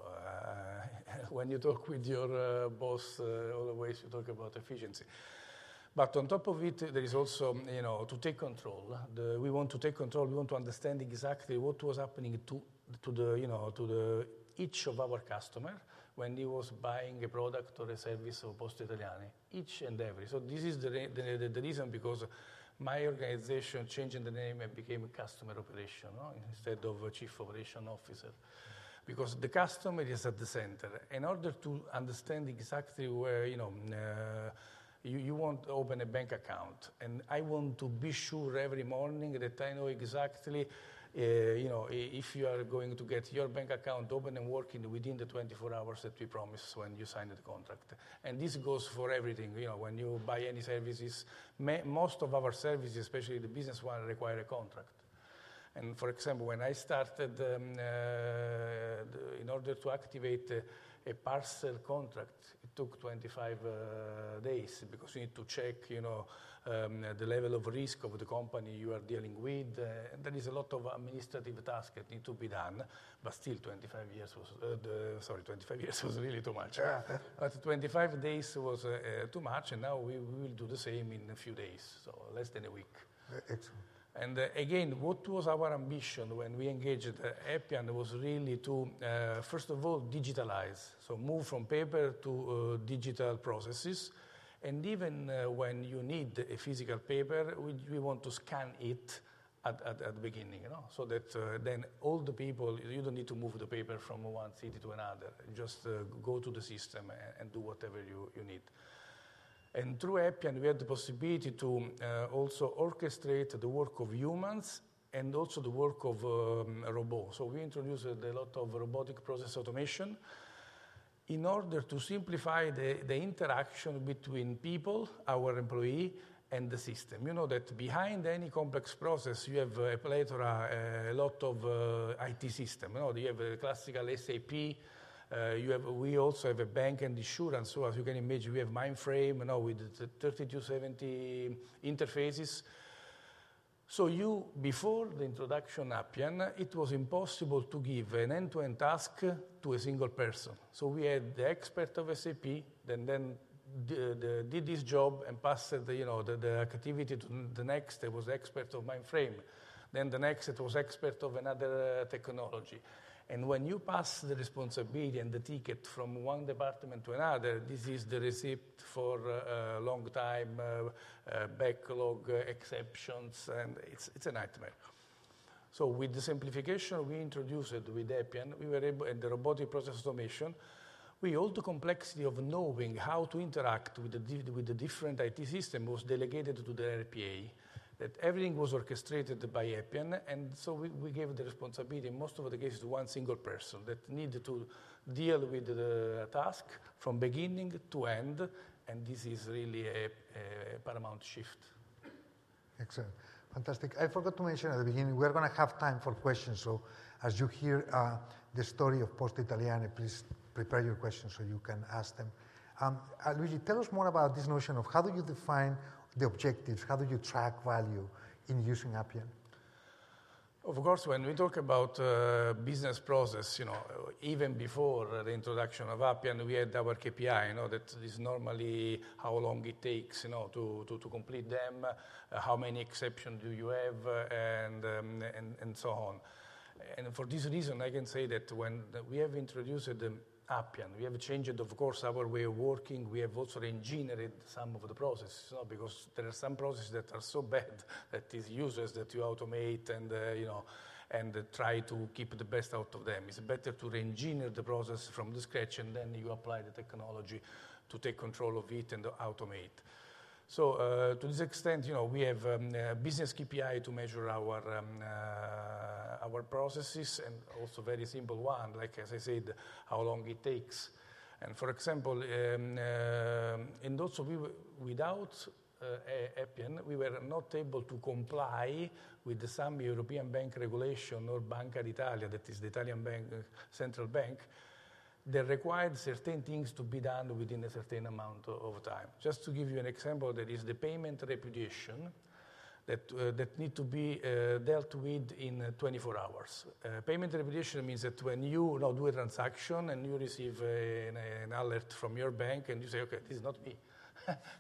when you talk with your boss, always you talk about efficiency. But on top of it, there is also to take control. We want to take control. We want to understand exactly what was happening to each of our customers when he was buying a product or a service of Poste Italiane, each and every. So this is the reason because my organization changed the name and became Customer Operation instead of Chief Operation Officer because the customer is at the center. In order to understand exactly where you want to open a bank account, and I want to be sure every morning that I know exactly if you are going to get your bank account open and working within the 24 hours that we promised when you signed the contract. This goes for everything. When you buy any services, most of our services, especially the business one, require a contract. For example, when I started, in order to activate a parcel contract, it took 25 days because you need to check the level of risk of the company you are dealing with. There is a lot of administrative tasks that need to be done. But still, 25 days was sorry, 25 days was really too much. But 25 days was too much. And now we will do the same in a few days, so less than a week. And again, what was our ambition when we engaged Appian was really to, first of all, digitalize, so move from paper to digital processes. And even when you need a physical paper, we want to scan it at the beginning so that then all the people, you don't need to move the paper from one city to another. Just go to the system and do whatever you need. And through Appian, we had the possibility to also orchestrate the work of humans and also the work of robots. So we introduced a lot of robotic process automation in order to simplify the interaction between people, our employee, and the system. You know that behind any complex process, you have a lot of IT systems. You have the classical SAP. We also have a bank and insurance. So as you can imagine, we have mainframe with 3270 interfaces. So before the introduction of Appian, it was impossible to give an end-to-end task to a single person. So we had the expert of SAP that then did this job and passed the activity to the next. It was expert of mainframe. Then the next, it was expert of another technology. And when you pass the responsibility and the ticket from one department to another, this is the recipe for a long-time backlog exceptions. And it's a nightmare. So with the simplification we introduced with Appian, we were able and the robotic process automation, with all the complexity of knowing how to interact with the different IT systems was delegated to the RPA, that everything was orchestrated by Appian. And so we gave the responsibility, in most of the cases, to one single person that needed to deal with the task from beginning to end. And this is really a paradigm shift. Excellent. Fantastic. I forgot to mention at the beginning, we are going to have time for questions. So as you hear the story of Poste Italiane, please prepare your questions so you can ask them. Luigi, tell us more about this notion of how do you define the objectives? How do you track value in using Appian? Of course, when we talk about business process, even before the introduction of Appian, we had our KPI, that is normally how long it takes to complete them, how many exceptions do you have, and so on. For this reason, I can say that when we have introduced Appian, we have changed, of course, our way of working. We have also re-engineered some of the processes because there are some processes that are so bad that these users that you automate and try to keep the best out of them. It's better to re-engineer the process from scratch. Then you apply the technology to take control of it and automate. To this extent, we have business KPI to measure our processes and also a very simple one, like as I said, how long it takes. For example, and also without Appian, we were not able to comply with some European bank regulation or Banca d'Italia, that is the Italian central bank that required certain things to be done within a certain amount of time. Just to give you an example, there is the payment repudiation that needs to be dealt with in 24 hours. Payment repudiation means that when you do a transaction and you receive an alert from your bank, and you say, "Okay, this is not me.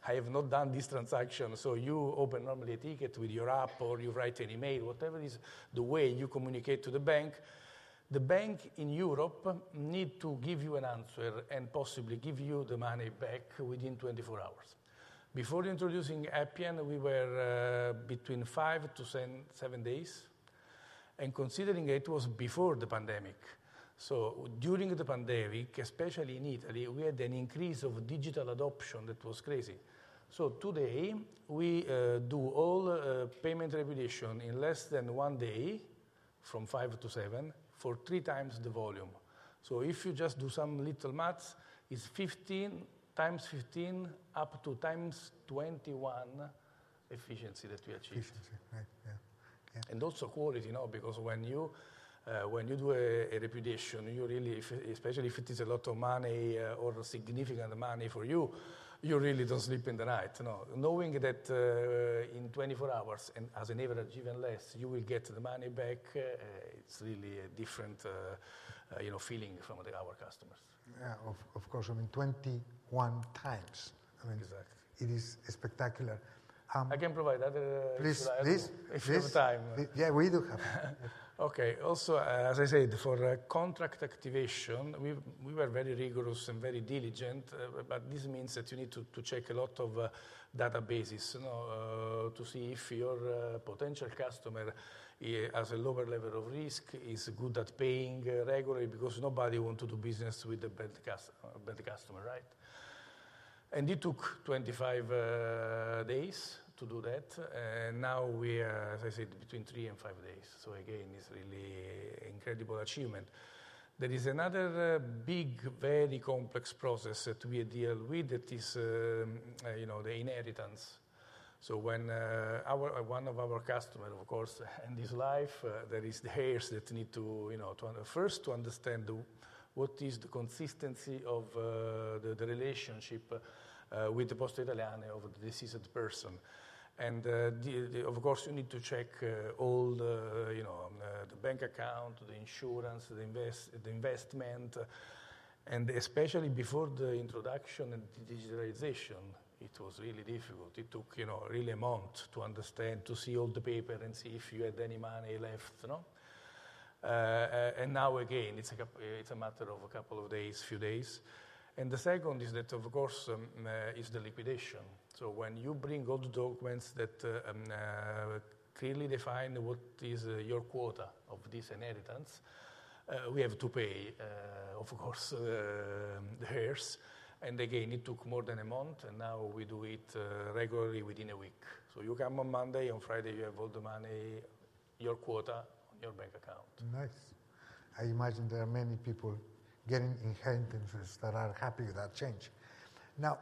I have not done this transaction." So you open normally a ticket with your app, or you write an email, whatever it is, the way you communicate to the bank, the bank in Europe needs to give you an answer and possibly give you the money back within 24 hours. Before introducing Appian, we were between 5-7 days. Considering it was before the pandemic, so during the pandemic, especially in Italy, we had an increase of digital adoption that was crazy. So today, we do all payment repudiation in less than 1 day, from five to seven, for three times the volume. So if you just do some little math, it's 15 times 15 up to times 21 efficiency that we achieve. Efficiency. Right. Yeah. Yeah. Also quality because when you do a repudiation, especially if it is a lot of money or significant money for you, you really don't sleep in the night. Knowing that in 24 hours, and as an average, even less, you will get the money back, it's really a different feeling from our customers. Yeah. Of course. I mean, 21 times. I mean, it is spectacular. I can provide other suppliers. Please. If you have time. Yeah. We do have. Okay. Also, as I said, for contract activation, we were very rigorous and very diligent. But this means that you need to check a lot of databases to see if your potential customer, as a lower level of risk, is good at paying regularly because nobody wants to do business with a bad customer, right? And it took 25 days to do that. And now we are, as I said, between three and five days. So again, it's really an incredible achievement. There is another big, very complex process that we deal with that is the inheritance. So when one of our customers, of course, ends his life, there are the heirs that need to first understand what is the consistency of the relationship with the Poste Italiane over the deceased person. And of course, you need to check all the bank account, the insurance, the investment. Especially before the introduction and the digitalization, it was really difficult. It took really a month to understand, to see all the paper, and see if you had any money left. Now again, it's a matter of a couple of days, few days. The second is that, of course, is the liquidation. So when you bring all the documents that clearly define what is your quota of this inheritance, we have to pay, of course, the heirs. Again, it took more than a month. Now we do it regularly within a week. So you come on Monday. On Friday, you have all the money, your quota, on your bank account. Nice. I imagine there are many people getting inheritance that are happy with that change. Now,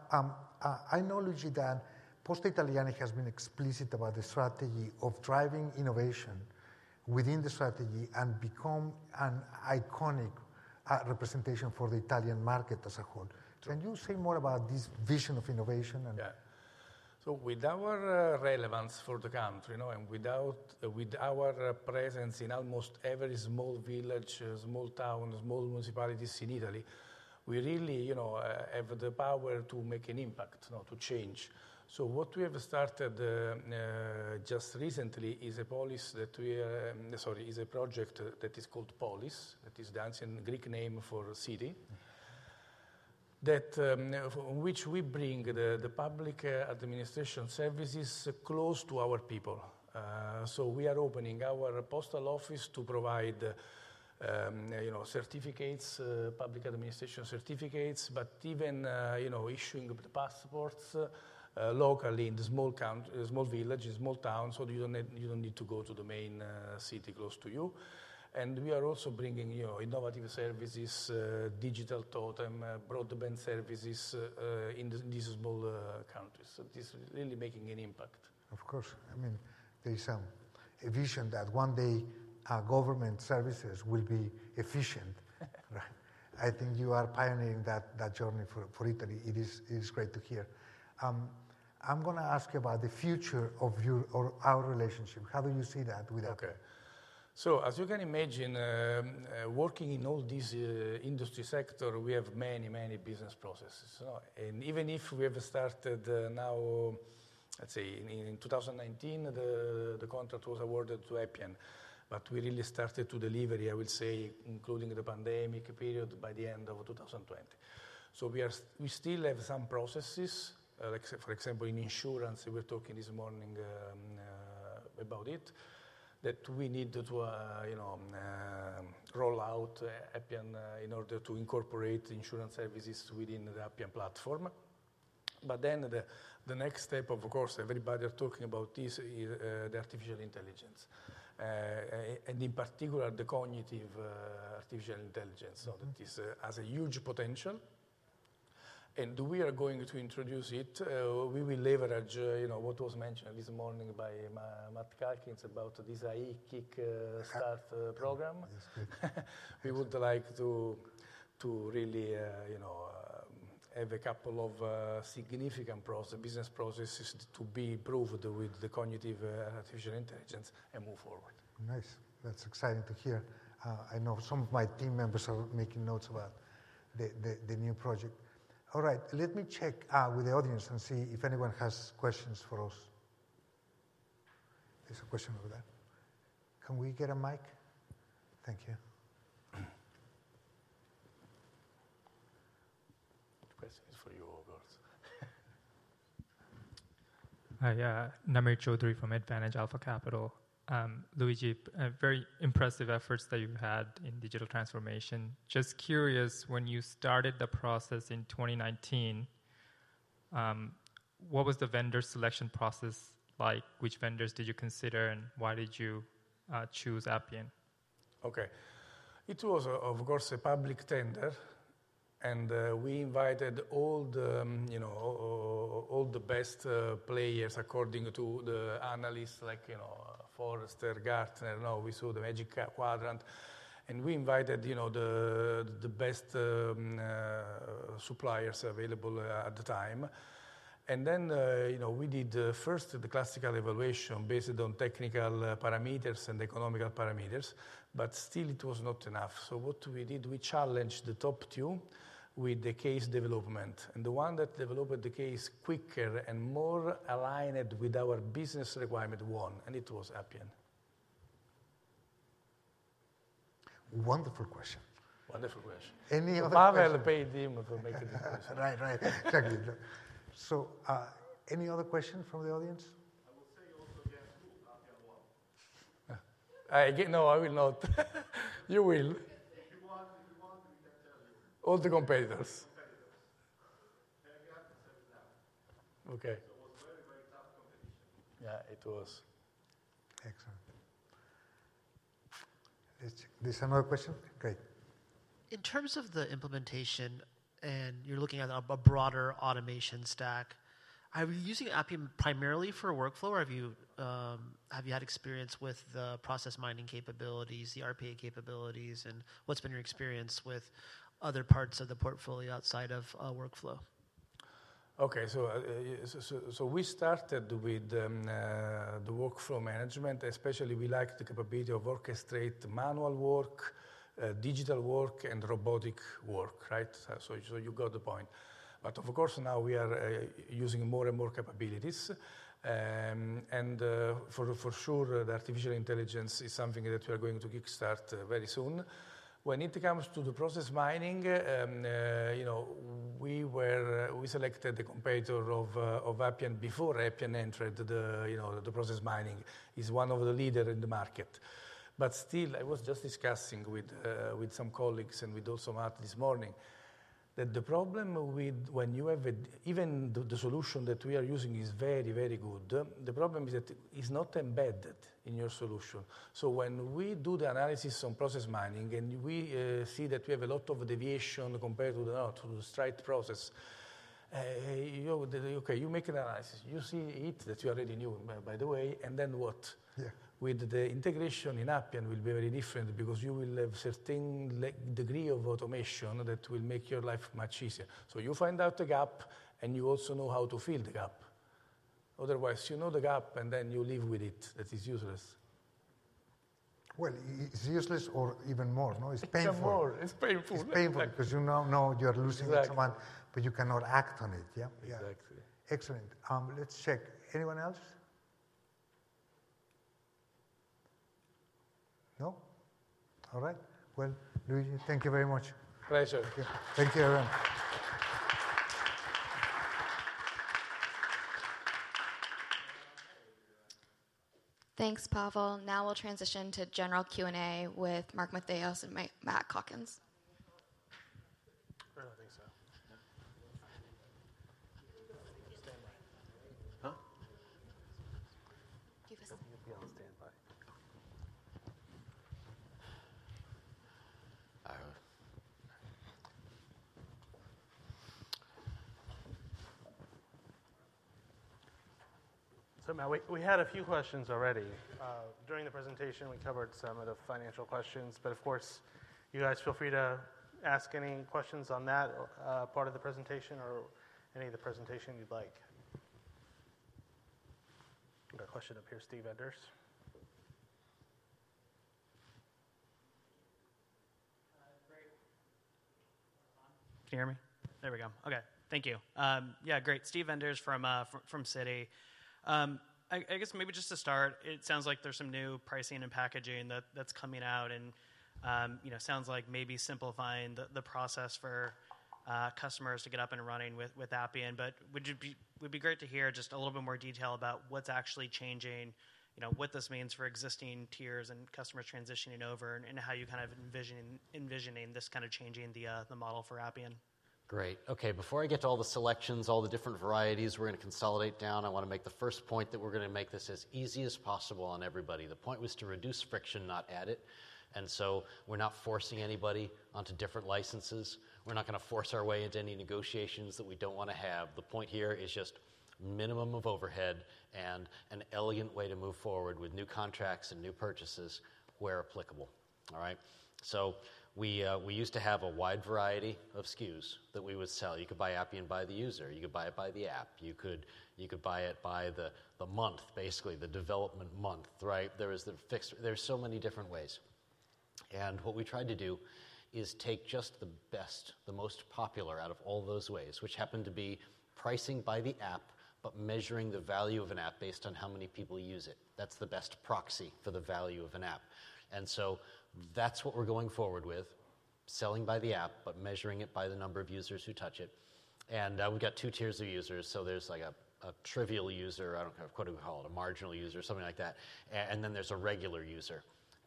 I know, Luigi, that Poste Italiane has been explicit about the strategy of driving innovation within the strategy and become an iconic representation for the Italian market as a whole. Can you say more about this vision of innovation and? Yeah. So with our relevance for the country and with our presence in almost every small village, small town, small municipalities in Italy, we really have the power to make an impact, to change. So what we have started just recently is a policy that we are sorry, is a project that is called Polis, that is the ancient Greek name for city, on which we bring the public administration services close to our people. So we are opening our postal office to provide certificates, public administration certificates, but even issuing the passports locally in the small village, in small town so you don't need to go to the main city close to you. And we are also bringing innovative services, digital totem, broadband services in these small countries. So this is really making an impact. Of course. I mean, there is some vision that one day government services will be efficient. I think you are pioneering that journey for Italy. It is great to hear. I'm going to ask you about the future of our relationship. How do you see that with Appian? Okay. So as you can imagine, working in all this industry sector, we have many, many business processes. Even if we have started now, let's say, in 2019, the contract was awarded to Appian. But we really started to deliver, I will say, including the pandemic period, by the end of 2020. We still have some processes. For example, in insurance, we were talking this morning about it, that we need to roll out Appian in order to incorporate insurance services within the Appian platform. Then the next step, of course, everybody is talking about is the artificial intelligence, and in particular, the cognitive artificial intelligence that has a huge potential. We are going to introduce it. We will leverage what was mentioned this morning by Matt Calkins about this AI Kickstart program. We would like to really have a couple of significant business processes to be improved with the cognitive artificial intelligence and move forward. Nice. That's exciting to hear. I know some of my team members are making notes about the new project. All right. Let me check with the audience and see if anyone has questions for us. There's a question over there. Can we get a mic? Thank you. The question is for you, of course. Hi. Namir Chowdhury from Advantage Alpha Capital. Luigi, very impressive efforts that you've had in digital transformation. Just curious, when you started the process in 2019, what was the vendor selection process like? Which vendors did you consider, and why did you choose Appian? Okay. It was, of course, a public tender. We invited all the best players according to the analysts, like Forrester, Gartner. We saw the Magic Quadrant. We invited the best suppliers available at the time. Then we did first the classical evaluation based on technical parameters and economical parameters. Still, it was not enough. What we did, we challenged the top two with the case development. The one that developed the case quicker and more aligned with our business requirement won. It was Appian. Wonderful question. Wonderful question. Any other questions? Pavel paid him to make this question. Right. Right. Exactly. So any other question from the audience? I will say also against who Appian won. No, I will not. You will. If you want, we can tell you. All the competitors. Competitors. Pega and ServiceNow. Okay. It was very, very tough competition. Yeah. It was. Excellent. There's another question? Great. In terms of the implementation, and you're looking at a broader automation stack, are you using Appian primarily for a workflow, or have you had experience with the process mining capabilities, the RPA capabilities, and what's been your experience with other parts of the portfolio outside of workflow? Okay. So we started with the workflow management. Especially, we like the capability of orchestrating manual work, digital work, and robotic work, right? So you got the point. But of course, now we are using more and more capabilities. And for sure, the artificial intelligence is something that we are going to kickstart very soon. When it comes to the process mining, we selected the competitor of Appian before Appian entered the process mining. It's one of the leaders in the market. But still, I was just discussing with some colleagues and with also Matt this morning that the problem with when you have even the solution that we are using is very, very good, the problem is that it's not embedded in your solution. So, when we do the analysis on process mining, and we see that we have a lot of deviation compared to the straight process, okay, you make an analysis. You see it that you already knew, by the way. And then what? With the integration in Appian, it will be very different because you will have a certain degree of automation that will make your life much easier. So you find out the gap, and you also know how to fill the gap. Otherwise, you know the gap, and then you live with it that it's useless. Well, it's useless or even more. It's painful. It's more. It's painful. It's painful because you now know you are losing someone, but you cannot act on it. Yeah. Yeah. Exactly. Excellent. Let's check. Anyone else? No? All right. Well, Luigi, thank you very much. Pleasure. Thank you. Thank you very much. Thanks, Pavel. Now we'll transition to general Q&A with Mark Matheos and Matt Calkins. I really think so. Standby. Huh? Do you have a seat? I think it'd be on standby. So now we had a few questions already. During the presentation, we covered some of the financial questions. But of course, you guys feel free to ask any questions on that part of the presentation or any of the presentation you'd like. I've got a question up here. Steve Enders. Great. Can you hear me? There we go. Okay. Thank you. Yeah. Great. Steve Enders from Citi. I guess maybe just to start, it sounds like there's some new pricing and packaging that's coming out. And it sounds like maybe simplifying the process for customers to get up and running with Appian. But would it be great to hear just a little bit more detail about what's actually changing, what this means for existing tiers and customers transitioning over, and how you're kind of envisioning this kind of changing the model for Appian? Great. Okay. Before I get to all the selections, all the different varieties we're going to consolidate down, I want to make the first point that we're going to make this as easy as possible on everybody. The point was to reduce friction, not add it. And so we're not forcing anybody onto different licenses. We're not going to force our way into any negotiations that we don't want to have. The point here is just minimum of overhead and an elegant way to move forward with new contracts and new purchases where applicable. All right? So we used to have a wide variety of SKUs that we would sell. You could buy Appian by the user. You could buy it by the app. You could buy it by the month, basically, the development month, right? There's so many different ways. What we tried to do is take just the best, the most popular out of all those ways, which happened to be pricing by the app but measuring the value of an app based on how many people use it. That's the best proxy for the value of an app. So that's what we're going forward with, selling by the app but measuring it by the number of users who touch it. We've got two tiers of users. So there's a trivial user. I don't know what we call it, a marginal user, something like that. And then there's a regular user.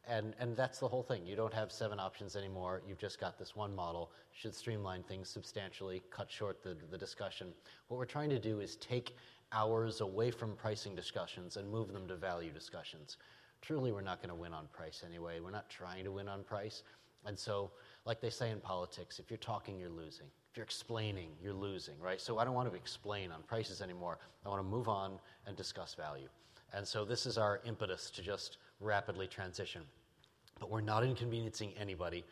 And that's the whole thing. You don't have seven options anymore. You've just got this one model. Should streamline things substantially, cut short the discussion. What we're trying to do is take hours away from pricing discussions and move them to value discussions. Truly, we're not going to win on price anyway. We're not trying to win on price. And so like they say in politics, if you're talking, you're losing. If you're explaining, you're losing, right? So I don't want to explain on prices anymore. I want to move on and discuss value. And so this is our impetus to just rapidly transition. But we're not inconveniencing anybody.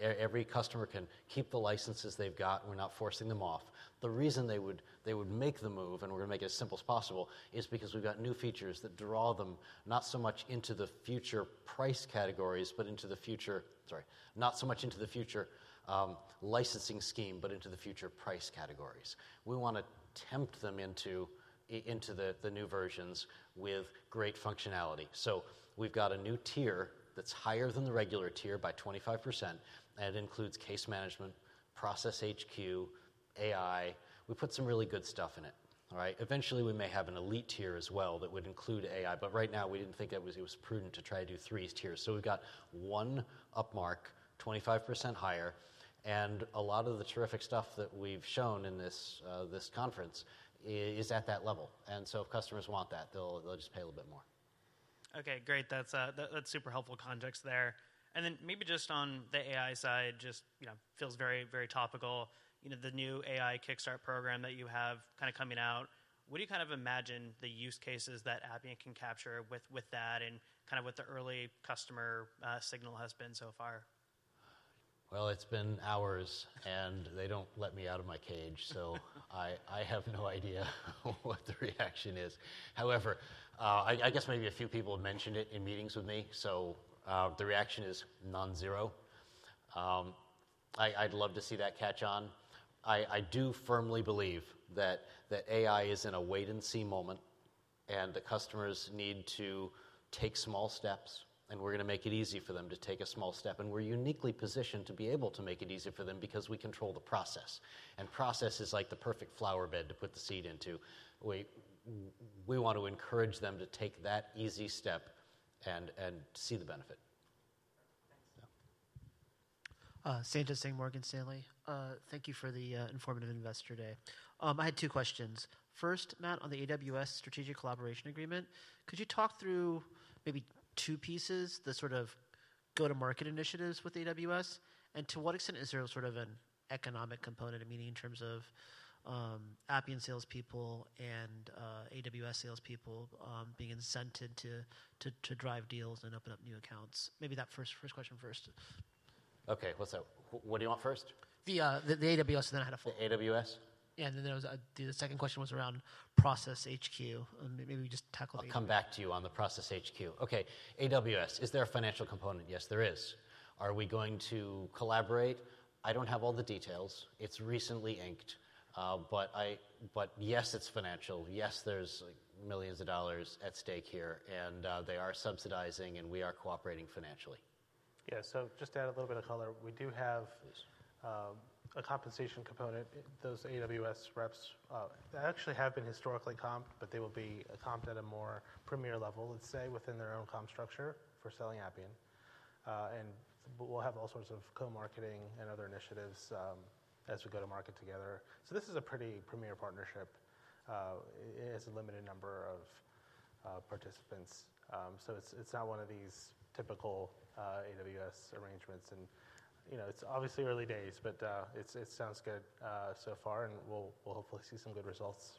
Every customer can keep the licenses they've got. We're not forcing them off. The reason they would make the move, and we're going to make it as simple as possible, is because we've got new features that draw them not so much into the future price categories but into the future sorry, not so much into the future licensing scheme but into the future price categories. We want to tempt them into the new versions with great functionality. So we've got a new tier that's higher than the regular tier by 25%. And it includes case management, Process HQ, AI. We put some really good stuff in it, all right? Eventually, we may have an elite tier as well that would include AI. But right now, we didn't think it was prudent to try to do three tiers. So we've got one markup, 25% higher. And a lot of the terrific stuff that we've shown in this conference is at that level. And so if customers want that, they'll just pay a little bit more. Okay. Great. That's super helpful context there. And then maybe just on the AI side, just feels very, very topical, the new AI Kickstart program that you have kind of coming out. What do you kind of imagine the use cases that Appian can capture with that and kind of what the early customer signal has been so far? Well, it's been hours. They don't let me out of my cage. I have no idea what the reaction is. However, I guess maybe a few people have mentioned it in meetings with me. The reaction is non-zero. I'd love to see that catch on. I do firmly believe that AI is in a wait-and-see moment. The customers need to take small steps. We're going to make it easy for them to take a small step. We're uniquely positioned to be able to make it easy for them because we control the process. Process is like the perfect flower bed to put the seed into. We want to encourage them to take that easy step and see the benefit. Thanks. Sanjit Singh, Morgan Stanley. Thank you for the informative investor day. I had two questions. First, Matt, on the AWS Strategic Collaboration Agreement, could you talk through maybe two pieces, the sort of go-to-market initiatives with AWS? And to what extent is there sort of an economic component, meaning in terms of Appian salespeople and AWS salespeople being incented to drive deals and open up new accounts? Maybe that first question first. Okay. What's that? What do you want first? The AWS, and then I had a full. The AWS? Yeah. And then the second question was around Process HQ. Maybe we just tackle the AWS. I'll come back to you on the Process HQ. Okay. AWS. Is there a financial component? Yes, there is. Are we going to collaborate? I don't have all the details. It's recently inked. But yes, it's financial. Yes, there's millions of dollars at stake here. And they are subsidizing. And we are cooperating financially. Yeah. So just to add a little bit of color, we do have a compensation component. Those AWS reps actually have been historically comped, but they will be comped at a more premier level, let's say, within their own comp structure for selling Appian. And we'll have all sorts of co-marketing and other initiatives as we go to market together. So this is a pretty premier partnership. It has a limited number of participants. So it's not one of these typical AWS arrangements. And it's obviously early days, but it sounds good so far. And we'll hopefully see some good results.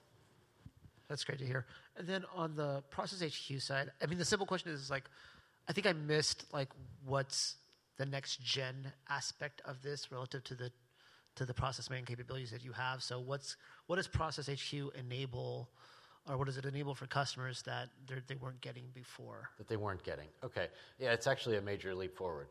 That's great to hear. And then on the Process HQ side, I mean, the simple question is, I think I missed what's the next-gen aspect of this relative to the process mining capabilities that you have. So what does Process HQ enable, or what does it enable for customers that they weren't getting before? That they weren't getting. Okay. Yeah. It's actually a major leap forward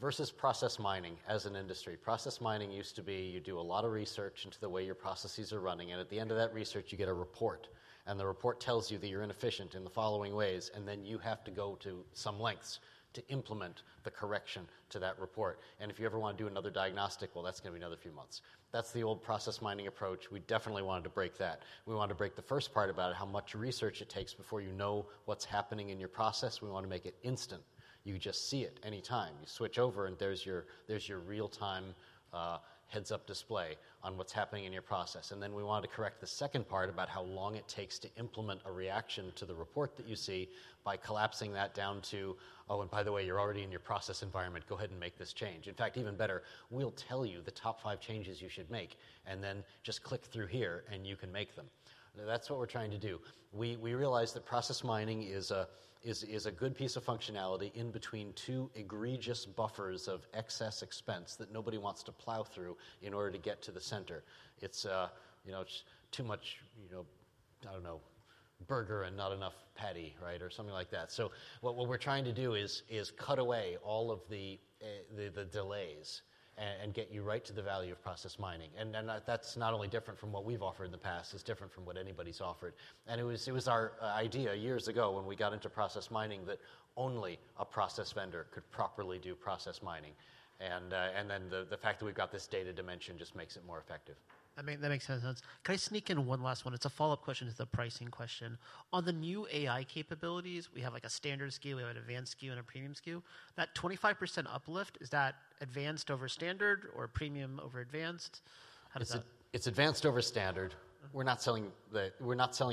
versus process mining as an industry. Process mining used to be you do a lot of research into the way your processes are running. At the end of that research, you get a report. The report tells you that you're inefficient in the following ways. Then you have to go to some lengths to implement the correction to that report. If you ever want to do another diagnostic, well, that's going to be another few months. That's the old process mining approach. We definitely wanted to break that. We wanted to break the first part about how much research it takes before you know what's happening in your process. We want to make it instant. You just see it anytime. You switch over, and there's your real-time heads-up display on what's happening in your process. Then we wanted to correct the second part about how long it takes to implement a reaction to the report that you see by collapsing that down to, "Oh, and by the way, you're already in your process environment. Go ahead and make this change." In fact, even better, we'll tell you the top five changes you should make. Then just click through here, and you can make them. That's what we're trying to do. We realize that process mining is a good piece of functionality in between two egregious buffers of excess expense that nobody wants to plow through in order to get to the center. It's too much, I don't know, burger and not enough patty, right, or something like that. What we're trying to do is cut away all of the delays and get you right to the value of process mining. That's not only different from what we've offered in the past. It's different from what anybody's offered. It was our idea years ago when we got into process mining that only a process vendor could properly do process mining. Then the fact that we've got this data dimension just makes it more effective. That makes total sense. Can I sneak in one last one? It's a follow-up question. It's a pricing question. On the new AI capabilities, we have a standard SKU. We have an advanced SKU and a premium SKU. That 25% uplift, is that advanced over standard or premium over advanced? How does that work? It's advanced over standard. We're not selling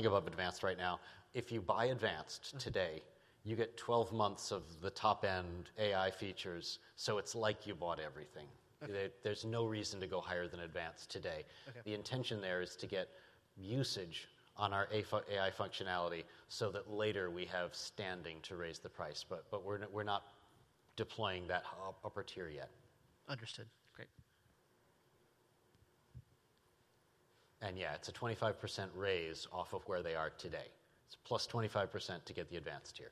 above advanced right now. If you buy advanced today, you get 12 months of the top-end AI features. So it's like you bought everything. There's no reason to go higher than advanced today. The intention there is to get usage on our AI functionality so that later we have standing to raise the price. But we're not deploying that upper tier yet. Understood. Great. Yeah, it's a 25% raise off of where they are today. It's plus 25% to get the advanced tier.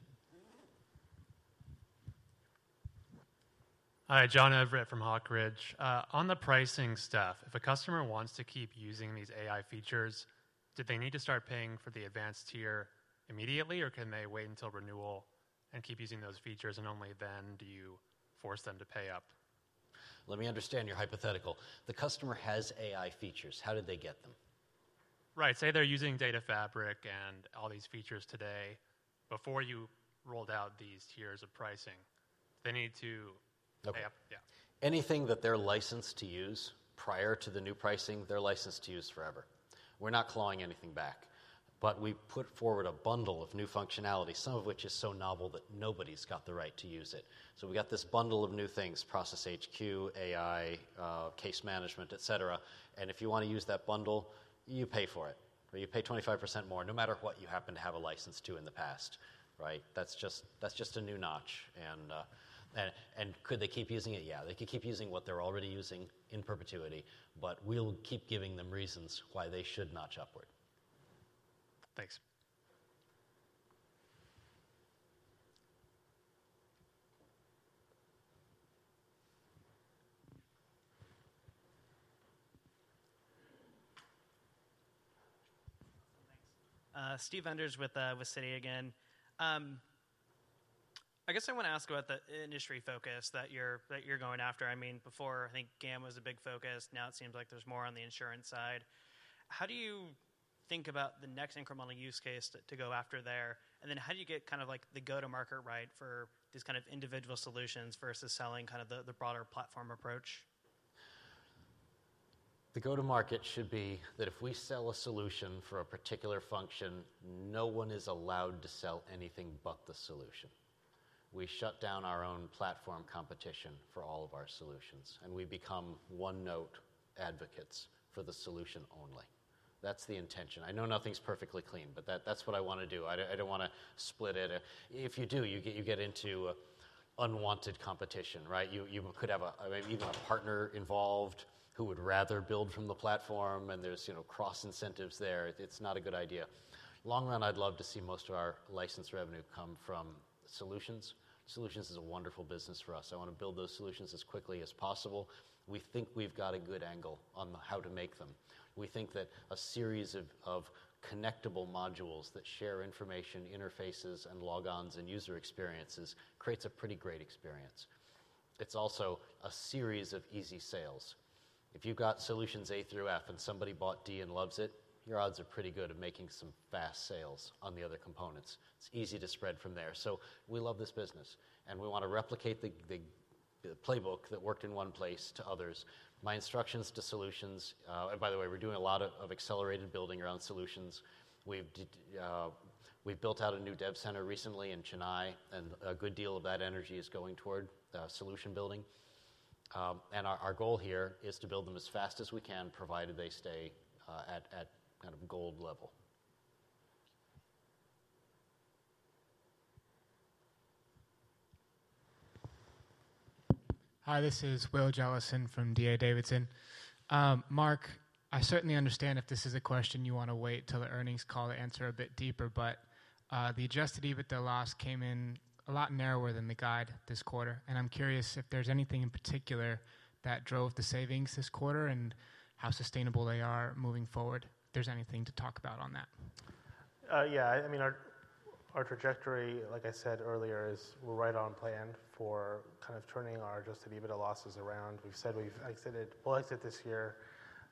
Hi. John Everett from Hawk Ridge. On the pricing stuff, if a customer wants to keep using these AI features, do they need to start paying for the advanced tier immediately, or can they wait until renewal and keep using those features? And only then do you force them to pay up? Let me understand your hypothetical. The customer has AI features. How did they get them? Right. Say they're using Data Fabric and all these features today. Before you rolled out these tiers of pricing, they need to pay up. Yeah. Anything that they're licensed to use prior to the new pricing, they're licensed to use forever. We're not clawing anything back. But we put forward a bundle of new functionality, some of which is so novel that nobody's got the right to use it. So we got this bundle of new things, Process HQ, AI, case management, etc. And if you want to use that bundle, you pay for it, right? You pay 25% more no matter what you happen to have a license to in the past, right? That's just a new notch. And could they keep using it? Yeah. They could keep using what they're already using in perpetuity. But we'll keep giving them reasons why they should notch upward. Thanks. Awesome. Thanks. Steve Enders with Citi again. I guess I want to ask about the industry focus that you're going after. I mean, before, I think GAM was a big focus. Now, it seems like there's more on the insurance side. How do you think about the next incremental use case to go after there? And then how do you get kind of the go-to-market right for these kind of individual solutions versus selling kind of the broader platform approach? The go-to-market should be that if we sell a solution for a particular function, no one is allowed to sell anything but the solution. We shut down our own platform competition for all of our solutions. We become one-note advocates for the solution only. That's the intention. I know nothing's perfectly clean, but that's what I want to do. I don't want to split it. If you do, you get into unwanted competition, right? You could have even a partner involved who would rather build from the platform. There's cross-incentives there. It's not a good idea. Long run, I'd love to see most of our license revenue come from solutions. Solutions is a wonderful business for us. I want to build those solutions as quickly as possible. We think we've got a good angle on how to make them. We think that a series of connectable modules that share information, interfaces, and logons and user experiences creates a pretty great experience. It's also a series of easy sales. If you've got solutions A through F and somebody bought D and loves it, your odds are pretty good of making some fast sales on the other components. It's easy to spread from there. So we love this business. And we want to replicate the playbook that worked in one place to others. My instructions to solutions and by the way, we're doing a lot of accelerated building around solutions. We've built out a new dev center recently in Chennai. And a good deal of that energy is going toward solution building. And our goal here is to build them as fast as we can, provided they stay at kind of gold level. Hi. This is William Jellison from DA Davidson. Mark, I certainly understand if this is a question you want to wait till the earnings call to answer a bit deeper. But the adjusted EBITDA loss came in a lot narrower than the guide this quarter. And I'm curious if there's anything in particular that drove the savings this quarter and how sustainable they are moving forward. If there's anything to talk about on that. Yeah. I mean, our trajectory, like I said earlier, is we're right on plan for kind of turning our adjusted EBITDA losses around. We've said we'll exit this year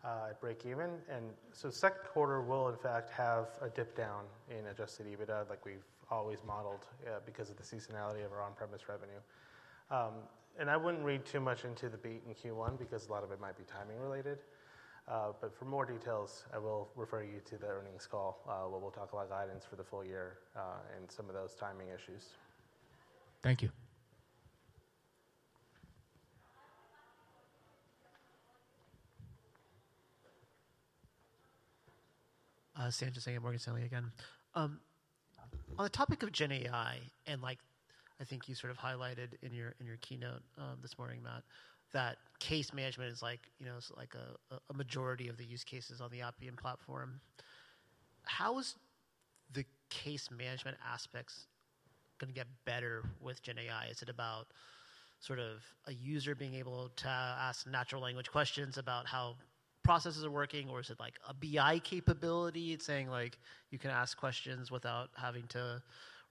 at break even. And so second quarter will, in fact, have a dip down in adjusted EBITDA like we've always modeled because of the seasonality of our on-premise revenue. And I wouldn't read too much into the beat in Q1 because a lot of it might be timing-related. But for more details, I will refer you to the earnings call where we'll talk about guidance for the full year and some of those timing issues. Thank you. Sanjit Singh, Morgan Stanley again. On the topic of GenAI, and I think you sort of highlighted in your keynote this morning, Matt, that case management is a majority of the use cases on the Appian platform. How is the case management aspects going to get better with GenAI? Is it about sort of a user being able to ask natural language questions about how processes are working? Or is it a BI capability? It's saying you can ask questions without having to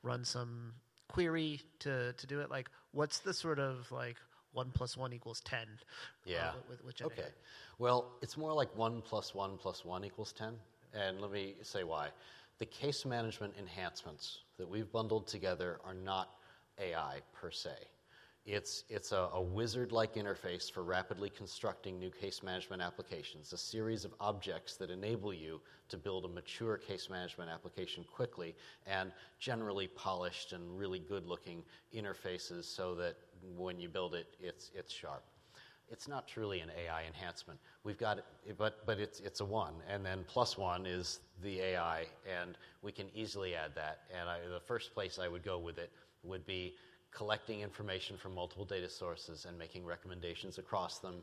run some query to do it. What's the sort of one plus one equals 10 model with GenAI? Yeah. Okay. Well, it's more like one plus one plus one equals 10. And let me say why. The case management enhancements that we've bundled together are not AI per se. It's a wizard-like interface for rapidly constructing new case management applications, a series of objects that enable you to build a mature case management application quickly and generally polished and really good-looking interfaces so that when you build it, it's sharp. It's not truly an AI enhancement. But it's a one. And then plus one is the AI. And we can easily add that. And the first place I would go with it would be collecting information from multiple data sources and making recommendations across them,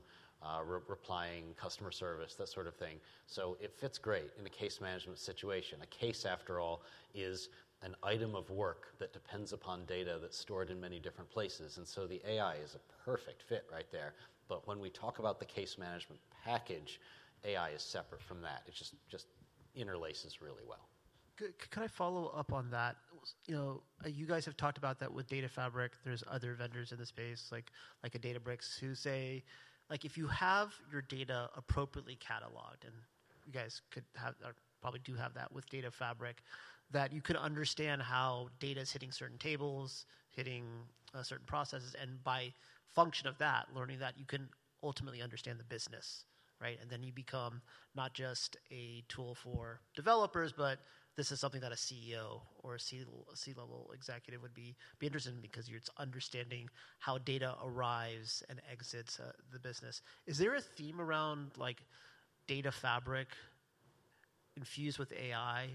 replying, customer service, that sort of thing. So it fits great in the case management situation. A case, after all, is an item of work that depends upon data that's stored in many different places. And so the AI is a perfect fit right there. But when we talk about the case management package, AI is separate from that. It just interlaces really well. Can I follow up on that? You guys have talked about that with Data Fabric. There's other vendors in the space like Databricks who say if you have your data appropriately cataloged, and you guys probably do have that with Data Fabric, that you could understand how data is hitting certain tables, hitting certain processes. And by function of that, learning that, you can ultimately understand the business, right? And then you become not just a tool for developers, but this is something that a CEO or a C-level executive would be interested in because it's understanding how data arrives and exits the business. Is there a theme around Data Fabric infused with AI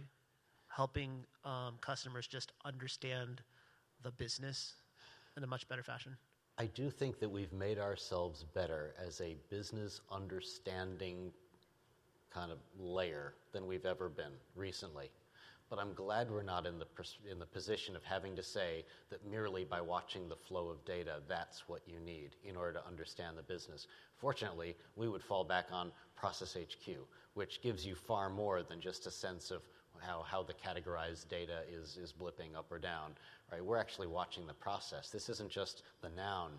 helping customers just understand the business in a much better fashion? I do think that we've made ourselves better as a business-understanding kind of layer than we've ever been recently. But I'm glad we're not in the position of having to say that merely by watching the flow of data, that's what you need in order to understand the business. Fortunately, we would fall back on Process HQ, which gives you far more than just a sense of how the categorized data is blipping up or down, right? We're actually watching the process. This isn't just the noun.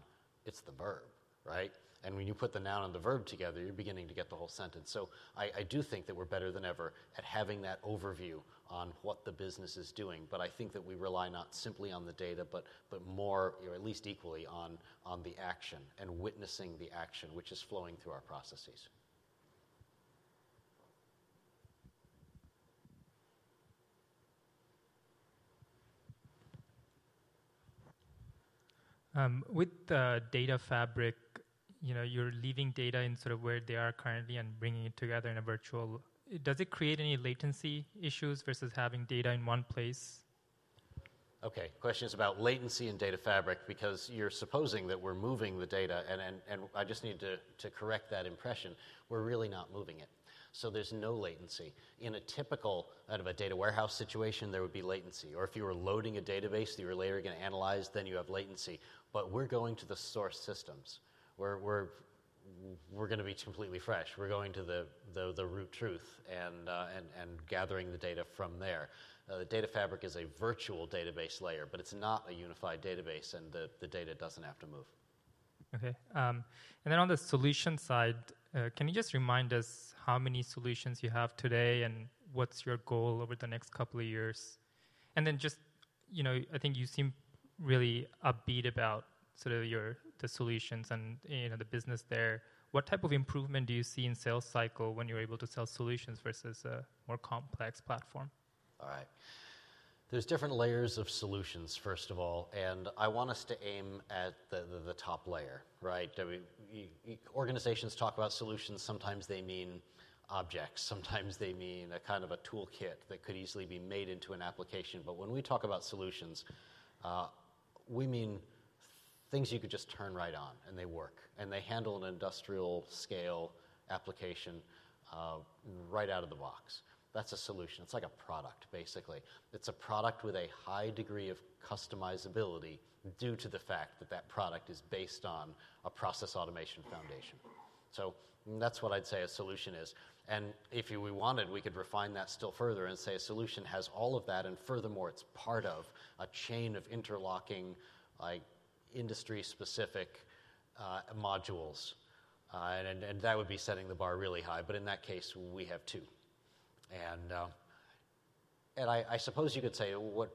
It's the verb, right? And when you put the noun and the verb together, you're beginning to get the whole sentence. So I do think that we're better than ever at having that overview on what the business is doing. I think that we rely not simply on the data but more, or at least equally, on the action and witnessing the action, which is flowing through our processes. With Data Fabric, you're leaving data in sort of where they are currently and bringing it together in a virtual database. Does it create any latency issues versus having data in one place? Okay. Question is about latency in Data Fabric because you're supposing that we're moving the data. I just need to correct that impression. We're really not moving it. There's no latency. In a typical kind of a data warehouse situation, there would be latency. Or if you were loading a database that you were later going to analyze, then you have latency. But we're going to the source systems. We're going to be completely fresh. We're going to the root truth and gathering the data from there. Data Fabric is a virtual database layer. It's not a unified database. The data doesn't have to move. Okay. And then on the solution side, can you just remind us how many solutions you have today and what's your goal over the next couple of years? And then just I think you seem really upbeat about sort of the solutions and the business there. What type of improvement do you see in sales cycle when you're able to sell solutions versus a more complex platform? All right. There's different layers of solutions, first of all. I want us to aim at the top layer, right? Organizations talk about solutions. Sometimes they mean objects. Sometimes they mean kind of a toolkit that could easily be made into an application. But when we talk about solutions, we mean things you could just turn right on. And they work. And they handle an industrial-scale application right out of the box. That's a solution. It's like a product, basically. It's a product with a high degree of customizability due to the fact that that product is based on a process automation foundation. So that's what I'd say a solution is. And if we wanted, we could refine that still further and say a solution has all of that. And furthermore, it's part of a chain of interlocking industry-specific modules. And that would be setting the bar really high. But in that case, we have two. And I suppose you could say what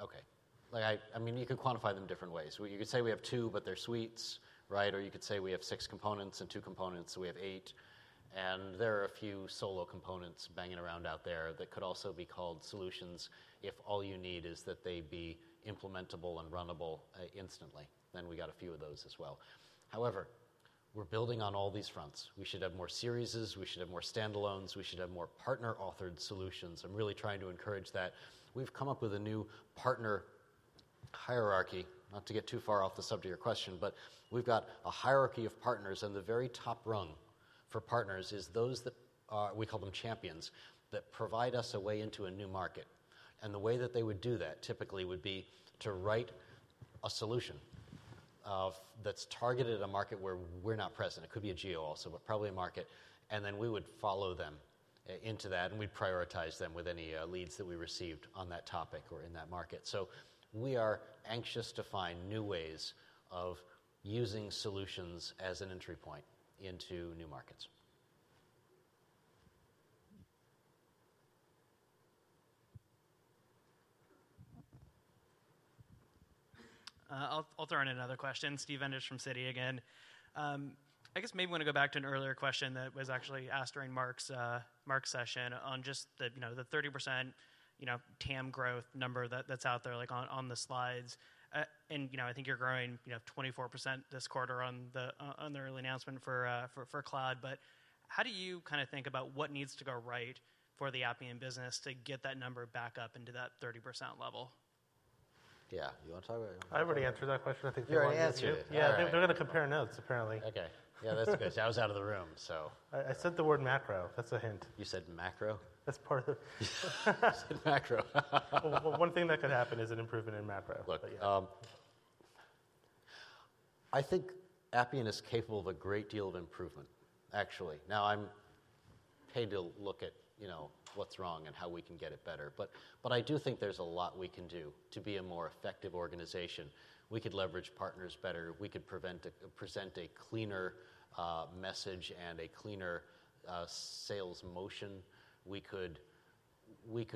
okay. I mean, you could quantify them different ways. You could say we have two, but they're suites, right? Or you could say we have six components and two components. So we have eight. And there are a few solo components banging around out there that could also be called solutions if all you need is that they be implementable and runnable instantly. Then we got a few of those as well. However, we're building on all these fronts. We should have more series. We should have more standalones. We should have more partner-authored solutions. I'm really trying to encourage that. We've come up with a new partner hierarchy not to get too far off the subject of your question. But we've got a hierarchy of partners. The very top rung for partners is those that we call them champions that provide us a way into a new market. And the way that they would do that typically would be to write a solution that's targeted at a market where we're not present. It could be a geo also, but probably a market. And then we would follow them into that. And we'd prioritize them with any leads that we received on that topic or in that market. So we are anxious to find new ways of using solutions as an entry point into new markets. I'll throw in another question. Steve Enders from Citi again. I guess maybe I want to go back to an earlier question that was actually asked during Mark's session on just the 30% TAM growth number that's out there on the slides. And I think you're growing 24% this quarter on the early announcement for cloud. But how do you kind of think about what needs to go right for the Appian business to get that number back up into that 30% level? Yeah. You want to talk about it? I already answered that question. I think people want to hear it. You already answered it. Yeah. They're going to compare notes, apparently. Okay. Yeah. That's good. I was out of the room, so. I said the word macro. That's a hint. You said macro? That's part of the. You said macro. One thing that could happen is an improvement in macro. Look, I think Appian is capable of a great deal of improvement, actually. Now, I'm paid to look at what's wrong and how we can get it better. But I do think there's a lot we can do to be a more effective organization. We could leverage partners better. We could present a cleaner message and a cleaner sales motion. We could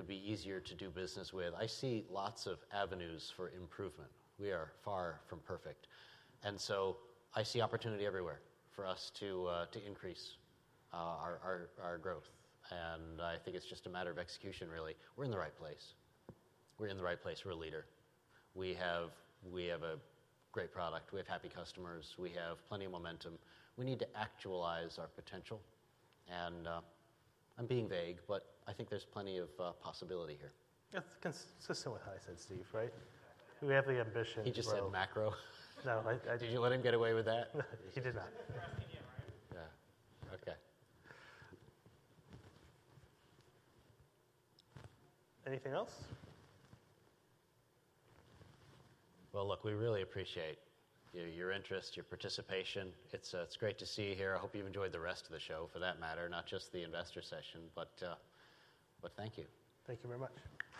be easier to do business with. I see lots of avenues for improvement. We are far from perfect. And so I see opportunity everywhere for us to increase our growth. And I think it's just a matter of execution, really. We're in the right place. We're in the right place. We're a leader. We have a great product. We have happy customers. We have plenty of momentum. We need to actualize our potential. And I'm being vague. But I think there's plenty of possibility here. That's consistent with what I said, Steve, right? We have the ambition. He just said macro. No. Did you let him get away with that? He did not. He's interested in him, right? Yeah. Okay. Anything else? Well, look, we really appreciate your interest, your participation. It's great to see you here. I hope you've enjoyed the rest of the show for that matter, not just the investor session. But thank you. Thank you very much.